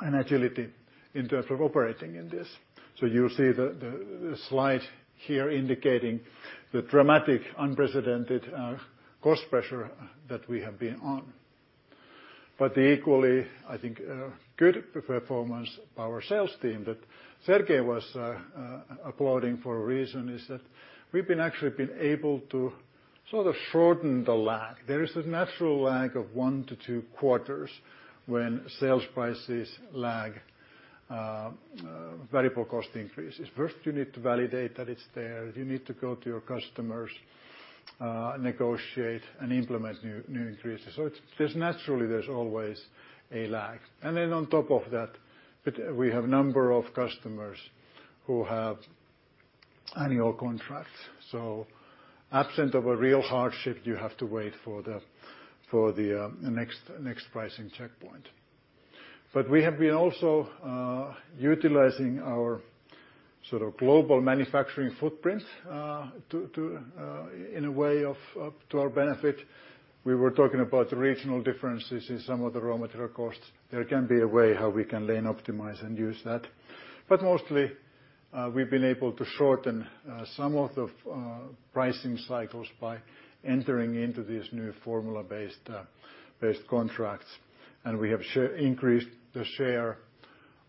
agility in terms of operating in this. You'll see the slide here indicating the dramatic unprecedented cost pressure that we have been on. The equally, I think, good performance of our sales team that Sergej was applauding for a reason is that we've been actually been able to sort of shorten the lag. There is a natural lag of 1-2 quarters when sales prices lag variable cost increases. First, you need to validate that it's there. You need to go to your customers, negotiate and implement new increases. It's. There's naturally always a lag. On top of that, we have number of customers who have annual contracts. Absent of a real hardship, you have to wait for the next pricing checkpoint. We have been also utilizing our sort of global manufacturing footprints to in a way of to our benefit. We were talking about the regional differences in some of the raw material costs. There can be a way how we can lane optimize and use that. Mostly, we've been able to shorten some of the pricing cycles by entering into these new formula-based contracts. We have increased the share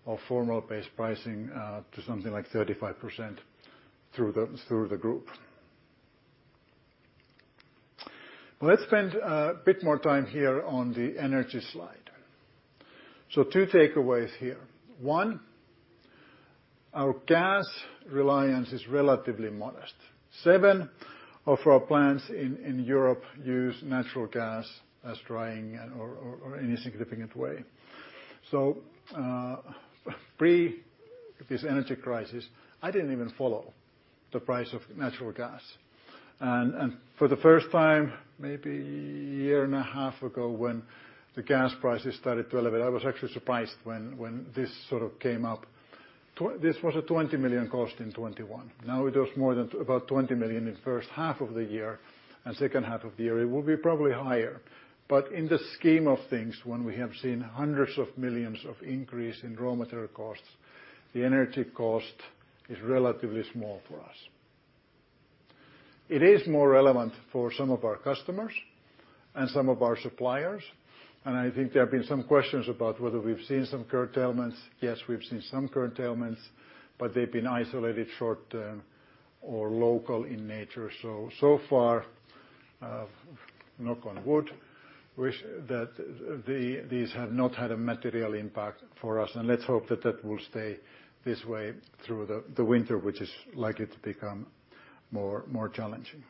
of formula-based pricing to something like 35% through the group. Let's spend a bit more time here on the energy slide. Two takeaways here. One, our gas reliance is relatively modest. Seven of our plants in Europe use natural gas as drying or in a significant way. Pre this energy crisis, I didn't even follow the price of natural gas. For the first time, maybe a year and a half ago, when the gas prices started to elevate, I was actually surprised when this sort of came up. This was a 20 million cost in 2021. Now it was more than about 20 million in first half of the year, and second half of the year, it will be probably higher. In the scheme of things, when we have seen EUR hundreds of millions of increase in raw material costs, the energy cost is relatively small for us. It is more relevant for some of our customers and some of our suppliers, and I think there have been some questions about whether we've seen some curtailments. Yes, we've seen some curtailments, but they've been isolated short-term or local in nature. So far, knock on wood, we see that these have not had a material impact for us, and let's hope that will stay this way through the winter, which is likely to become more challenging.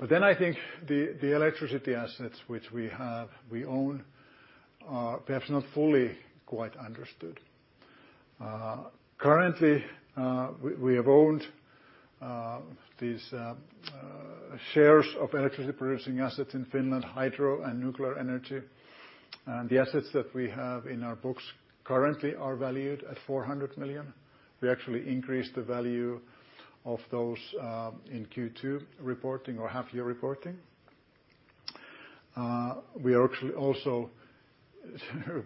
I think the electricity assets which we have we own are perhaps not fully quite understood. Currently, we have owned these shares of electricity producing assets in Finland, hydro and nuclear energy. The assets that we have in our books currently are valued at 400 million. We actually increased the value of those in Q2 reporting or half-year reporting. We are actually also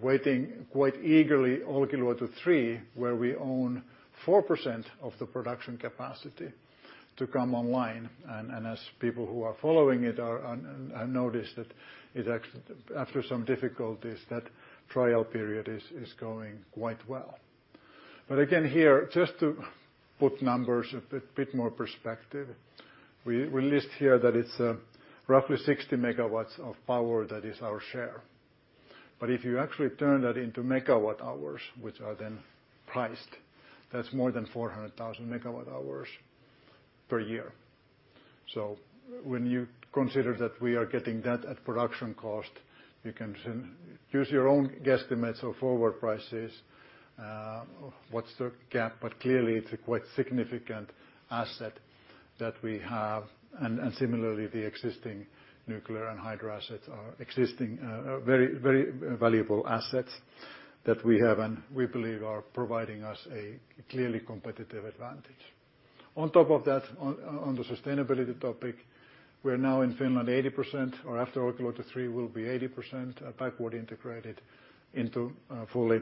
waiting quite eagerly Olkiluoto 3, where we own 4% of the production capacity to come online. As people who are following it have noticed that it's after some difficulties, that trial period is going quite well. But again here, just to put numbers a bit more perspective, we list here that it's roughly 60 MW of power that is our share. But if you actually turn that into megawatt-hours, which are then priced, that's more than 400,000 MWh per year. So when you consider that we are getting that at production cost, you can use your own guesstimates of forward prices, what's the gap? But clearly it's a quite significant asset that we have. Similarly, the existing nuclear and hydro assets are existing very valuable assets that we have and we believe are providing us a clearly competitive advantage. On top of that, on the sustainability topic, we're now in Finland 80%, or after Olkiluoto 3 will be 80% backward integrated into a fully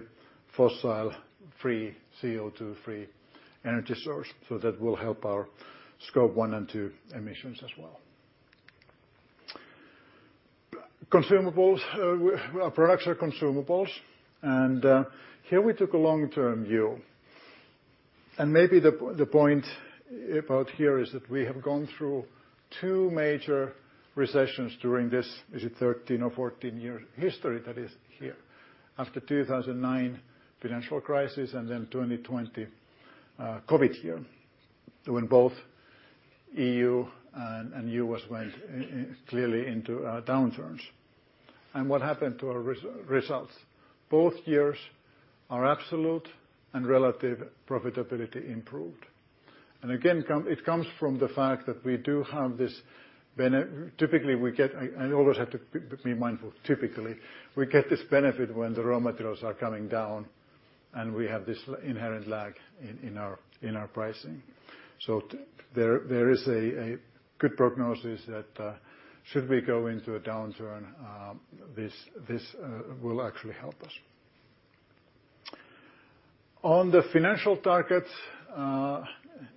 fossil-free, CO2-free energy source. That will help our Scope 1 and 2 emissions as well. Consumables. Our products are consumables. Here we took a long-term view. Maybe the point about here is that we have gone through two major recessions during this, is it 13- or 14-year history that is here. After 2009 financial crisis, and then 2020 COVID year, when both EU and U.S. went clearly into downturns. What happened to our results? Both years, our absolute and relative profitability improved. Again, it comes from the fact that we do have this benefit. Typically, we get. I always have to be mindful. Typically, we get this benefit when the raw materials are coming down, and we have this inherent lag in our pricing. There is a good prognosis that should we go into a downturn, this will actually help us. On the financial targets,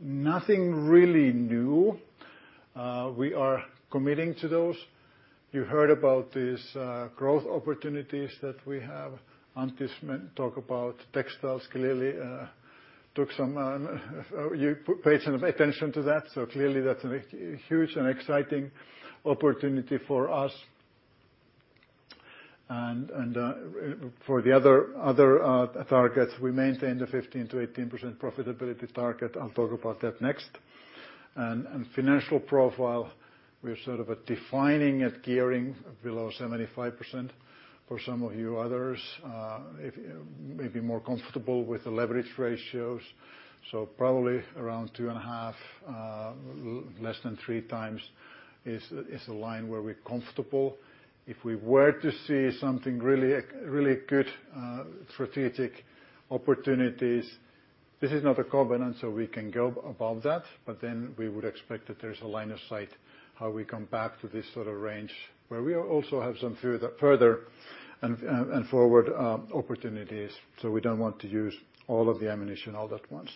nothing really new. We are committing to those. You heard about these growth opportunities that we have. Antti Salminen talked about textiles, clearly, you paid some attention to that. Clearly that's a huge and exciting opportunity for us. For the other targets, we maintain the 15%-18% profitability target. I'll talk about that next. Financial profile, we're sort of defining a gearing below 75% for some of you others, maybe more comfortable with the leverage ratios. Probably around 2.5, less than 3x is the line where we're comfortable. If we were to see something really good strategic opportunities, this is not a covenant, so we can go above that. Then we would expect that there's a line of sight how we come back to this sort of range where we also have some further and forward opportunities. We don't want to use all of the ammunition all at once.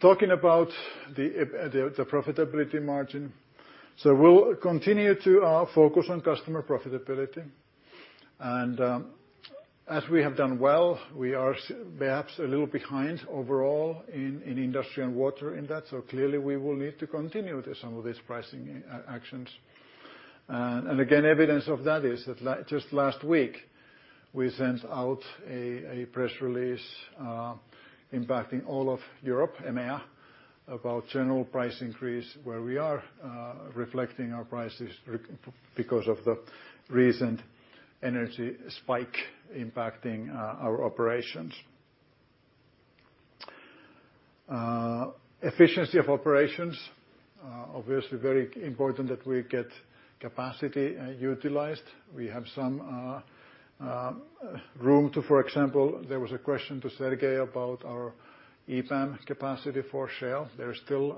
Talking about the profitability margin. We'll continue to focus on customer profitability. As we have done well, we are perhaps a little behind overall in Industry & Water in that. Clearly, we will need to continue with some of these pricing actions. Again, evidence of that is that just last week, we sent out a press release impacting all of Europe, EMEA, about general price increase, where we are reflecting our prices because of the recent energy spike impacting our operations. Efficiency of operations obviously very important that we get capacity utilized. We have some room to, for example, there was a question to Sergej about our EMEA capacity for sale. There's still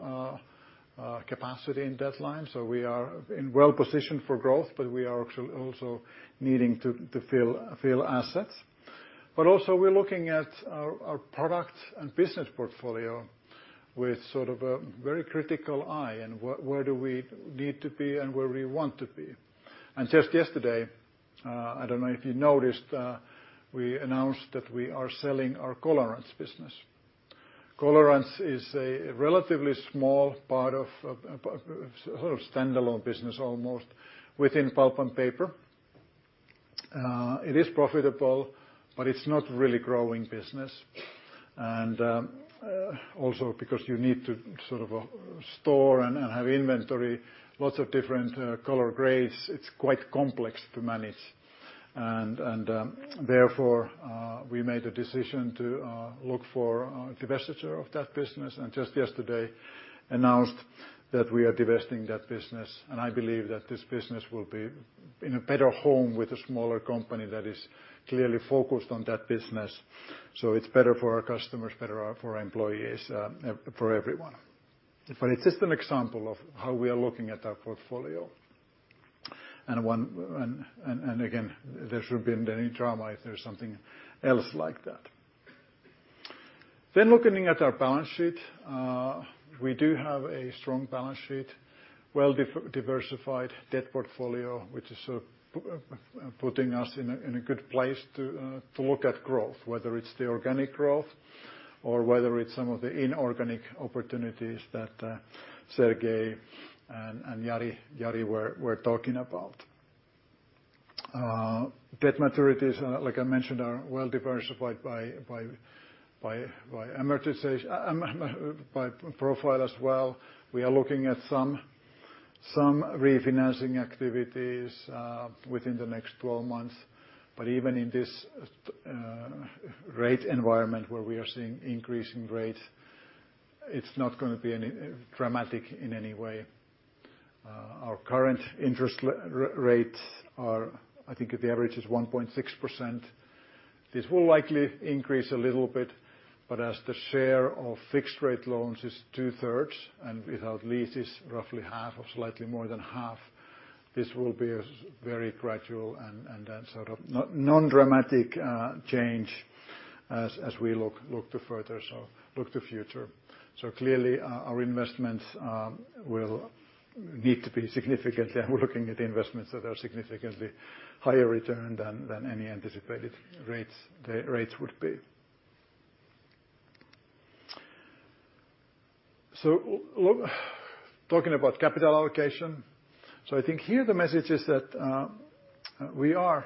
capacity in Nordics. We are well-positioned for growth, but we are actually also needing to fill assets. Also we're looking at our product and business portfolio with sort of a very critical eye and where do we need to be and where we want to be. Just yesterday, I don't know if you noticed, we announced that we are selling our Colorants business. Colorants is a relatively small part of sort of standalone business almost within Pulp & Paper. It is profitable, but it's not really growing business. Also because you need to sort of store and have inventory, lots of different color grades, it's quite complex to manage. Therefore, we made a decision to look for a divestiture of that business. Just yesterday announced that we are divesting that business. I believe that this business will be in a better home with a smaller company that is clearly focused on that business. It's better for our customers, better for our employees, for everyone. It's just an example of how we are looking at our portfolio. Again, there shouldn't be any drama if there's something else like that. Looking at our balance sheet, we do have a strong balance sheet, well-diversified debt portfolio, which is putting us in a good place to look at growth, whether it's the organic growth or whether it's some of the inorganic opportunities that Sergej and Jari were talking about. Debt maturities, like I mentioned, are well diversified by amortization profile as well. We are looking at some refinancing activities within the next 12 months. Even in this rate environment where we are seeing increasing rates, it's not gonna be dramatic in any way. Our current interest rates are, I think, the average is 1.6%. This will likely increase a little bit, but as the share of fixed rate loans is two-thirds, and without leases, roughly half or slightly more than half, this will be a very gradual and a sort of non-dramatic change as we look to the future. Clearly, our investments will need to be significantly, and we're looking at investments that are significantly higher return than any anticipated rates would be. Talking about capital allocation. I think here the message is that we are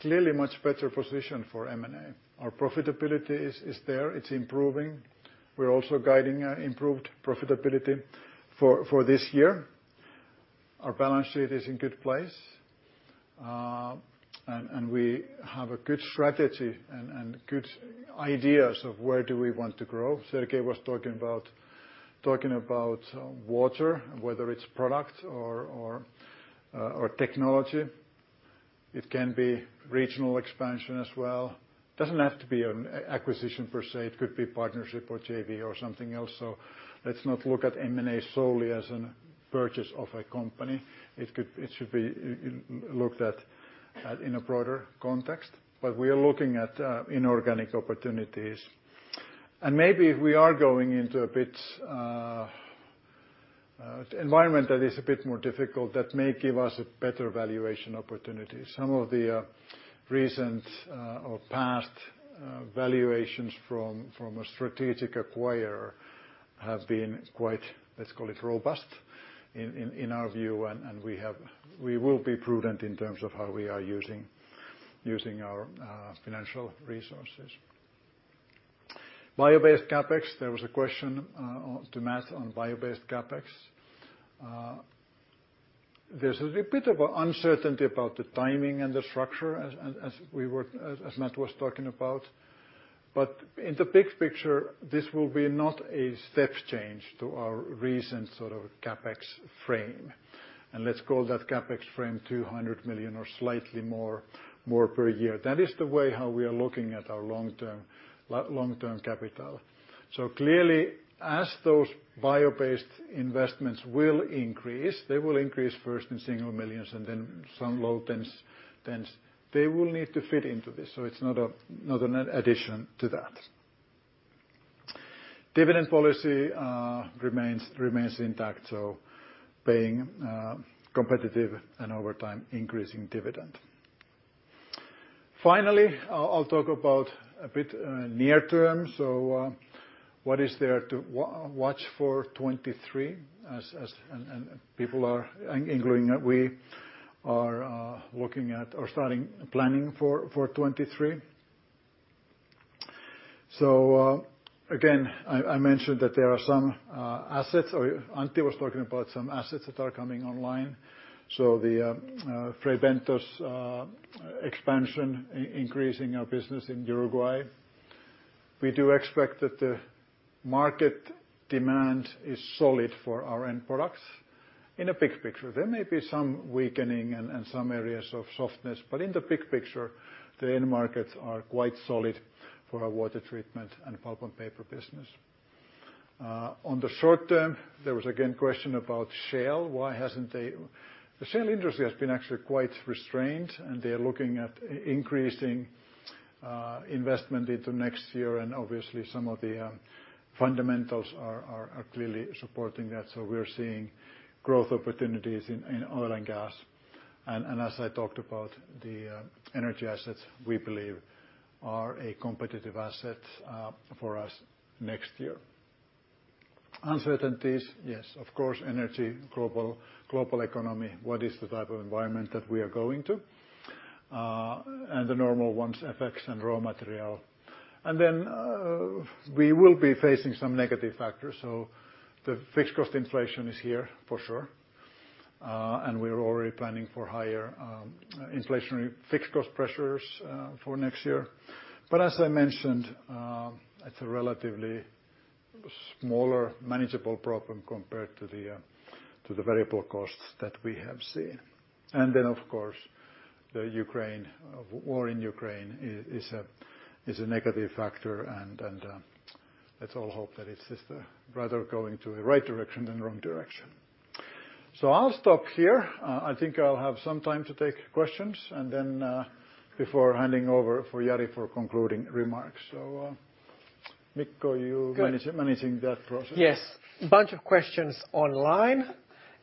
clearly much better positioned for M&A. Our profitability is there, it's improving. We're also guiding improved profitability for this year. Our balance sheet is in good place. We have a good strategy and good ideas of where do we want to grow. Sergej was talking about water, whether it's product or technology. It can be regional expansion as well. It doesn't have to be an acquisition per se, it could be partnership or JV or something else. Let's not look at M&A solely as a purchase of a company. It could, it should be looked at in a broader context. We are looking at inorganic opportunities. We are going into a bit environment that is a bit more difficult that may give us a better valuation opportunity. Some of the recent or past valuations from a strategic acquirer have been quite, let's call it, robust in our view, and we have. We will be prudent in terms of how we are using our financial resources. Bio-based CapEx. There was a question to Matt on bio-based CapEx. There's a bit of uncertainty about the timing and the structure as Matt was talking about. In the big picture, this will be not a step change to our recent sort of CapEx frame. Let's call that CapEx frame 200 million or slightly more per year. That is the way how we are looking at our long-term capital. Clearly, as those bio-based investments will increase, they will increase first in single millions and then some low tens. They will need to fit into this, so it's not an addition to that. Dividend policy remains intact, so paying competitive and over time increasing dividend. Finally, I'll talk about a bit near term. What is there to watch for 2023 as and people are angling. We are looking at or starting planning for 2023. Again, I mentioned that there are some assets or Antti was talking about some assets that are coming online. Fray Bentos expansion increasing our business in Uruguay. We do expect that the market demand is solid for our end products in a big picture. There may be some weakening and some areas of softness, but in the big picture, the end markets are quite solid for our water treatment and pulp and paper business. On the short term, there was again question about shale. Why hasn't the... The shale industry has been actually quite restrained, and they're looking at increasing investment into next year. Obviously, some of the fundamentals are clearly supporting that. We're seeing growth opportunities in oil and gas. As I talked about, the energy assets, we believe, are a competitive asset for us next year. Uncertainties, yes, of course, energy, global economy. What is the type of environment that we are going to? The normal ones, effects and raw material. We will be facing some negative factors, so the fixed cost inflation is here for sure. We're already planning for higher inflation, fixed cost pressures for next year. As I mentioned, it's a relatively smaller manageable problem compared to the variable costs that we have seen. Of course, the war in Ukraine is a negative factor, and let's all hope that it is rather going to the right direction than wrong direction. I'll stop here. I think I'll have some time to take questions and then, before handing over to Jari for concluding remarks. Mikko, you- Good. Managing that process. Yes. Bunch of questions online.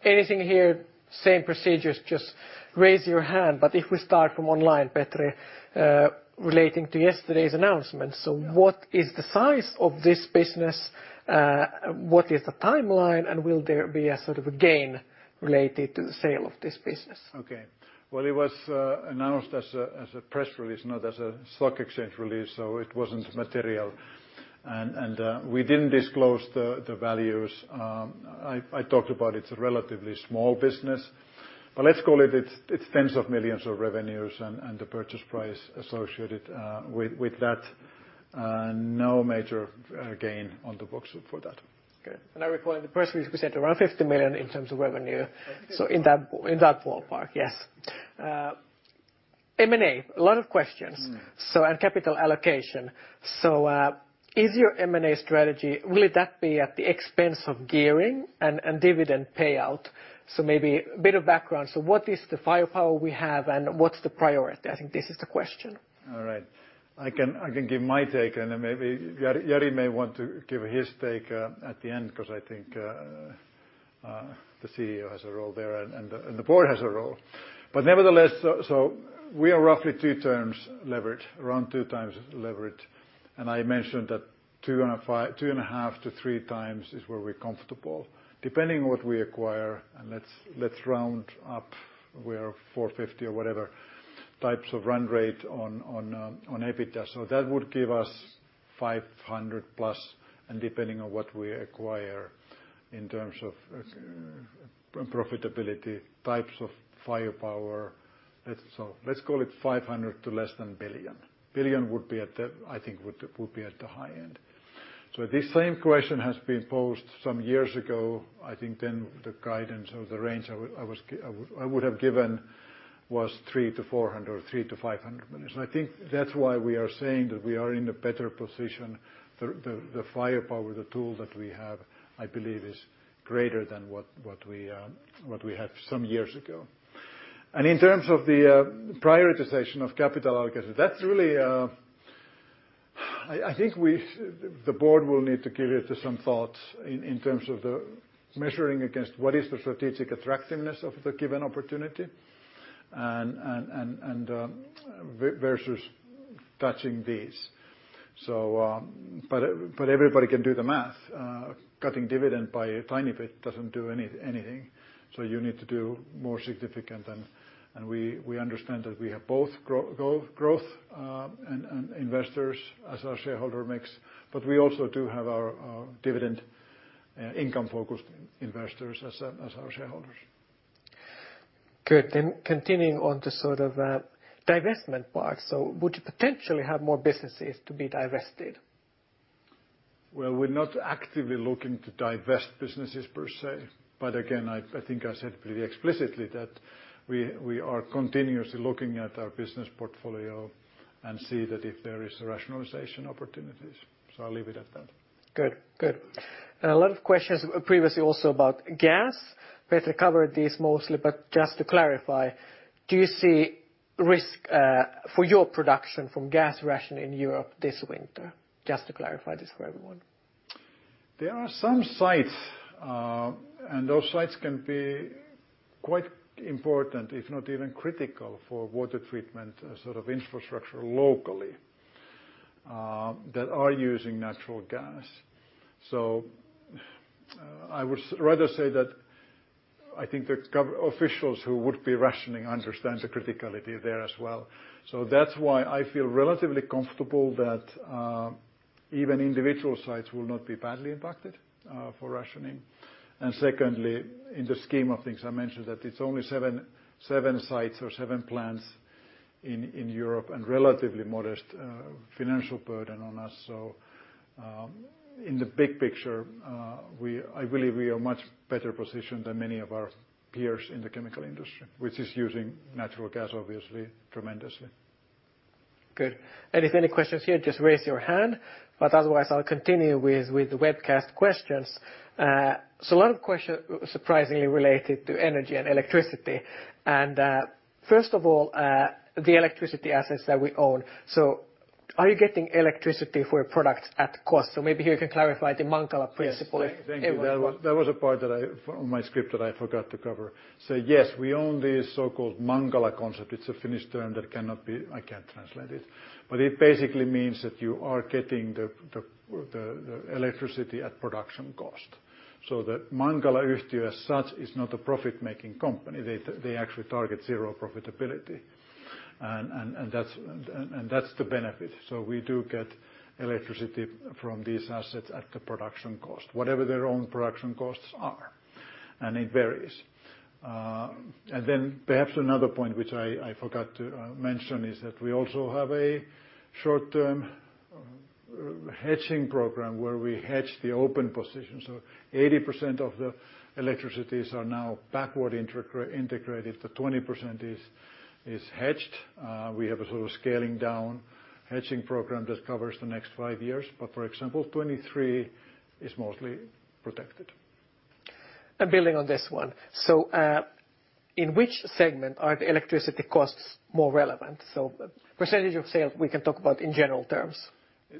Anything here, same procedure, just raise your hand. If we start from online, Petri, relating to yesterday's announcement. What is the size of this business? What is the timeline? Will there be a sort of gain related to the sale of this business? Okay. Well, it was announced as a press release, not as a stock exchange release, so it wasn't material. We didn't disclose the values. I talked about it's a relatively small business. Let's call it tens of millions EUR in revenues and the purchase price associated with that. No major gain on the books for that. Okay. I recall in the press release you said around 50 million in terms of revenue. In that ballpark, yes. M&A, a lot of questions. Mm. Capital allocation. Is your M&A strategy, will that be at the expense of gearing and dividend payout? Maybe a bit of background. What is the firepower we have and what's the priority? I think this is the question. All right. I can give my take, and then maybe Jari may want to give his take at the end, because I think the CEO has a role there and the board has a role. Nevertheless, we are roughly 2x leverage, around 2x leverage. I mentioned that 2.5-3x is where we're comfortable. Depending on what we acquire, let's round up, we are 450 or whatever types of run rate on EBITDA. So that would give us 500 million+, and depending on what we acquire in terms of profitability, types of firepower. Let's call it 500 million to less than 1 billion. 1 billion would be at the high end, I think. This same question has been posed some years ago. I think then the guidance or the range I would have given was 300-400 million, 300-500 million. I think that's why we are saying that we are in a better position. The firepower, the tool that we have, I believe is greater than what we had some years ago. In terms of the prioritization of capital allocation, that's really, I think the board will need to give it some thoughts in terms of the measuring against what is the strategic attractiveness of the given opportunity versus touching these. But everybody can do the math. Cutting by a tiny bit doesn't do anything. You need to do more significant. We understand that we have both growth and investors as our shareholder mix, but we also do have our dividend income-focused investors as our shareholders. Good. Continuing on to sort of, divestment part. Would you potentially have more businesses to be divested? Well, we're not actively looking to divest businesses per se. Again, I think I said pretty explicitly that we are continuously looking at our business portfolio and see that if there is rationalization opportunities. I'll leave it at that. Good. A lot of questions previously also about gas. Petri covered this mostly, but just to clarify, do you see risk for your production from gas rationing in Europe this winter? Just to clarify this for everyone. There are some sites, and those sites can be quite important, if not even critical for water treatment, sort of infrastructure locally, that are using natural gas. I would rather say that I think the officials who would be rationing understand the criticality there as well. That's why I feel relatively comfortable that even individual sites will not be badly impacted for rationing. Secondly, in the scheme of things, I mentioned that it's only seven sites or seven plants in Europe and a relatively modest financial burden on us. In the big picture, I believe we are much better positioned than many of our peers in the chemical industry, which is using natural gas, obviously tremendously. Good. If any questions here, just raise your hand. Otherwise, I'll continue with the webcast questions. A lot of questions surprisingly related to energy and electricity. First of all, the electricity assets that we own. Are you getting electricity for a product at cost? Maybe here you can clarify the Mankala principle. Yes. Thank you. A bit more. That was a part from my script that I forgot to cover. Yes, we own this so-called Mankala concept. It's a Finnish term that I can't translate. But it basically means that you are getting the electricity at production cost. The Mankala entity as such is not a profit making company. They actually target zero profitability. And that's the benefit. We do get electricity from these assets at the production cost, whatever their own production costs are, and it varies. Then perhaps another point which I forgot to mention is that we also have a short-term hedging program where we hedge the open positions. 80% of the electricity is now backward integrated, the 20% is hedged. We have a sort of scaling down hedging program that covers the next five years. For example, 2023 is mostly protected. Building on this one, in which segment are the electricity costs more relevant? Percentage of sale we can talk about in general terms.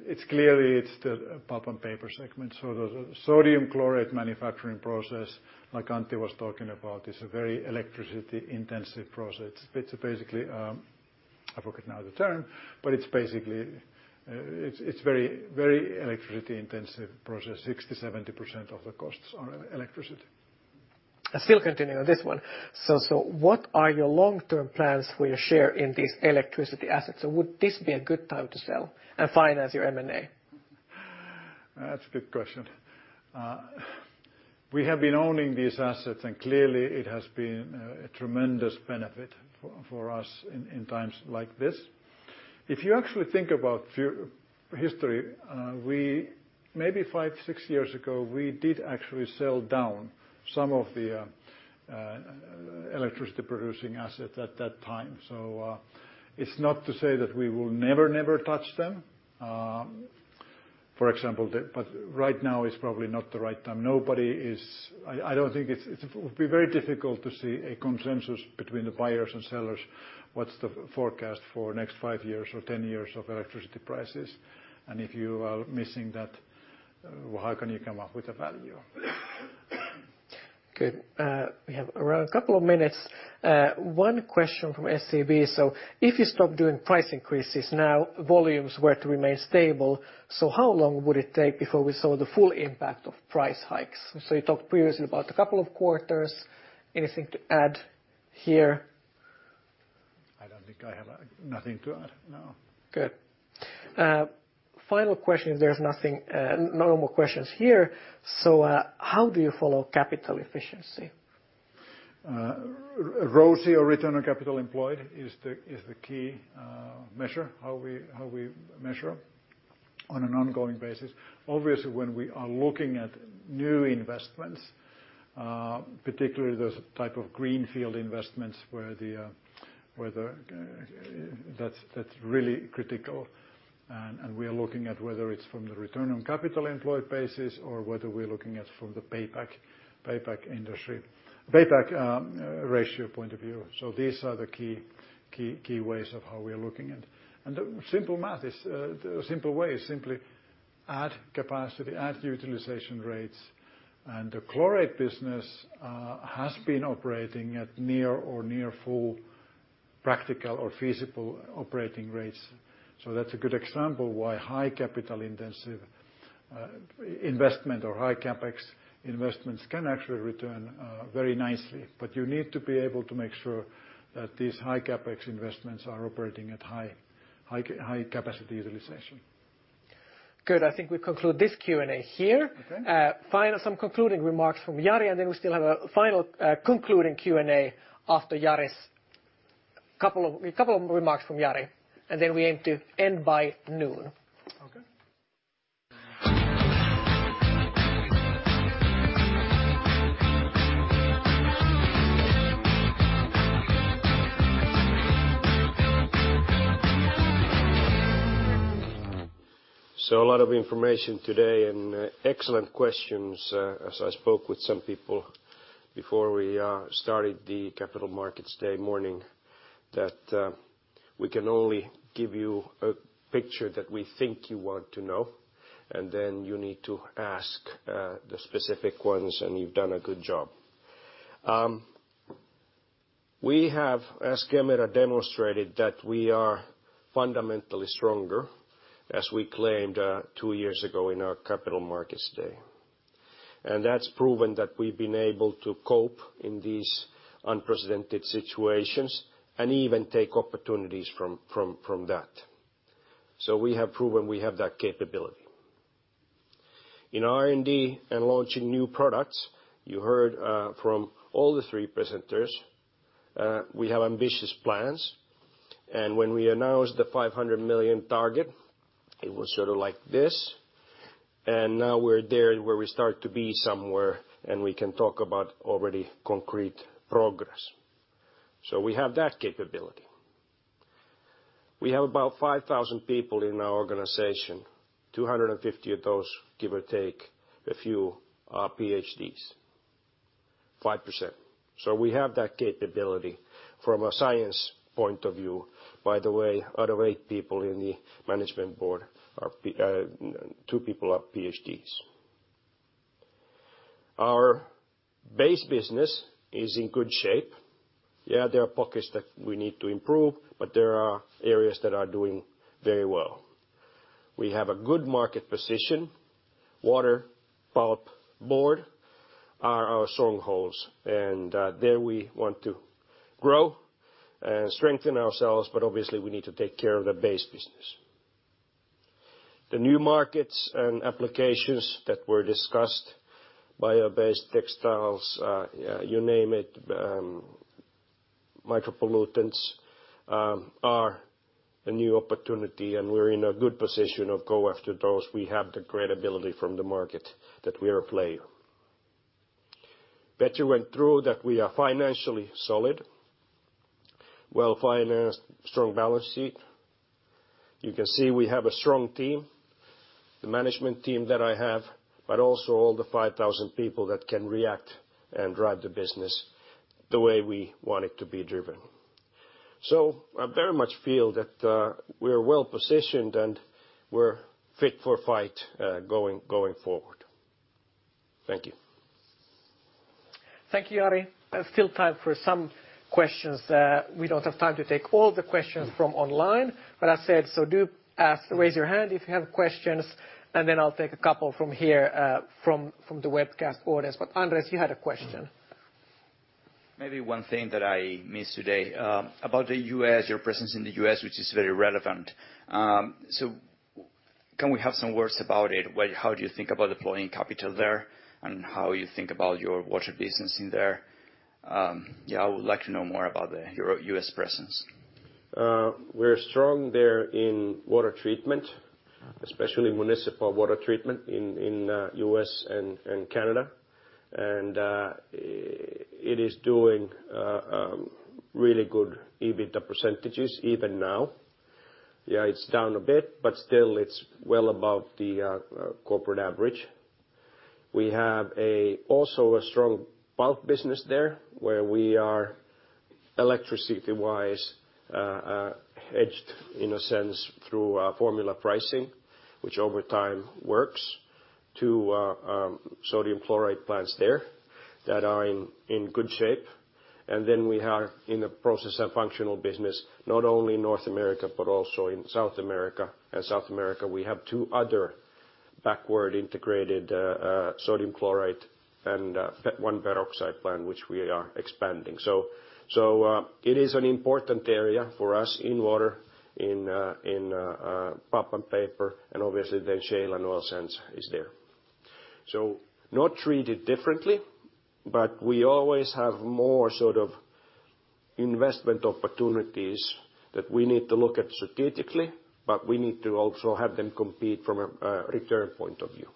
It's clearly the Pulp & Paper segment. The sodium chlorate manufacturing process, like Antti was talking about, is a very electricity-intensive process. It's basically, I forgot now the term, but it's basically very electricity-intensive process. 60%-70% of the costs are electricity. Still continuing on this one. What are your long-term plans for your share in these electricity assets? Would this be a good time to sell and finance your M&A? That's a good question. We have been owning these assets, and clearly, it has been a tremendous benefit for us in times like these. If you actually think about few history, we maybe five or six years ago, we did actually sell down some of the electricity-producing assets at that time. It's not to say that we will never touch them, for example. Right now is probably not the right time. Nobody is. I don't think it would be very difficult to see a consensus between the buyers and sellers. What's the forecast for the next five years or 10 years of electricity prices? If you are missing that, how can you come up with a value? Okay, we have around a couple of minutes. One question from SEB. If you stop doing price increases now, volumes were to remain stable, so how long would it take before we saw the full impact of price hikes? You talked previously about a couple of quarters. Anything to add here? I don't think I have nothing to add, no. Good. Final question, if there's nothing, no more questions here. How do you follow capital efficiency? ROCE or return on capital employed is the key measure, how we measure on an ongoing basis. Obviously, when we are looking at new investments, particularly those type of greenfield investments. That's really critical and we are looking at whether it's from the return on capital employed basis or whether we're looking at from the payback period ratio point of view. These are the key ways of how we are looking at. The simple math is, the simple way is simply add capacity, add utilization rates. The chlorate business has been operating at near full practical or feasible operating rates. That's a good example why high capital intensive investment or high CapEx investments can actually return very nicely. You need to be able to make sure that these high CapEx investments are operating at high capacity utilization. Good. I think we conclude this Q&A here. Okay. Some concluding remarks from Jari, and then we still have a final concluding Q&A after Jari's couple of remarks from Jari, and then we aim to end by noon. Okay. A lot of information today and excellent questions. As I spoke with some people before we started the capital markets day morning, that we can only give you a picture that we think you want to know and then you need to ask the specific ones, and you've done a good job. We have, as Kemira demonstrated, that we are fundamentally stronger as we claimed two years ago in our capital markets day. That's proven that we've been able to cope in these unprecedented situations and even take opportunities from that. We have proven we have that capability. In R&D and launching new products, you heard from all the three presenters, we have ambitious plans. When we announced the 500 million target, it was sort of like this. Now we're there where we start to be somewhere, and we can talk about already concrete progress. We have that capability. We have about 5,000 people in our organization. Two hundred and fifty of those, give or take, a few are PhDs. 5%. We have that capability from a science point of view. By the way, out of eight people in the management board, two people are PhDs. Our base business is in good shape. Yeah, there are pockets that we need to improve, but there are areas that are doing very well. We have a good market position. Water, pulp, board are our strongholds, and there, we want to grow and strengthen ourselves, but obviously, we need to take care of the base business. The new markets and applications that were discussed, bio-based textiles, you name it, micropollutants, are a new opportunity, and we're in a good position to go after those. We have the credibility from the market that we are a player. Petri went through that we are financially solid, well-financed, strong balance sheet. You can see we have a strong team, the management team that I have, but also all the 5,000 people that can react and drive the business the way we want it to be driven. I very much feel that we're well positioned, and we're fit for fight, going forward. Thank you. Thank you, Jari. I've still time for some questions. We don't have time to take all the questions from online, but I said, so do ask. Raise your hand if you have questions, and then I'll take a couple from here, from the webcast audience. Andrés, you had a question. Maybe one thing that I missed today, about the US, your presence in the US, which is very relevant. So can we have some words about it? Well, how do you think about deploying capital there, and how you think about your water business in there? Yeah, I would like to know more about the US presence. We're strong there in water treatment, especially municipal water treatment in the U.S. and Canada. It is doing really good EBITDA percentages even now. Yeah, it's down a bit, but still, it's well above the corporate average. We also have a strong pulp business there, where we are electricity-wise hedged in a sense through formula pricing, which over time works to sodium chlorate plants there that are in good shape. We are in the process of functional business, not only in North America, but also in South America. In South America, we have two other backward-integrated sodium chlorate and one peroxide plant, which we are expanding. It is an important area for us in water, in pulp and paper, and obviously, then shale and oil sands is there. Not treated differently, but we always have more sort of investment opportunities that we need to look at strategically, but we need to also have them compete from a return point of view.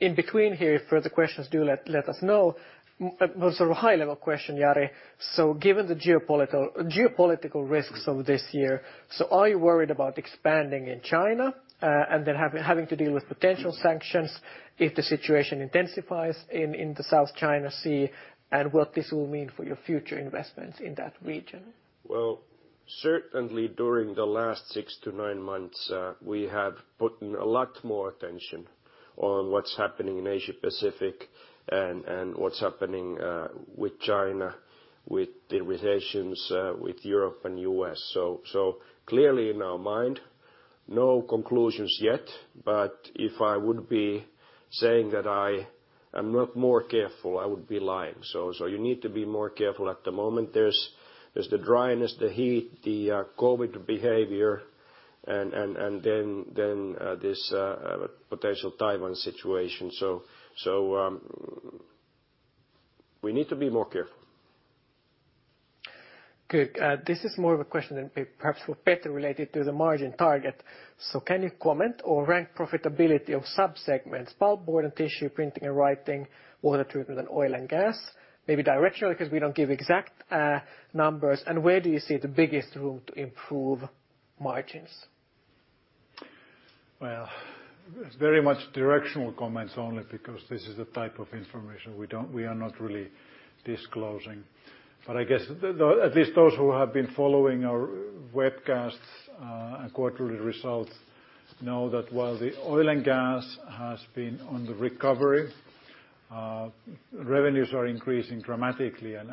If there are further questions, do let us know. Well, sort of a high-level question, Jari. Given the geopolitical risks of this year, are you worried about expanding in China, and then having to deal with potential sanctions if the situation intensifies in the South China Sea, and what this will mean for your future investments in that region? Well, certainly, during the last 6-9 months, we have put in a lot more attention on what's happening in Asia-Pacific and what's happening with China, with the relations with Europe and U.S. Clearly in our mind, no conclusions yet. If I would be saying that I am not more careful, I would be lying. You need to be more careful at the moment. There's the dryness, the heat, the COVID behavior, and then this potential Taiwan situation. We need to be more careful. Good. This is more of a question and perhaps for Petri related to the margin target. Can you comment or rank profitability of sub-segments, pulp, board, and tissue, printing and writing, water treatment, and oil and gas? Maybe directionally because we don't give exact numbers. Where do you see the biggest room to improve margins? Well, it's very much directional comments only because this is the type of information we are not really disclosing. I guess at least those who have been following our webcasts and quarterly results know that while the oil and gas has been on the recovery, revenues are increasing dramatically and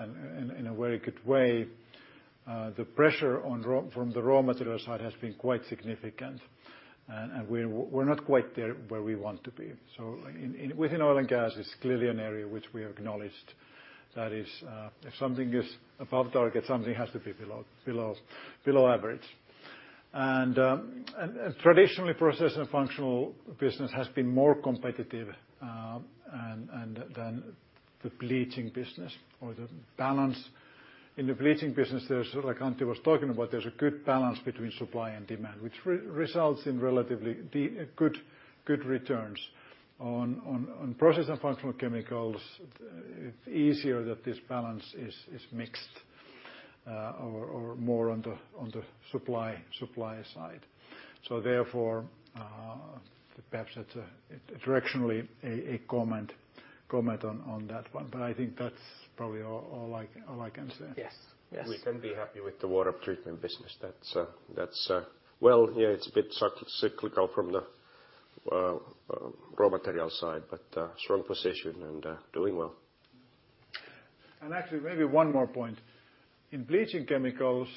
in a very good way. The pressure from the raw material side has been quite significant. We're not quite there where we want to be. Within oil and gas, it's clearly an area which we acknowledged. That is, if something is above target, something has to be below average. Traditionally, process and functional business has been more competitive than the bleaching business or the balance. In the bleaching business, there's like Antti was talking about, there's a good balance between supply and demand, which results in relatively good returns. On process and functional chemicals, it's even that this balance is mixed or more on the supply side. Therefore, perhaps it's directionally a comment on that one. I think that's probably all I can say. Yes. Yes. We can be happy with the water treatment business. That's well, yeah, it's a bit cyclical from the raw material side, but strong position and doing well. Actually, maybe one more point. In bleaching chemicals,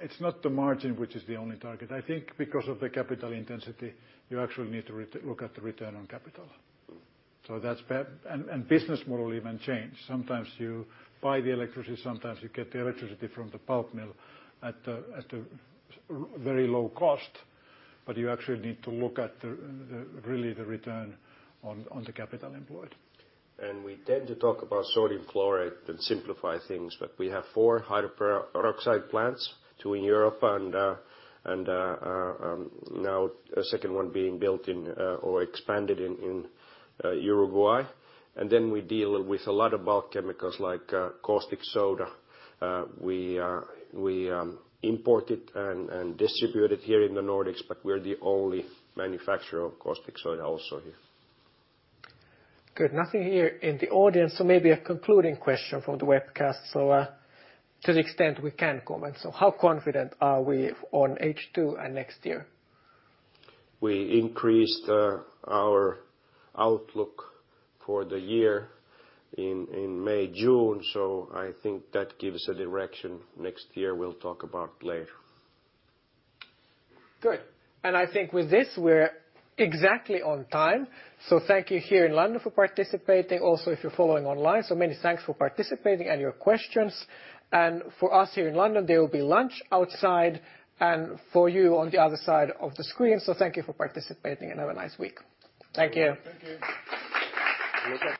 it's not the margin which is the only target. I think because of the capital intensity, you actually need to look at the return on capital. So that's perhaps, and the business model even change. Sometimes you buy the electricity, sometimes you get the electricity from the pulp mill at a very low cost, but you actually need to look at, really, the return on the capital employed. We tend to talk about sodium chlorate and simplify things, but we have four hydrogen peroxide plants, two in Europe and now a second one being built or expanded in Uruguay. We deal with a lot of bulk chemicals like caustic soda. We import it and distribute it here in the Nordics, but we're the only manufacturer of caustic soda also here. Good. Nothing here in the audience, so maybe a concluding question from the webcast. To the extent we can comment, so how confident are we on H2 and next year? We increased our outlook for the year in May, June, so I think that gives a direction. Next year we'll talk about later. Good. I think with this we're exactly on time. Thank you here in London for participating, also if you're following online. Many thanks for participating and your questions. For us here in London, there will be lunch outside, and for you on the other side of the screen. Thank you for participating and have a nice week. Thank you. Thank you. You're welcome.